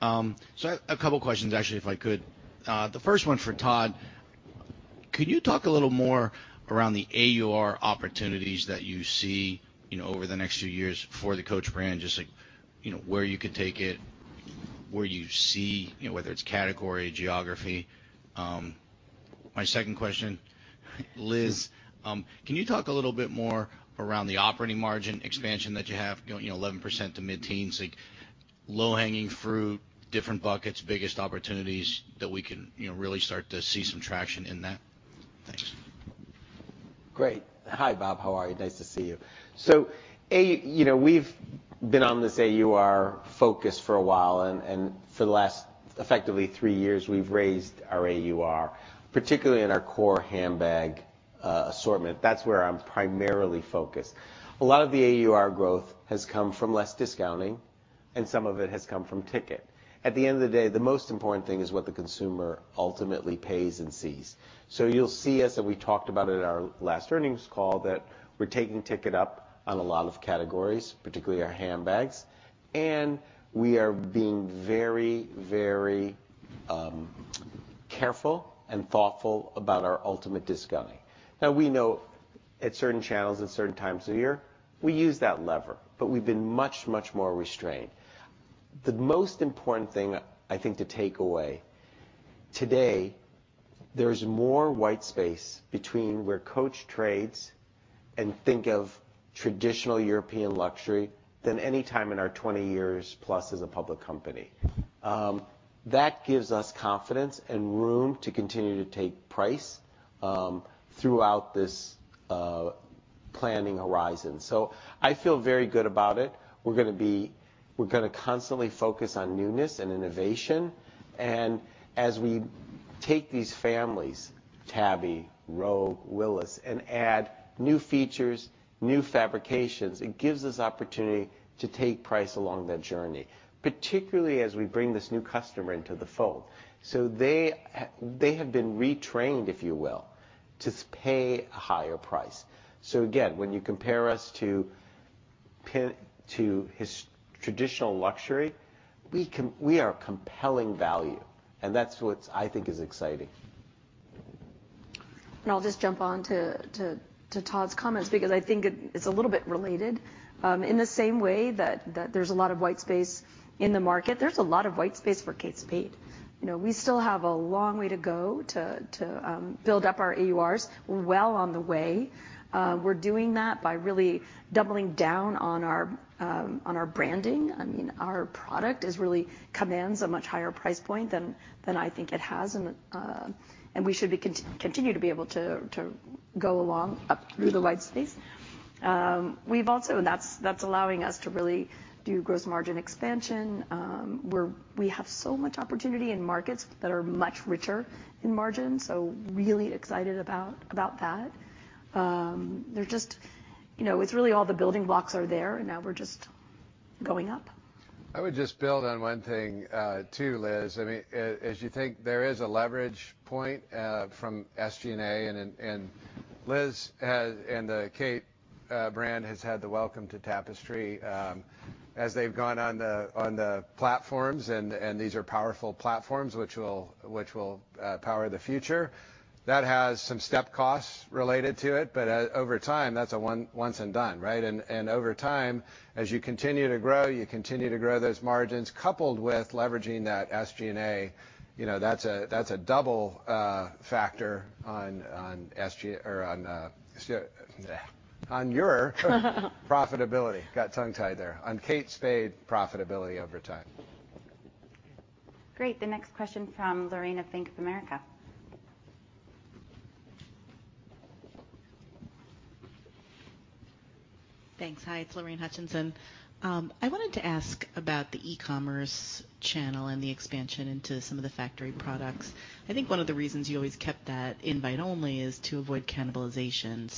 A couple questions actually, if I could. The first one's for Todd. Could you talk a little more around the AUR opportunities that you see, you know, over the next few years for the Coach brand? Just like, you know, where you could take it, where you see, you know, whether it's category, geography. My second question, Liz, can you talk a little bit more around the operating margin expansion that you have, you know, 11% to mid-teens? Like, low-hanging fruit, different buckets, biggest opportunities that we can, you know, really start to see some traction in that. Thanks. Great. Hi, Bob. How are you? Nice to see you. As you know, we've been on this AUR focus for a while, and for the last effectively three years, we've raised our AUR, particularly in our core handbag assortment. That's where I'm primarily focused. A lot of the AUR growth has come from less discounting, and some of it has come from ticket. At the end of the day, the most important thing is what the consumer ultimately pays and sees. You'll see us, as we talked about at our last earnings call, that we're taking ticket up on a lot of categories, particularly our handbags, and we are being very, very careful and thoughtful about our ultimate discounting. Now, we know at certain channels, at certain times of year, we use that lever, but we've been much, much more restrained. The most important thing I think to take away today, there's more white space between where Coach trades and traditional European luxury than any time in our 20 years plus as a public company. That gives us confidence and room to continue to take price throughout this planning horizon. I feel very good about it. We're gonna constantly focus on newness and innovation, and as we take these families, Tabby, Rogue, Willis, and add new features, new fabrications, it gives us opportunity to take price along that journey, particularly as we bring this new customer into the fold. They have been retrained, if you will, to pay a higher price. Again, when you compare us to pinnacle traditional luxury, we are a compelling value, and that's what I think is exciting. I'll just jump on to Todd's comments because I think it's a little bit related. In the same way that there's a lot of white space in the market, there's a lot of white space for Kate Spade. You know, we still have a long way to go to build up our AURs. We're well on the way. We're doing that by really doubling down on our branding. I mean, our product is really commands a much higher price point than I think it has, and we should continue to be able to go along up through the white space. That's allowing us to really do gross margin expansion. We have so much opportunity in markets that are much richer in margin, so really excited about that. They're just, you know, it's really all the building blocks are there, and now we're just going up. I would just build on one thing, too, Liz. I mean, as you think, there is a leverage point from SG&A, and Liz and the Kate Spade brand has had the welcome to Tapestry as they've gone on the platforms and these are powerful platforms which will power the future. That has some step costs related to it, but over time, that's a one and done, right? Over time, as you continue to grow, you continue to grow those margins, coupled with leveraging that SG&A, you know, that's a double factor on your profitability. Got tongue-tied there. On Kate Spade profitability over time. Great. The next question from Lorraine Hutchinson, Bank of America. Thanks. Hi, it's Lorraine Hutchinson. I wanted to ask about the e-commerce channel and the expansion into some of the factory products. I think one of the reasons you always kept that invite-only is to avoid cannibalization.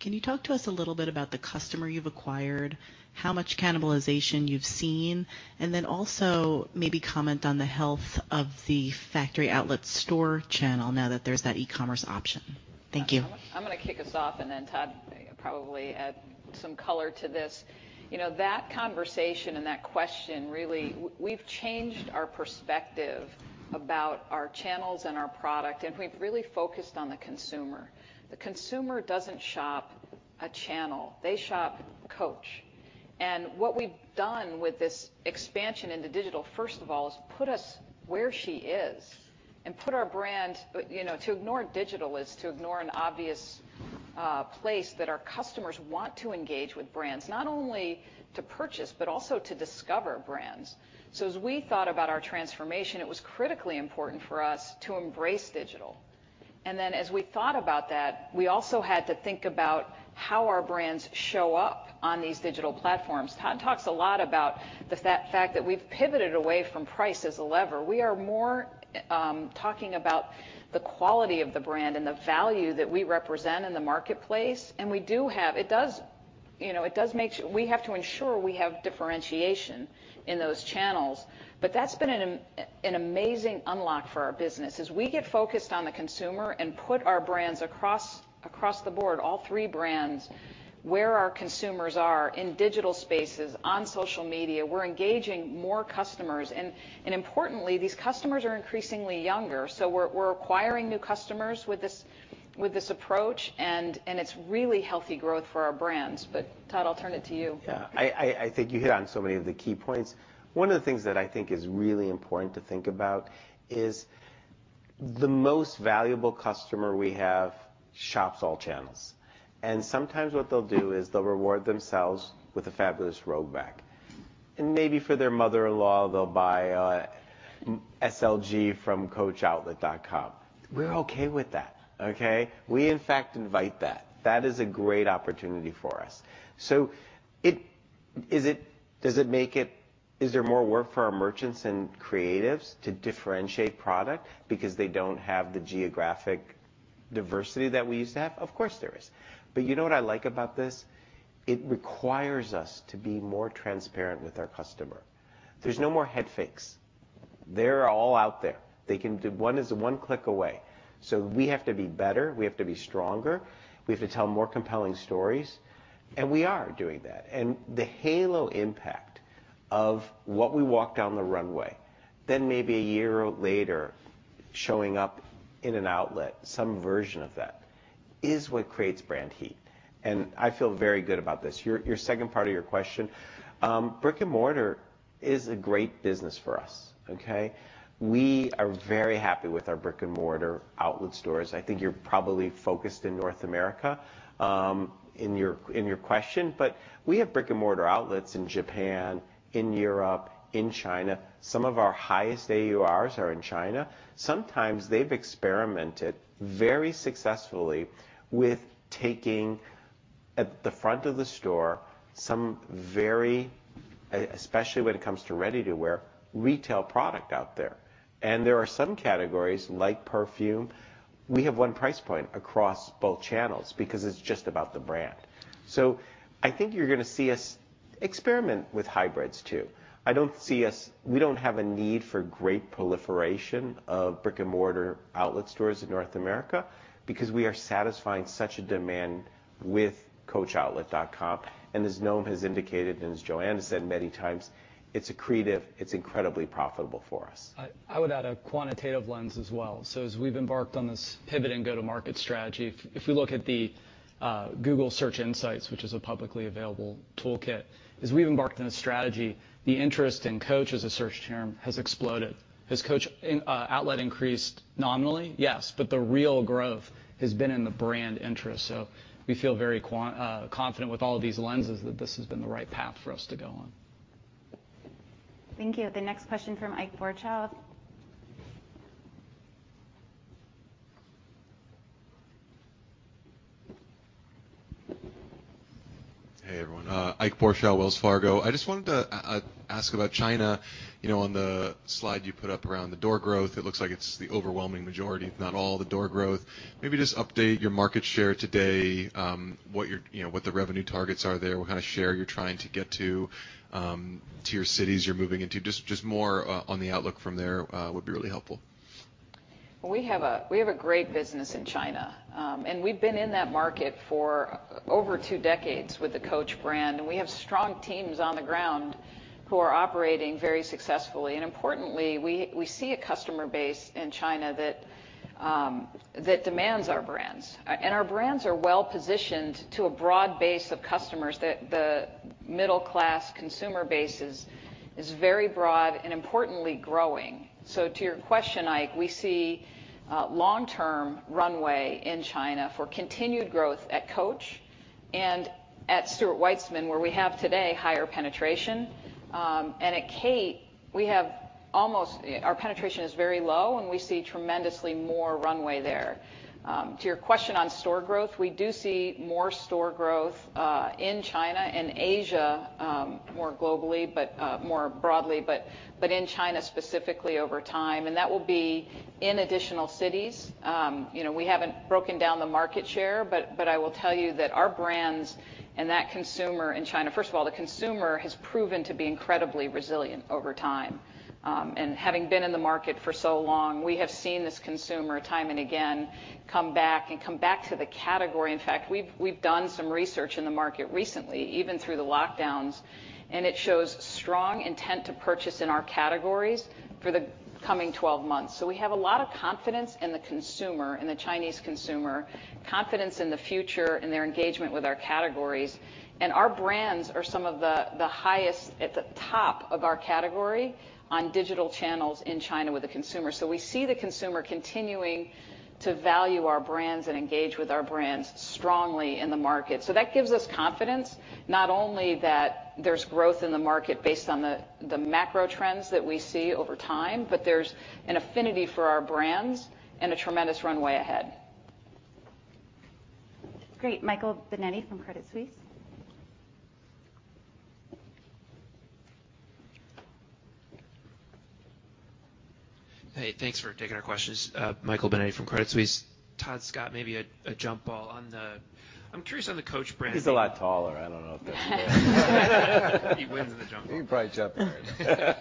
Can you talk to us a little bit about the customer you've acquired, how much cannibalization you've seen, and then also maybe comment on the health of the factory outlet store channel now that there's that e-commerce option? Thank you. I'm gonna kick us off and then Todd probably add some color to this. You know, that conversation and that question really, we've changed our perspective about our channels and our product, and we've really focused on the consumer. The consumer doesn't shop a channel, they shop Coach. What we've done with this expansion into digital, first of all, is put us where she is and put our brand. You know, to ignore digital is to ignore an obvious place that our customers want to engage with brands, not only to purchase, but also to discover brands. As we thought about our transformation, it was critically important for us to embrace digital. Then as we thought about that, we also had to think about how our brands show up on these digital platforms. Todd talks a lot about the fact that we've pivoted away from price as a lever. We are more talking about the quality of the brand and the value that we represent in the marketplace, and we do have. It does make sure we have to ensure we have differentiation in those channels. That's been an amazing unlock for our business. As we get focused on the consumer and put our brands across the board, all three brands, where our consumers are in digital spaces, on social media, we're engaging more customers. Importantly, these customers are increasingly younger, so we're acquiring new customers with this approach, and it's really healthy growth for our brands. Todd, I'll turn it to you. Yeah. I think you hit on so many of the key points. One of the things that I think is really important to think about is the most valuable customer we have shops all channels. Sometimes what they'll do is they'll reward themselves with a fabulous Rogue bag. Maybe for their mother-in-law, they'll buy a SLG from coachoutlet.com. We're okay with that, okay? We, in fact, invite that. That is a great opportunity for us. Is there more work for our merchants and creatives to differentiate product because they don't have the geographic diversity that we used to have? Of course there is. You know what I like about this? It requires us to be more transparent with our customer. There's no more head fakes. They're all out there. They can do one is one click away. We have to be better, we have to be stronger, we have to tell more compelling stories, and we are doing that. The halo impact of what we walk down the runway, then maybe a year later showing up in an outlet, some version of that, is what creates brand heat. I feel very good about this. Your second part of your question, brick-and-mortar is a great business for us, okay? We are very happy with our brick-and-mortar outlet stores. I think you're probably focused in North America, in your question, but we have brick-and-mortar outlets in Japan, in Europe, in China. Some of our highest AURs are in China. Sometimes they've experimented very successfully with taking, at the front of the store, some very, especially when it comes to ready-to-wear, retail product out there. There are some categories, like perfume, we have one price point across both channels because it's just about the brand. I think you're gonna see us experiment with hybrids too. We don't have a need for great proliferation of brick-and-mortar outlet stores in North America because we are satisfying such a demand with coachoutlet.com. As Noam has indicated, and as Joanne has said many times, it's accretive, it's incredibly profitable for us. I would add a quantitative lens as well. As we've embarked on this pivot and go-to-market strategy, if you look at the Google Trends, which is a publicly available toolkit, as we've embarked on a strategy, the interest in Coach as a search term has exploded. Has Coach outlet increased nominally? Yes. The real growth has been in the brand interest. We feel very confident with all these lenses that this has been the right path for us to go on. Thank you. The next question from Ike Boruchow. Hey, everyone. Ike Boruchow, Wells Fargo. I just wanted to ask about China. You know, on the slide you put up around the door growth, it looks like it's the overwhelming majority, if not all the door growth. Maybe just update your market share today, what you're, you know, what the revenue targets are there, what kind of share you're trying to get to, tier cities you're moving into. Just more on the outlook from there would be really helpful. We have a great business in China, and we've been in that market for over two decades with the Coach brand, and we have strong teams on the ground who are operating very successfully. Importantly, we see a customer base in China that demands our brands. Our brands are well-positioned to a broad base of customers that the middle-class consumer base is very broad and importantly growing. To your question, Ike, we see long-term runway in China for continued growth at Coach and at Stuart Weitzman, where we have today higher penetration. At Kate, our penetration is very low, and we see tremendously more runway there. To your question on store growth, we do see more store growth in China and Asia, more globally, but more broadly, but in China specifically over time, and that will be in additional cities. You know, we haven't broken down the market share, but I will tell you that our brands and that consumer in China. First of all, the consumer has proven to be incredibly resilient over time. Having been in the market for so long, we have seen this consumer time and again come back to the category. In fact, we've done some research in the market recently, even through the lockdowns, and it shows strong intent to purchase in our categories for the coming 12 months. We have a lot of confidence in the consumer, in the Chinese consumer, confidence in the future and their engagement with our categories. Our brands are some of the highest at the top of our category on digital channels in China with the consumer. We see the consumer continuing to value our brands and engage with our brands strongly in the market. That gives us confidence, not only that there's growth in the market based on the macro trends that we see over time, but there's an affinity for our brands and a tremendous runway ahead. Great. Michael Binetti from Credit Suisse. Hey, thanks for taking our questions. Michael Binetti from Credit Suisse. Todd, Scott, maybe a jump ball. I'm curious on the Coach brand. He's a lot taller. I don't know if that's fair. He wins in the jump ball. He can probably jump higher.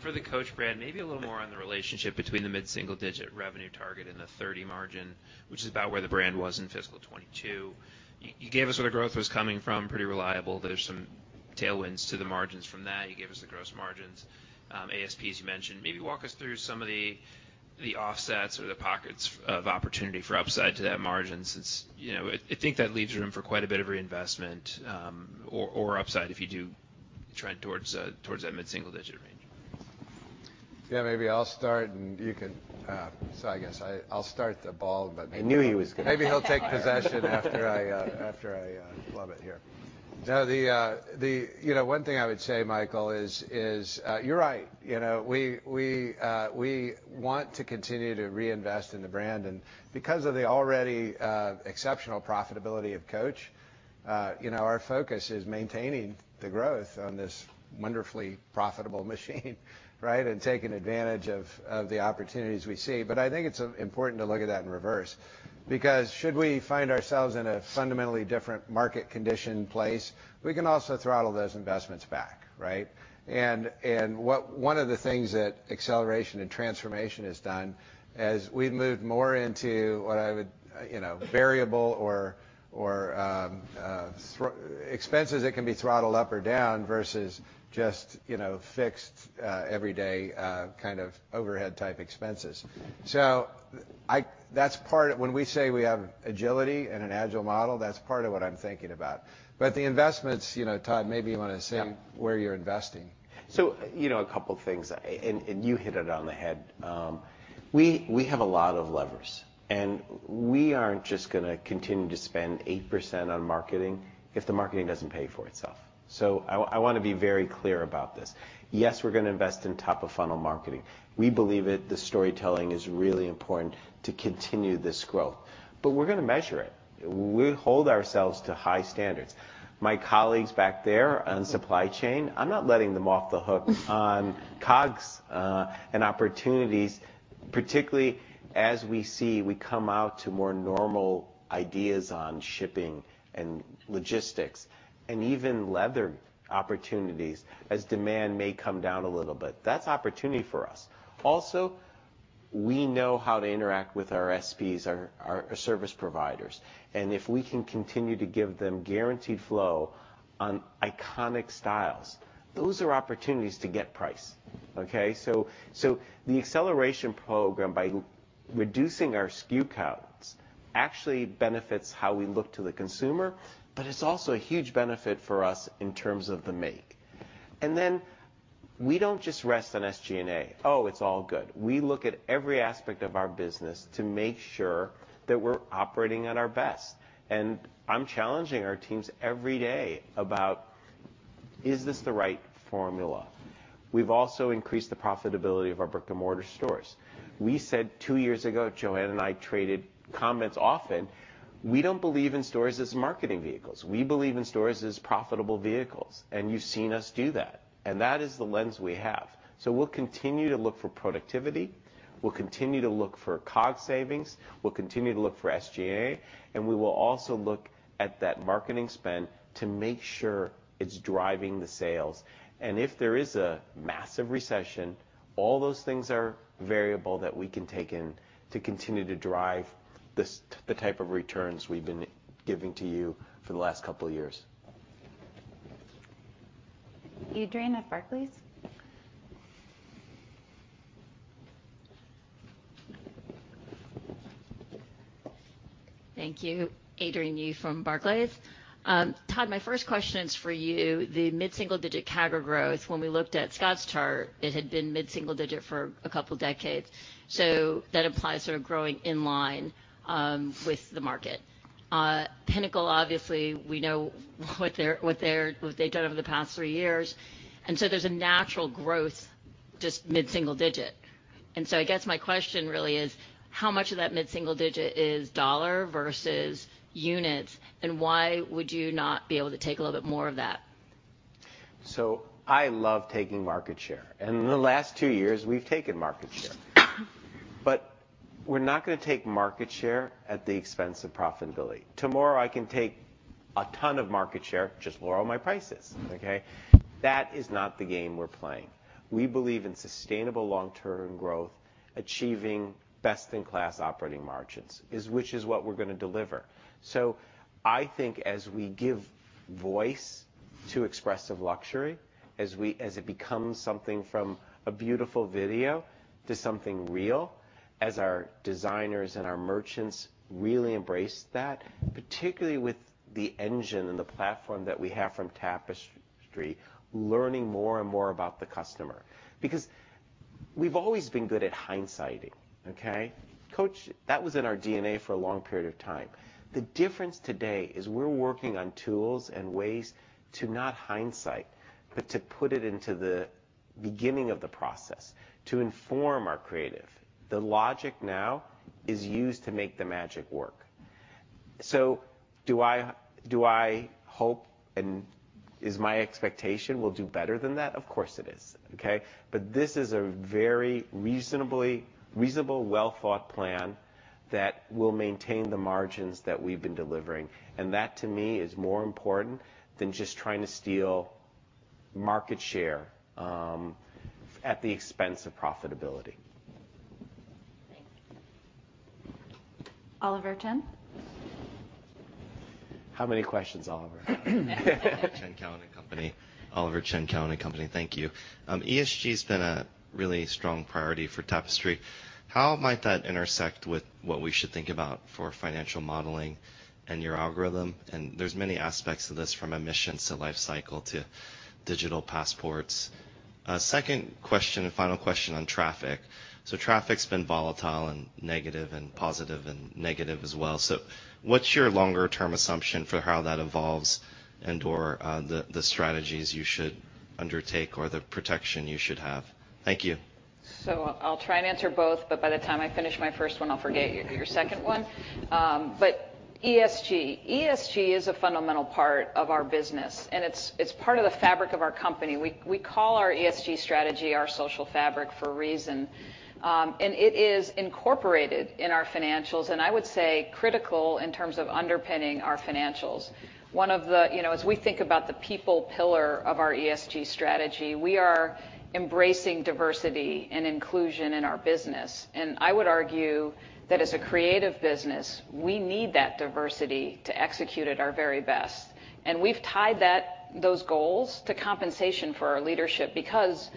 For the Coach brand, maybe a little more on the relationship between the mid-single-digit revenue target and the 30% margin, which is about where the brand was in fiscal 2022. You gave us where the growth was coming from, pretty reliable. There's some tailwinds to the margins from that. You gave us the gross margins, ASPs you mentioned. Maybe walk us through some of the offsets or the pockets of opportunity for upside to that margin since, you know, I think that leaves room for quite a bit of reinvestment, or upside if you do trend towards that mid-single-digit range. Yeah. Maybe I'll start and you can. I guess I'll start the ball rolling, but maybe- I knew he was gonna have to take it. Maybe he'll take possession after I flub it here. You know, one thing I would say, Michael, is you're right. You know, we want to continue to reinvest in the brand. Because of the already exceptional profitability of Coach, you know, our focus is maintaining the growth on this wonderfully profitable machine, right? And taking advantage of the opportunities we see. I think it's important to look at that in reverse because should we find ourselves in a fundamentally different marketplace, we can also throttle those investments back, right? One of the things that acceleration and transformation has done, as we've moved more into what I would... You know, variable or expenses that can be throttled up or down versus just, you know, fixed, every day, kind of overhead type expenses. That's part. When we say we have agility and an agile model, that's part of what I'm thinking about. The investments, you know, Todd, maybe you wanna say- Yeah. ...where you're investing. You know, a couple things. You hit it on the head. We have a lot of levers, and we aren't just gonna continue to spend 8% on marketing if the marketing doesn't pay for itself. I wanna be very clear about this. Yes, we're gonna invest in top-of-funnel marketing. We believe it, the storytelling is really important to continue this growth. But we're gonna measure it. We hold ourselves to high standards. My colleagues back there on supply chain, I'm not letting them off the hook on COGS, and opportunities, particularly as we see we come out to more normal ideas on shipping and logistics and even leather opportunities as demand may come down a little bit. That's opportunity for us. We know how to interact with our SPs, our service providers, and if we can continue to give them guaranteed flow on iconic styles, those are opportunities to get price. Okay? So the Acceleration Program, by reducing our SKU counts, actually benefits how we look to the consumer, but it's also a huge benefit for us in terms of the make. Then we don't just rest on SG&A. "Oh, it's all good." We look at every aspect of our business to make sure that we're operating at our best, and I'm challenging our teams every day about. Is this the right formula? We've also increased the profitability of our brick-and-mortar stores. We said two years ago, Joanne and I traded comments often, we don't believe in stores as marketing vehicles. We believe in stores as profitable vehicles, and you've seen us do that, and that is the lens we have. We'll continue to look for productivity, we'll continue to look for COGS savings, we'll continue to look for SG&A, and we will also look at that marketing spend to make sure it's driving the sales. If there is a massive recession, all those things are variable that we can take in to continue to drive this, the type of returns we've been giving to you for the last couple of years. Adrienne at Barclays. Thank you. Adrienne Yih from Barclays. Todd, my first question is for you. The mid-single-digit CAGR growth, when we looked at Scott's chart, it had been mid-single digit for a couple decades. That implies sort of growing in line with the market. Pinnacle, obviously, we know what they've done over the past three years, and there's a natural growth just mid-single digit. My question really is: how much of that mid-single digit is dollar versus units, and why would you not be able to take a little bit more of that? I love taking market share, and in the last two years, we've taken market share. We're not gonna take market share at the expense of profitability. Tomorrow, I can take a ton of market share, just lower all my prices, okay? That is not the game we're playing. We believe in sustainable long-term growth, achieving best-in-class operating margins, which is what we're gonna deliver. I think as we give voice to expressive luxury, as it becomes something from a beautiful video to something real, as our designers and our merchants really embrace that, particularly with the engine and the platform that we have from Tapestry, learning more and more about the customer. Because we've always been good at hindsighting, okay? Coach, that was in our DNA for a long period of time. The difference today is we're working on tools and ways to not hindsight, but to put it into the beginning of the process, to inform our creative. The logic now is used to make the magic work. So do I hope and is my expectation we'll do better than that? Of course it is, okay? This is a very reasonable, well-thought plan that will maintain the margins that we've been delivering. That, to me, is more important than just trying to steal market share at the expense of profitability. Thank you. Oliver Chen. How many questions, Oliver? Oliver Chen, Cowen and Company. Thank you. ESG's been a really strong priority for Tapestry. How might that intersect with what we should think about for financial modeling and your algorithm? There's many aspects of this, from emissions to life cycle to digital passports. Second question and final question on traffic. Traffic's been volatile and negative and positive and negative as well. What's your longer term assumption for how that evolves and/or, the strategies you should undertake or the protection you should have? Thank you. I'll try and answer both, but by the time I finish my first one, I'll forget your second one. ESG is a fundamental part of our business, and it's part of the fabric of our company. We call our ESG strategy Our Social Fabric for a reason. It is incorporated in our financials, and I would say critical in terms of underpinning our financials. As we think about the people pillar of our ESG strategy, we are embracing diversity and inclusion in our business. I would argue that as a creative business, we need that diversity to execute at our very best. We've tied those goals to compensation for our leadership because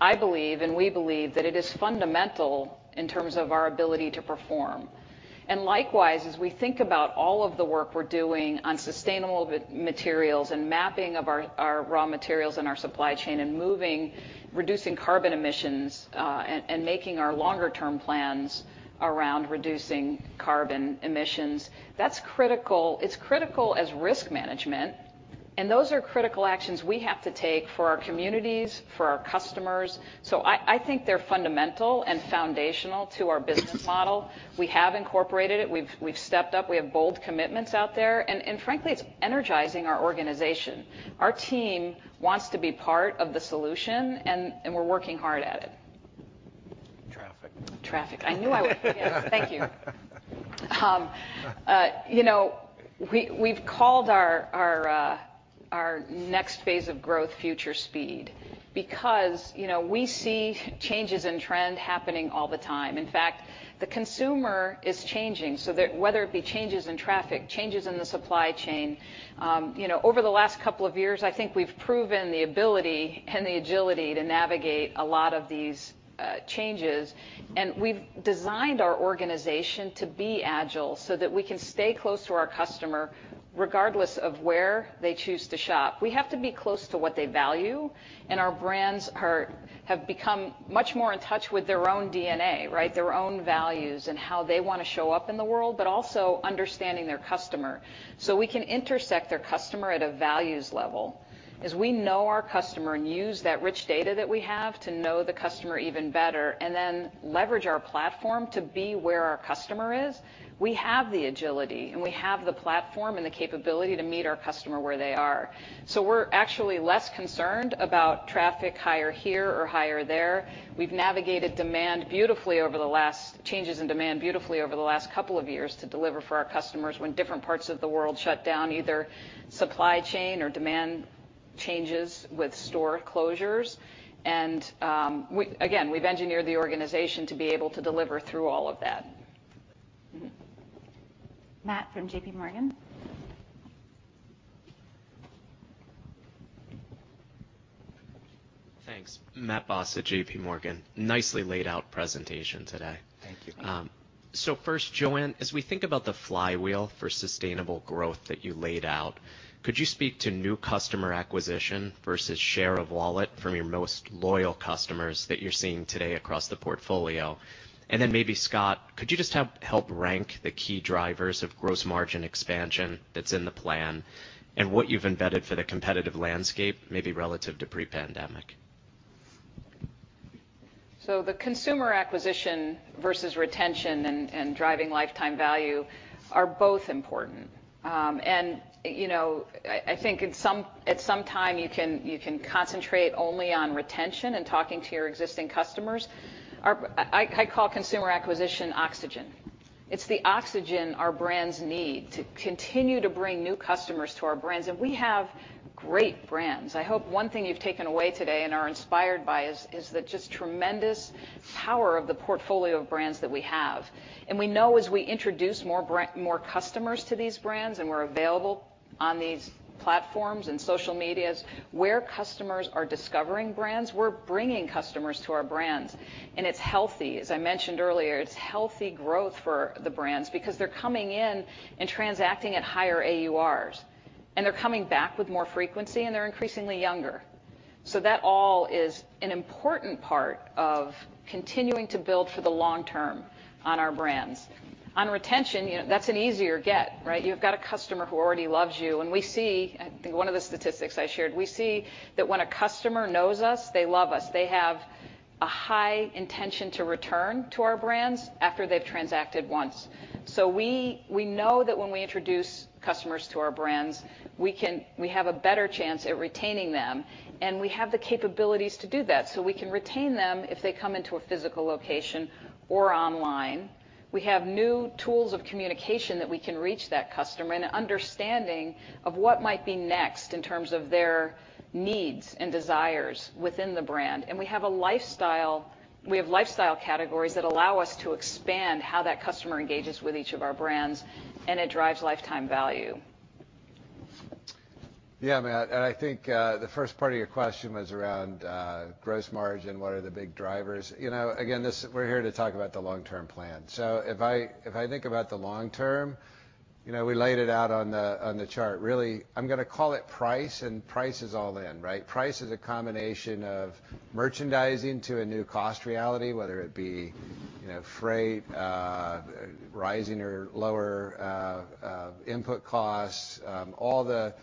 I believe, and we believe, that it is fundamental in terms of our ability to perform. Likewise, as we think about all of the work we're doing on sustainable materials and mapping of our raw materials and our supply chain and reducing carbon emissions, and making our longer term plans around reducing carbon emissions, that's critical. It's critical as risk management, and those are critical actions we have to take for our communities, for our customers. I think they're fundamental and foundational to our business model. We have incorporated it. We've stepped up. We have bold commitments out there. Frankly, it's energizing our organization. Our team wants to be part of the solution, and we're working hard at it. Traffic. Traffic. I knew I would forget. Thank you. You know, we've called our next phase of growth future speed because, you know, we see changes in trend happening all the time. In fact, the consumer is changing, so there, whether it be changes in traffic, changes in the supply chain, you know, over the last couple of years, I think we've proven the ability and the agility to navigate a lot of these changes. We've designed our organization to be agile so that we can stay close to our customer regardless of where they choose to shop. We have to be close to what they value, and our brands have become much more in touch with their own DNA, right? Their own values and how they wanna show up in the world, but also understanding their customer. We can intersect their customer at a values level, as we know our customer and use that rich data that we have to know the customer even better, and then leverage our platform to be where our customer is. We have the agility, and we have the platform and the capability to meet our customer where they are. We're actually less concerned about traffic higher here or higher there. We've navigated changes in demand beautifully over the last couple of years to deliver for our customers when different parts of the world shut down, either supply chain or demand changes with store closures. Again, we've engineered the organization to be able to deliver through all of that. Matt Boss from JPMorgan. Thanks. Matt Boss at JPMorgan. Nicely laid out presentation today. Thank you. First, Joanne, as we think about the flywheel for sustainable growth that you laid out, could you speak to new customer acquisition versus share of wallet from your most loyal customers that you're seeing today across the portfolio? Maybe Scott, could you just help rank the key drivers of gross margin expansion that's in the plan and what you've embedded for the competitive landscape, maybe relative to pre-pandemic? The consumer acquisition versus retention and driving lifetime value are both important. You know, I think at some time you can concentrate only on retention and talking to your existing customers. I call consumer acquisition oxygen. It's the oxygen our brands need to continue to bring new customers to our brands. We have great brands. I hope one thing you've taken away today and are inspired by is the just tremendous power of the portfolio of brands that we have. We know as we introduce more customers to these brands, and we're available on these platforms and social media, where customers are discovering brands, we're bringing customers to our brands. It's healthy. As I mentioned earlier, it's healthy growth for the brands because they're coming in and transacting at higher AURs. They're coming back with more frequency, and they're increasingly younger. That all is an important part of continuing to build for the long term on our brands. On retention, you know, that's an easier get, right? You've got a customer who already loves you, and we see. I think one of the statistics I shared, we see that when a customer knows us, they love us. They have a high intention to return to our brands after they've transacted once. We know that when we introduce customers to our brands, we have a better chance at retaining them, and we have the capabilities to do that. We can retain them if they come into a physical location or online. We have new tools of communication that we can reach that customer and an understanding of what might be next in terms of their needs and desires within the brand. We have lifestyle categories that allow us to expand how that customer engages with each of our brands, and it drives lifetime value. Yeah, Matt, and I think the first part of your question was around gross margin, what are the big drivers? You know, again, this, we're here to talk about the long-term plan. If I think about the long term, you know, we laid it out on the chart. Really, I'm gonna call it price, and price is all in, right? Price is a combination of merchandising to a new cost reality, whether it be, you know, freight, rising or lower, input costs, all the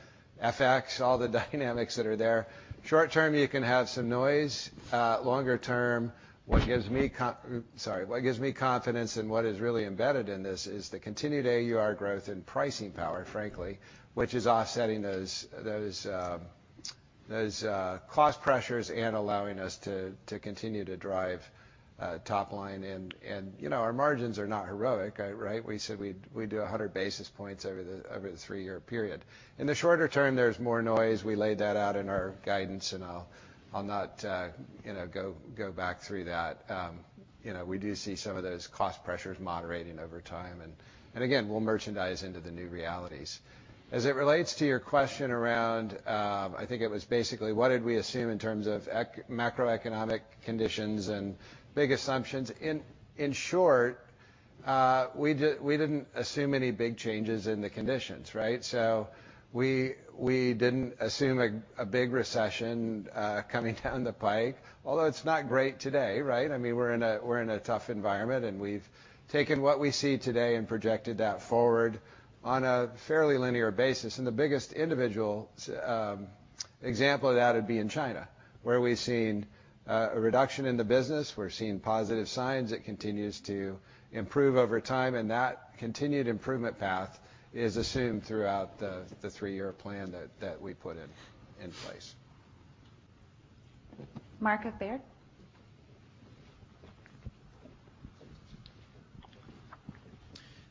FX, all the dynamics that are there. Short term, you can have some noise. Longer term, what gives me con... Sorry, what gives me confidence and what is really embedded in this is the continued AUR growth and pricing power, frankly, which is offsetting those cost pressures and allowing us to continue to drive top line. You know, our margins are not heroic, right? We said we'd do 100 basis points over the three-year period. In the shorter term, there's more noise. We laid that out in our guidance, and I'll not, you know, go back through that. You know, we do see some of those cost pressures moderating over time. Again, we'll merchandise into the new realities. As it relates to your question around, I think it was basically what did we assume in terms of macroeconomic conditions and big assumptions, in short, we didn't assume any big changes in the conditions, right? We didn't assume a big recession coming down the pike, although it's not great today, right? I mean, we're in a tough environment, and we've taken what we see today and projected that forward on a fairly linear basis. The biggest individual example of that would be in China, where we've seen a reduction in the business. We're seeing positive signs. It continues to improve over time, and that continued improvement path is assumed throughout the three-year plan that we put in place. Mark at Baird.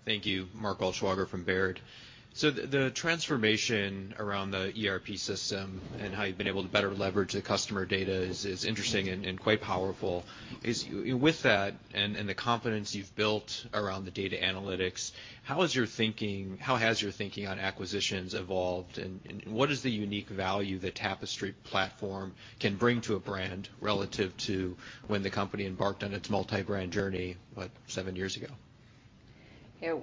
Thank you. Mark Altschwager from Baird. The transformation around the ERP system and how you've been able to better leverage the customer data is interesting and quite powerful. With that and the confidence you've built around the data analytics, how has your thinking on acquisitions evolved, and what is the unique value that Tapestry platform can bring to a brand relative to when the company embarked on its multi-brand journey, what seven years ago?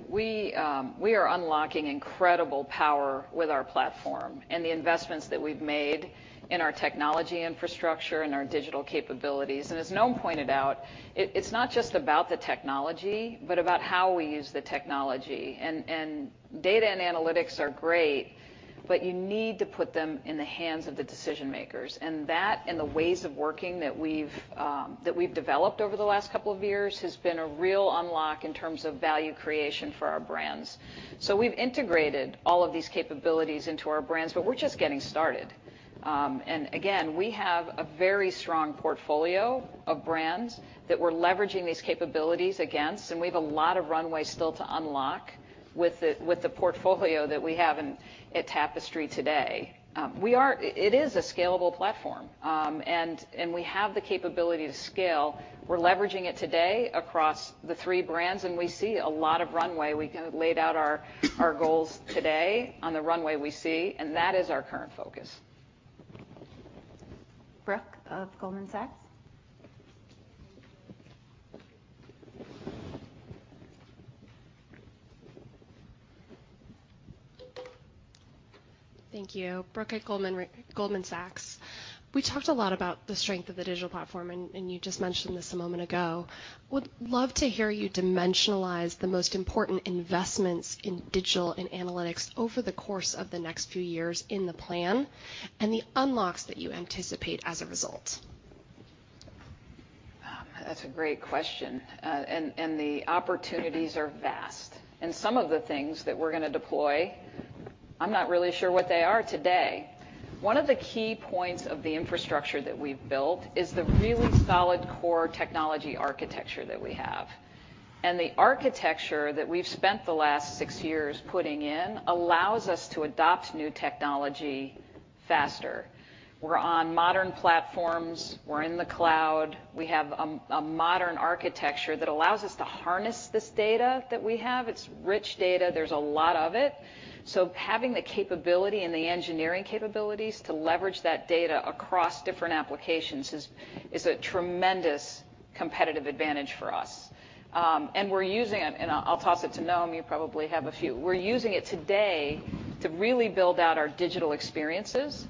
We are unlocking incredible power with our platform and the investments that we've made in our technology infrastructure and our digital capabilities. As Noam pointed out, it's not just about the technology, but about how we use the technology. Data and analytics are great, but you need to put them in the hands of the decision makers. The ways of working that we've developed over the last couple of years has been a real unlock in terms of value creation for our brands. We've integrated all of these capabilities into our brands, but we're just getting started. We have a very strong portfolio of brands that we're leveraging these capabilities against, and we have a lot of runway still to unlock with the portfolio that we have at Tapestry today. It is a scalable platform. We have the capability to scale. We're leveraging it today across the three brands, and we see a lot of runway. We laid out our goals today on the runway we see, and that is our current focus. Brooke of Goldman Sachs. Thank you. Brooke at Goldman Sachs. We talked a lot about the strength of the digital platform, and you just mentioned this a moment ago. Would love to hear you dimensionalize the most important investments in digital and analytics over the course of the next few years in the plan, and the unlocks that you anticipate as a result. That's a great question. The opportunities are vast. Some of the things that we're gonna deploy, I'm not really sure what they are today. One of the key points of the infrastructure that we've built is the really solid core technology architecture that we have. The architecture that we've spent the last six years putting in allows us to adopt new technology faster. We're on modern platforms, we're in the cloud. We have a modern architecture that allows us to harness this data that we have. It's rich data. There's a lot of it. So having the capability and the engineering capabilities to leverage that data across different applications is a tremendous competitive advantage for us. We're using it, and I'll toss it to Noam. You probably have a few. We're using it today to really build out our digital experiences,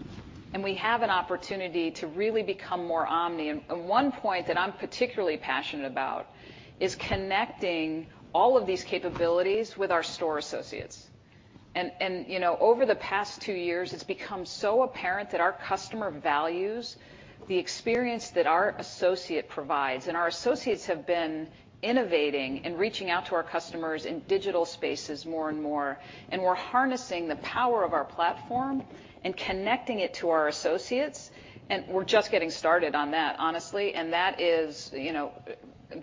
and we have an opportunity to really become more omni. One point that I'm particularly passionate about is connecting all of these capabilities with our store associates. You know, over the past two years, it's become so apparent that our customer values the experience that our associate provides. Our associates have been innovating and reaching out to our customers in digital spaces more and more, and we're harnessing the power of our platform and connecting it to our associates, and we're just getting started on that, honestly. That is, you know,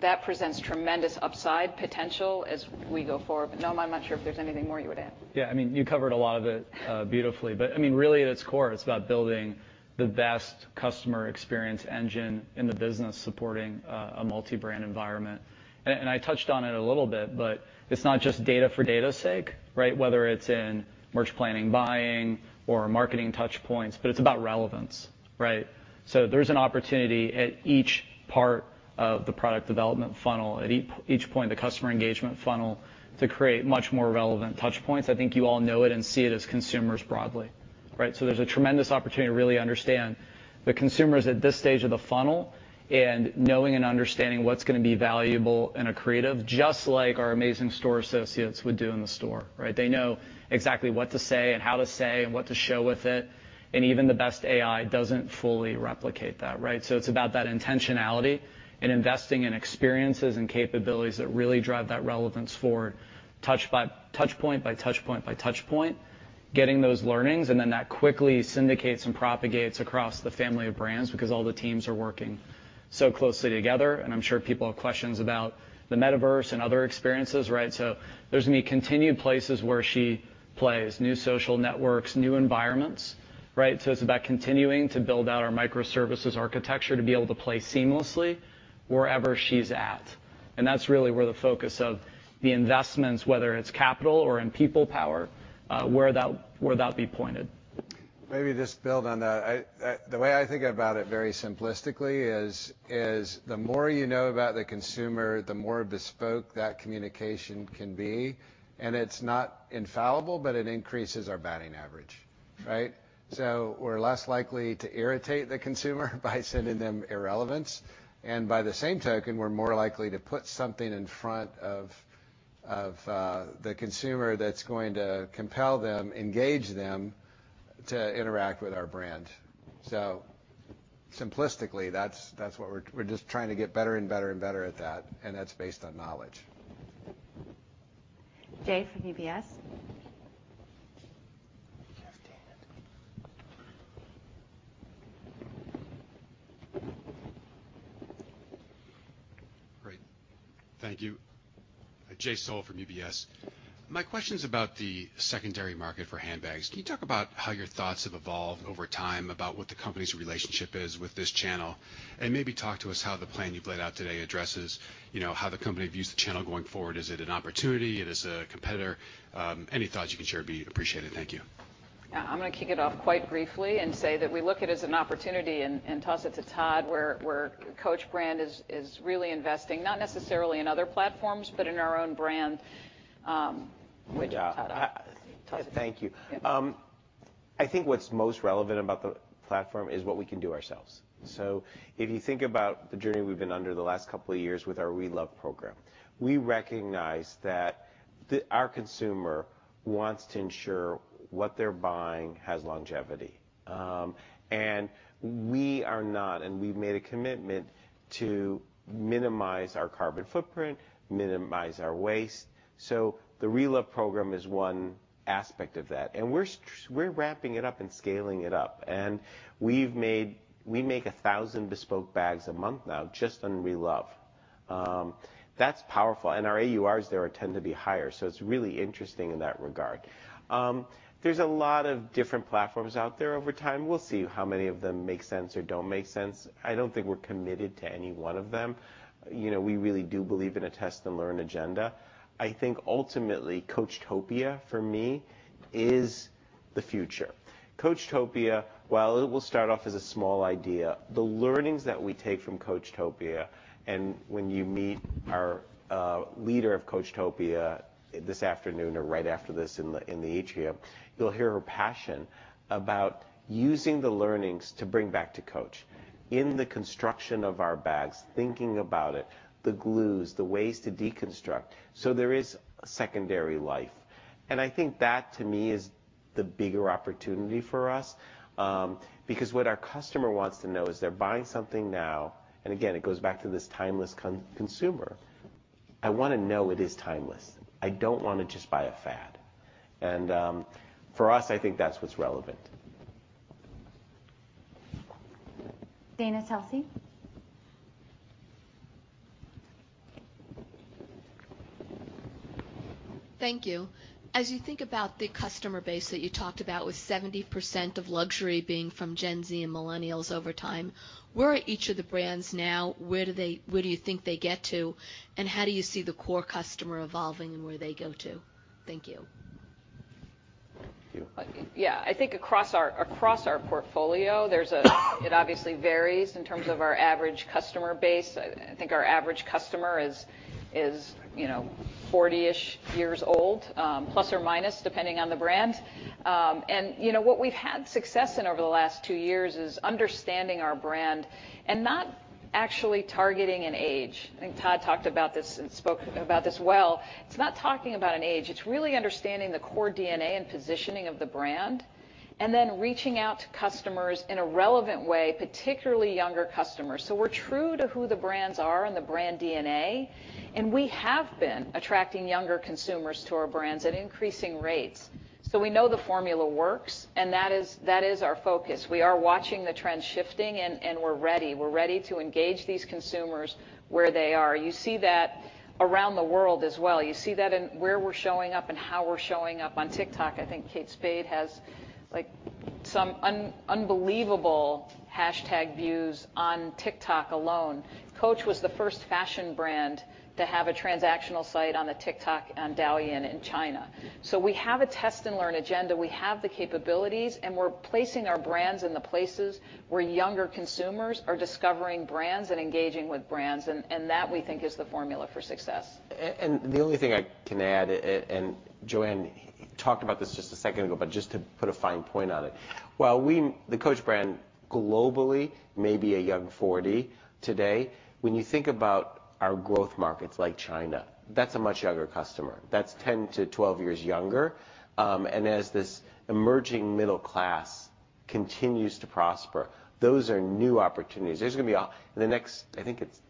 that presents tremendous upside potential as we go forward. Noam, I'm not sure if there's anything more you would add. Yeah. I mean, you covered a lot of it, beautifully. I mean, really, at its core, it's about building the best customer engagement engine in the business supporting a multi-brand environment. I touched on it a little bit, but it's not just data for data's sake, right? Whether it's in merch planning buying or marketing touchpoints, it's about relevance, right? There's an opportunity at each part of the product development funnel, at each point of the customer engagement funnel, to create much more relevant touchpoints. I think you all know it and see it as consumers broadly, right? There's a tremendous opportunity to really understand the consumers at this stage of the funnel and knowing and understanding what's gonna be valuable in a creative, just like our amazing store associates would do in the store, right? They know exactly what to say and how to say and what to show with it, and even the best AI doesn't fully replicate that, right? It's about that intentionality and investing in experiences and capabilities that really drive that relevance forward touch by touch point by touch point by touch point, getting those learnings, and then that quickly syndicates and propagates across the family of brands because all the teams are working so closely together, and I'm sure people have questions about the metaverse and other experiences, right? There's gonna be continued places where she plays. New social networks, new environments, right? It's about continuing to build out our microservices architecture to be able to play seamlessly wherever she's at, and that's really where the focus of the investments, whether it's capital or in people power, where that'll be pointed. Maybe just build on that. The way I think about it very simplistically is the more you know about the consumer, the more bespoke that communication can be, and it's not infallible, but it increases our batting average, right? We're less likely to irritate the consumer by sending them irrelevance, and by the same token, we're more likely to put something in front of the consumer that's going to compel them, engage them to interact with our brand. Simplistically, we're just trying to get better and better and better at that, and that's based on knowledge. Jay Sole from UBS. Jeff, damn it. Great. Thank you. Jay Sole from UBS. My question's about the secondary market for handbags. Can you talk about how your thoughts have evolved over time about what the company's relationship is with this channel, and maybe talk to us how the plan you've laid out today addresses, you know, how the company views the channel going forward. Is it an opportunity? It is a competitor? Any thoughts you can share would be appreciated. Thank you. Yeah. I'm gonna kick it off quite briefly and say that we look at it as an opportunity and toss it to Todd, where Coach brand is really investing, not necessarily in other platforms, but in our own brand. Wave to Todd. Yeah. Thank you. Yeah. I think what's most relevant about the platform is what we can do ourselves. If you think about the journey we've been under the last couple of years with our (Re)Loved program, we recognize that our consumer wants to ensure what they're buying has longevity. We've made a commitment to minimize our carbon footprint, minimize our waste, so the (Re)Loved program is one aspect of that. We're ramping it up and scaling it up. We make 1,000 bespoke bags a month now just on (Re)Loved. That's powerful. Our AURs there tend to be higher, so it's really interesting in that regard. There's a lot of different platforms out there over time. We'll see how many of them make sense or don't make sense. I don't think we're committed to any one of them. You know, we really do believe in a test and learn agenda. I think ultimately Coachtopia, for me, is the future. Coachtopia, while it will start off as a small idea, the learnings that we take from Coachtopia, and when you meet our leader of Coachtopia this afternoon or right after this in the atrium, you'll hear her passion about using the learnings to bring back to Coach. In the construction of our bags, thinking about it, the glues, the ways to deconstruct, so there is secondary life. I think that, to me, is the bigger opportunity for us, because what our customer wants to know is they're buying something now. Again, it goes back to this timeless consumer. I wanna know it is timeless. I don't wanna just buy a fad. For us, I think that's what's relevant. Dana Telsey. Thank you. As you think about the customer base that you talked about, with 70% of luxury being from Gen Z and millennials over time, where are each of the brands now, where do you think they get to, and how do you see the core customer evolving and where they go to? Thank you. You. Yeah. I think across our portfolio, there's. It obviously varies in terms of our average customer base. I think our average customer is you know 40-ish years old plus or minus depending on the brand. And you know what we've had success in over the last 2 years is understanding our brand and not actually targeting an age. I think Todd talked about this and spoke about this well. It's not talking about an age. It's really understanding the core DNA and positioning of the brand and then reaching out to customers in a relevant way particularly younger customers. We're true to who the brands are and the brand DNA and we have been attracting younger consumers to our brands at increasing rates. We know the formula works and that is our focus. We are watching the trends shifting, and we're ready to engage these consumers where they are. You see that around the world as well. You see that in where we're showing up and how we're showing up. On TikTok, I think Kate Spade has, like, some unbelievable hashtag views on TikTok alone. Coach was the first fashion brand to have a transactional site on the TikTok and Douyin in China. We have a test-and-learn agenda. We have the capabilities, and we're placing our brands in the places where younger consumers are discovering brands and engaging with brands. That, we think, is the formula for success. The only thing I can add, and Joanne talked about this just a second ago, but just to put a fine point on it. While we, the Coach brand globally may be a young forty today, when you think about our growth markets like China, that's a much younger customer. That's 10 years to 12 years younger. And as this emerging middle class continues to prosper, those are new opportunities. There's gonna be in the next, I think it's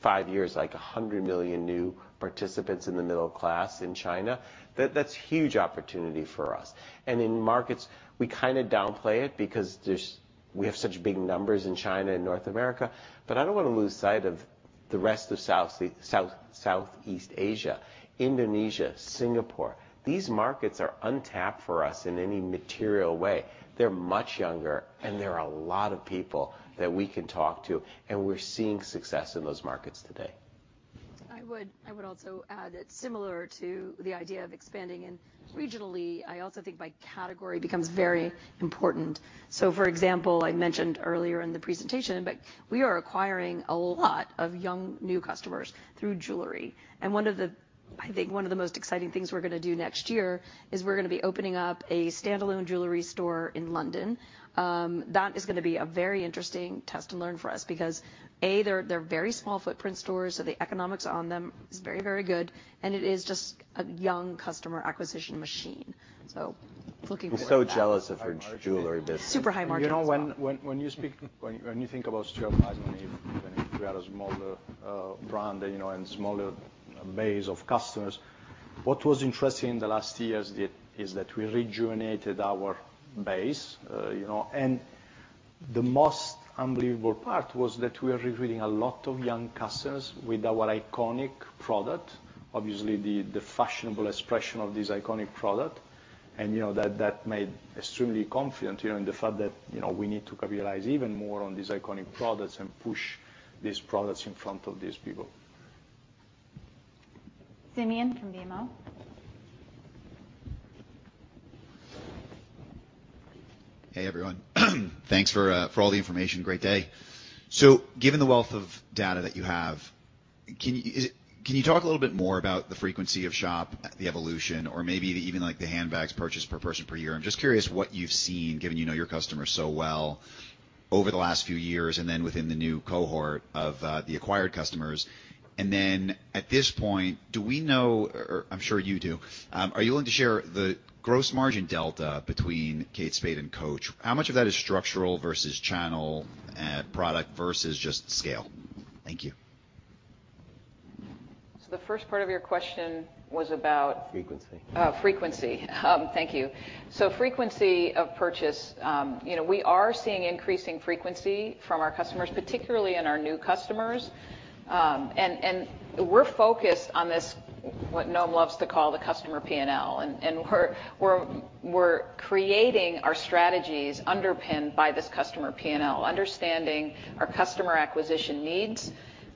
5 years, like 100 million new participants in the middle class in China. That's huge opportunity for us. In markets, we kinda downplay it because we have such big numbers in China and North America, but I don't wanna lose sight of the rest of Southeast Asia, Indonesia, Singapore. These markets are untapped for us in any material way. They're much younger, and there are a lot of people that we can talk to, and we're seeing success in those markets today. I would also add that similar to the idea of expanding and regionally, I also think by category becomes very important. For example, I mentioned earlier in the presentation, but we are acquiring a lot of young, new customers through jewelry. One of the most exciting things we're gonna do next year is we're gonna be opening up a standalone jewelry store in London. That is gonna be a very interesting test and learn for us because, A, they're very small footprint stores, so the economics on them is very, very good, and it is just a young customer acquisition machine. Looking forward to that. I'm so jealous of her jewelry business. Super high margins as well. You know, when you speak, when you think about strategizing, even when you have a smaller brand, you know, and smaller base of customers, what was interesting in the last years is that we rejuvenated our base. You know, and the most unbelievable part was that we are recruiting a lot of young customers with our iconic product, obviously the fashionable expression of this iconic product. You know, that made extremely confident, you know, in the fact that, you know, we need to capitalize even more on these iconic products and push these products in front of these people. Simeon from BMO. Hey, everyone. Thanks for all the information. Great day. Given the wealth of data that you have, can you talk a little bit more about the frequency of shopping, the evolution or maybe even, like, the handbags purchased per person per year? I'm just curious what you've seen, given you know your customers so well, over the last few years, and then within the new cohort of the acquired customers. At this point, do we know, or I'm sure you do, are you willing to share the gross margin delta between Kate Spade and Coach? How much of that is structural versus channel and product versus just scale? Thank you. The first part of your question was about. Frequency. Oh, frequency. Thank you. Frequency of purchase, you know, we are seeing increasing frequency from our customers, particularly in our new customers. We're focused on this, what Noam loves to call the customer P&L. We're creating our strategies underpinned by this customer P&L, understanding our customer acquisition needs,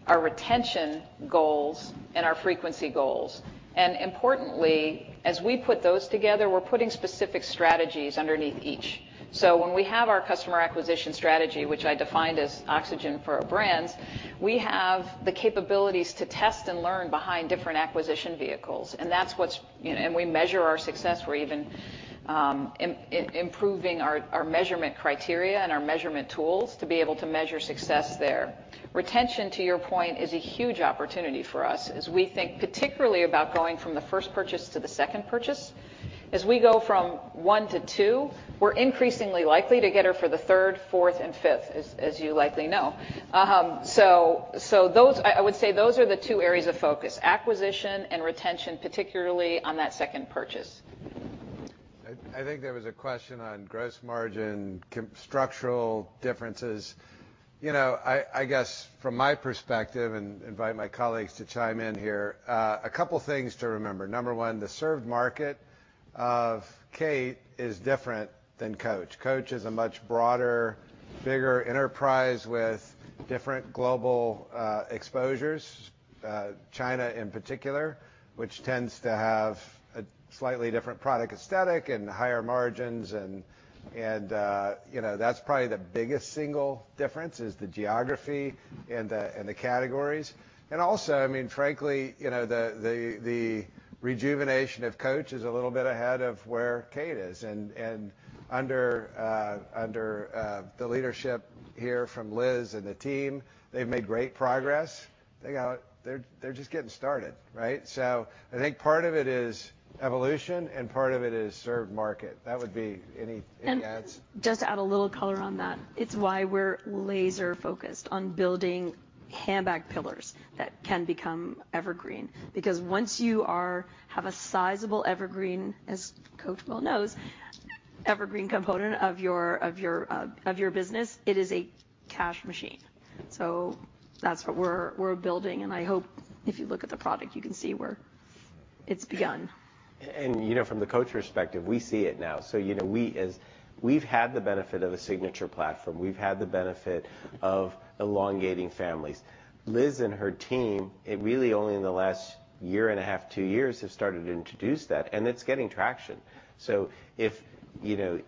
our retention goals, and our frequency goals. Importantly, as we put those together, we're putting specific strategies underneath each. When we have our customer acquisition strategy, which I defined as oxygen for our brands, we have the capabilities to test and learn behind different acquisition vehicles. That's what's, you know. We measure our success. We're even improving our measurement criteria and our measurement tools to be able to measure success there. Retention, to your point, is a huge opportunity for us as we think particularly about going from the first purchase to the second purchase. As we go from one to two, we're increasingly likely to get her for the third, fourth, and fifth, as you likely know. Those, I would say, are the two areas of focus, acquisition and retention, particularly on that second purchase. I think there was a question on gross margin structural differences. You know, I guess from my perspective, and invite my colleagues to chime in here, a couple things to remember. Number one, the served market of Kate is different than Coach. Coach is a much broader, bigger enterprise with different global exposures, China in particular, which tends to have a slightly different product aesthetic and higher margins and, you know, that's probably the biggest single difference is the geography and the categories. Also, I mean, frankly, you know, the rejuvenation of Coach is a little bit ahead of where Kate is. Under the leadership here from Liz and the team, they've made great progress. They're just getting started, right? I think part of it is evolution and part of it is served market. That would be any adds? Just to add a little color on that. It's why we're laser focused on building handbag pillars that can become evergreen. Because once you have a sizable evergreen, as Coach well knows, evergreen component of your business, it is a cash machine. That's what we're building, and I hope if you look at the product, you can see where it's begun. You know, from the Coach perspective, we see it now. You know, we've had the benefit of a signature platform. We've had the benefit of elongating families. Liz and her team, it really only in the last year and a half, two years have started to introduce that, and it's getting traction. If you know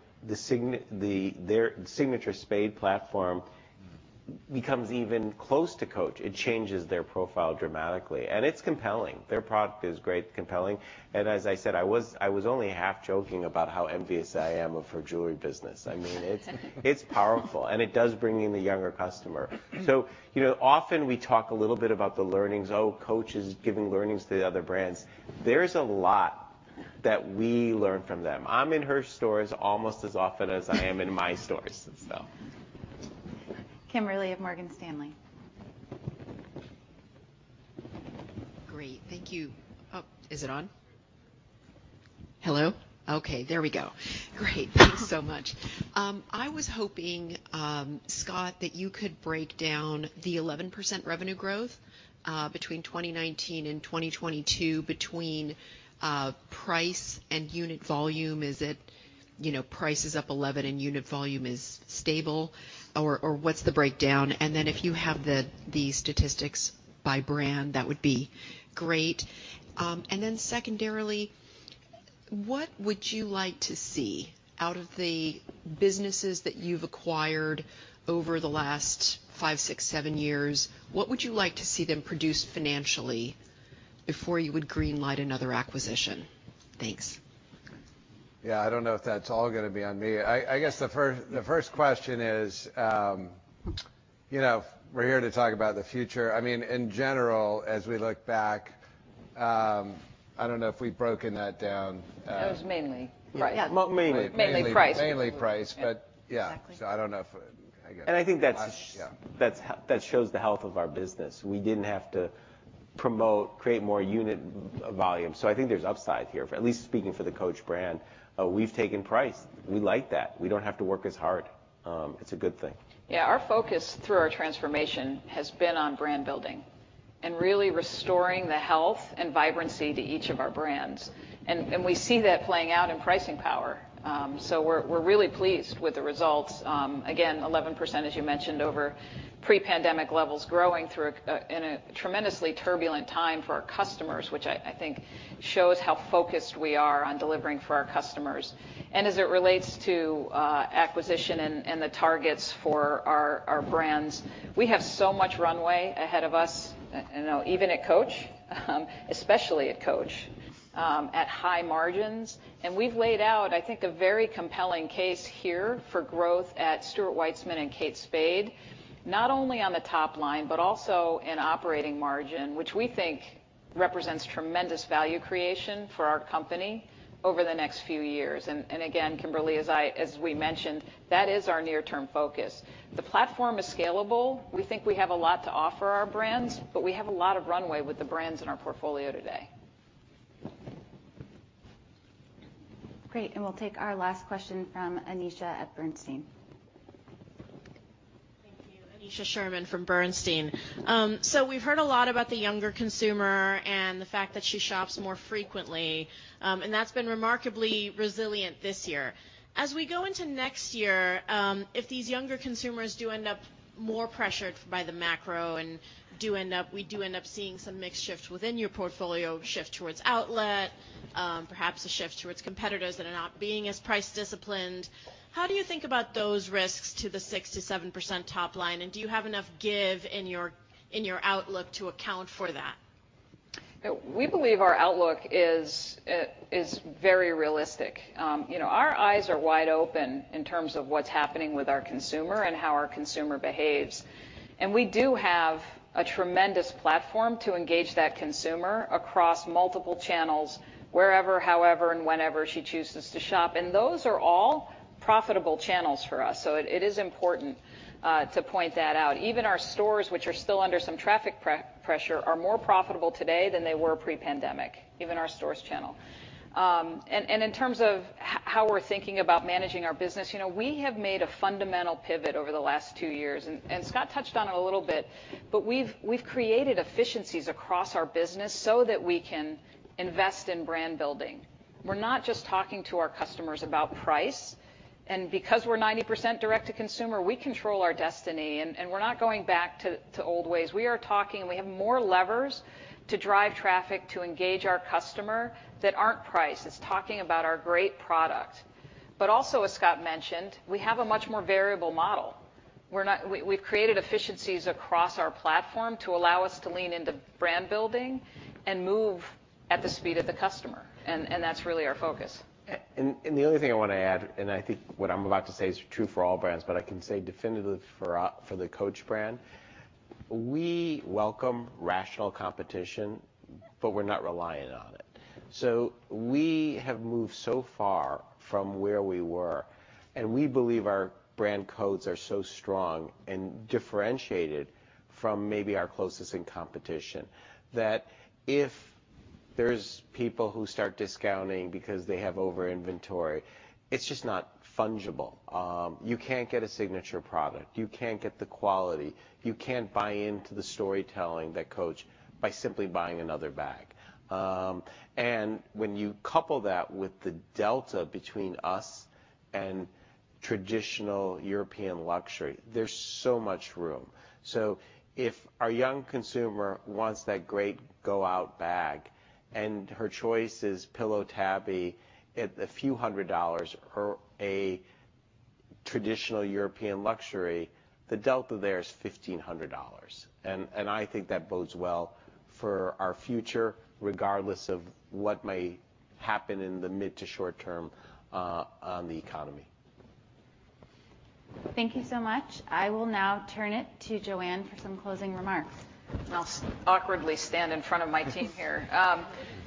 the their signature Spade platform becomes even close to Coach, it changes their profile dramatically, and it's compelling. Their product is great, compelling. As I said, I was only half joking about how envious I am of her jewelry business. I mean, it's powerful, and it does bring in the younger customer. You know, often we talk a little bit about the learnings, "Oh, Coach is giving learnings to the other brands." There's a lot that we learn from them. I'm in her stores almost as often as I am in my stores, so. Kimberly of Morgan Stanley. I was hoping, Scott, that you could break down the 11% revenue growth between 2019 and 2022 between price and unit volume. Is it, you know, price is up 11% and unit volume is stable? Or what's the breakdown? Then if you have the statistics by brand, that would be great. Secondarily, what would you like to see out of the businesses that you've acquired over the last 5 years, 6 years, 7 years? What would you like to see them produce financially before you would green-light another acquisition? Thanks. Yeah, I don't know if that's all gonna be on me. I guess the first question is, you know, we're here to talk about the future. I mean, in general, as we look back, I don't know if we've broken that down. It was mainly price. Yeah. Mainly. Mainly price. Mainly price. Yeah. Exactly. I don't know if I guess. I think that's. Yeah. That shows the health of our business. We didn't have to promote, create more unit volume. I think there's upside here, at least speaking for the Coach brand. We've taken price. We like that. We don't have to work as hard. It's a good thing. Yeah. Our focus through our transformation has been on brand building and really restoring the health and vibrancy to each of our brands. We see that playing out in pricing power. We're really pleased with the results. Again, 11%, as you mentioned, over pre-pandemic levels growing through a tremendously turbulent time for our customers, which I think shows how focused we are on delivering for our customers. As it relates to acquisition and the targets for our brands, we have so much runway ahead of us, you know, even at Coach, especially at Coach, at high margins. We've laid out, I think, a very compelling case here for growth at Stuart Weitzman and Kate Spade, not only on the top line, but also in operating margin, which we think represents tremendous value creation for our company over the next few years. Again, Kimberly, as we mentioned, that is our near-term focus. The platform is scalable. We think we have a lot to offer our brands, but we have a lot of runway with the brands in our portfolio today. Great. We'll take our last question from Aneesha at Bernstein. Thank you. Aneesha Sherman from Bernstein. So we've heard a lot about the younger consumer and the fact that she shops more frequently. That's been remarkably resilient this year. As we go into next year, if these younger consumers do end up more pressured by the macro- We do end up seeing some mix shift within your portfolio, shift towards outlet, perhaps a shift towards competitors that are not being as price disciplined. How do you think about those risks to the 6%-7% top line, and do you have enough give in your outlook to account for that? We believe our outlook is very realistic. You know, our eyes are wide open in terms of what's happening with our consumer and how our consumer behaves. We do have a tremendous platform to engage that consumer across multiple channels, wherever, however, and whenever she chooses to shop. Those are all profitable channels for us, so it is important to point that out. Even our stores, which are still under some traffic pressure, are more profitable today than they were pre-pandemic, even our stores channel. In terms of how we're thinking about managing our business, you know, we have made a fundamental pivot over the last two years, and Scott touched on it a little bit. We've created efficiencies across our business so that we can invest in brand building. We're not just talking to our customers about price. Because we're 90% direct to consumer, we control our destiny, and we're not going back to old ways. We are talking. We have more levers to drive traffic, to engage our customer that aren't price. It's talking about our great product. Also, as Scott mentioned, we have a much more variable model. We've created efficiencies across our platform to allow us to lean into brand building and move at the speed of the customer. That's really our focus. The other thing I wanna add, I think what I'm about to say is true for all brands, but I can say definitively for the Coach brand. We welcome rational competition, but we're not reliant on it. We have moved so far from where we were, and we believe our brand codes are so strong and differentiated from maybe our closest competitors, that if there's people who start discounting because they have over-inventory, it's just not fungible. You can't get a signature product. You can't get the quality. You can't buy into the storytelling that Coach by simply buying another bag. When you couple that with the delta between us and traditional European luxury, there's so much room. If our young consumer wants that great go out bag and her choice is Pillow Tabby at a few hundred dollars or a traditional European luxury, the delta there is $1,500. I think that bodes well for our future, regardless of what may happen in the mid- to short-term, on the economy. Thank you so much. I will now turn it to Joanne for some closing remarks. I'll awkwardly stand in front of my team here.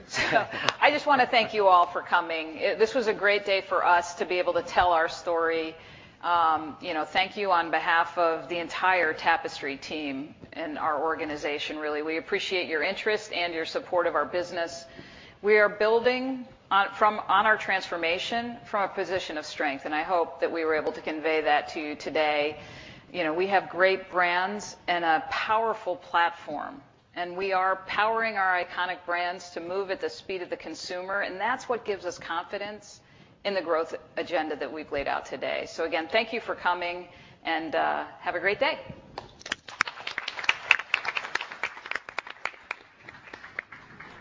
So I just wanna thank you all for coming. This was a great day for us to be able to tell our story. You know, thank you on behalf of the entire Tapestry team and our organization, really. We appreciate your interest and your support of our business. We are building on our transformation from a position of strength, and I hope that we were able to convey that to you today. You know, we have great brands and a powerful platform, and we are powering our iconic brands to move at the speed of the consumer, and that's what gives us confidence in the growth agenda that we've laid out today. Again, thank you for coming, and have a great day.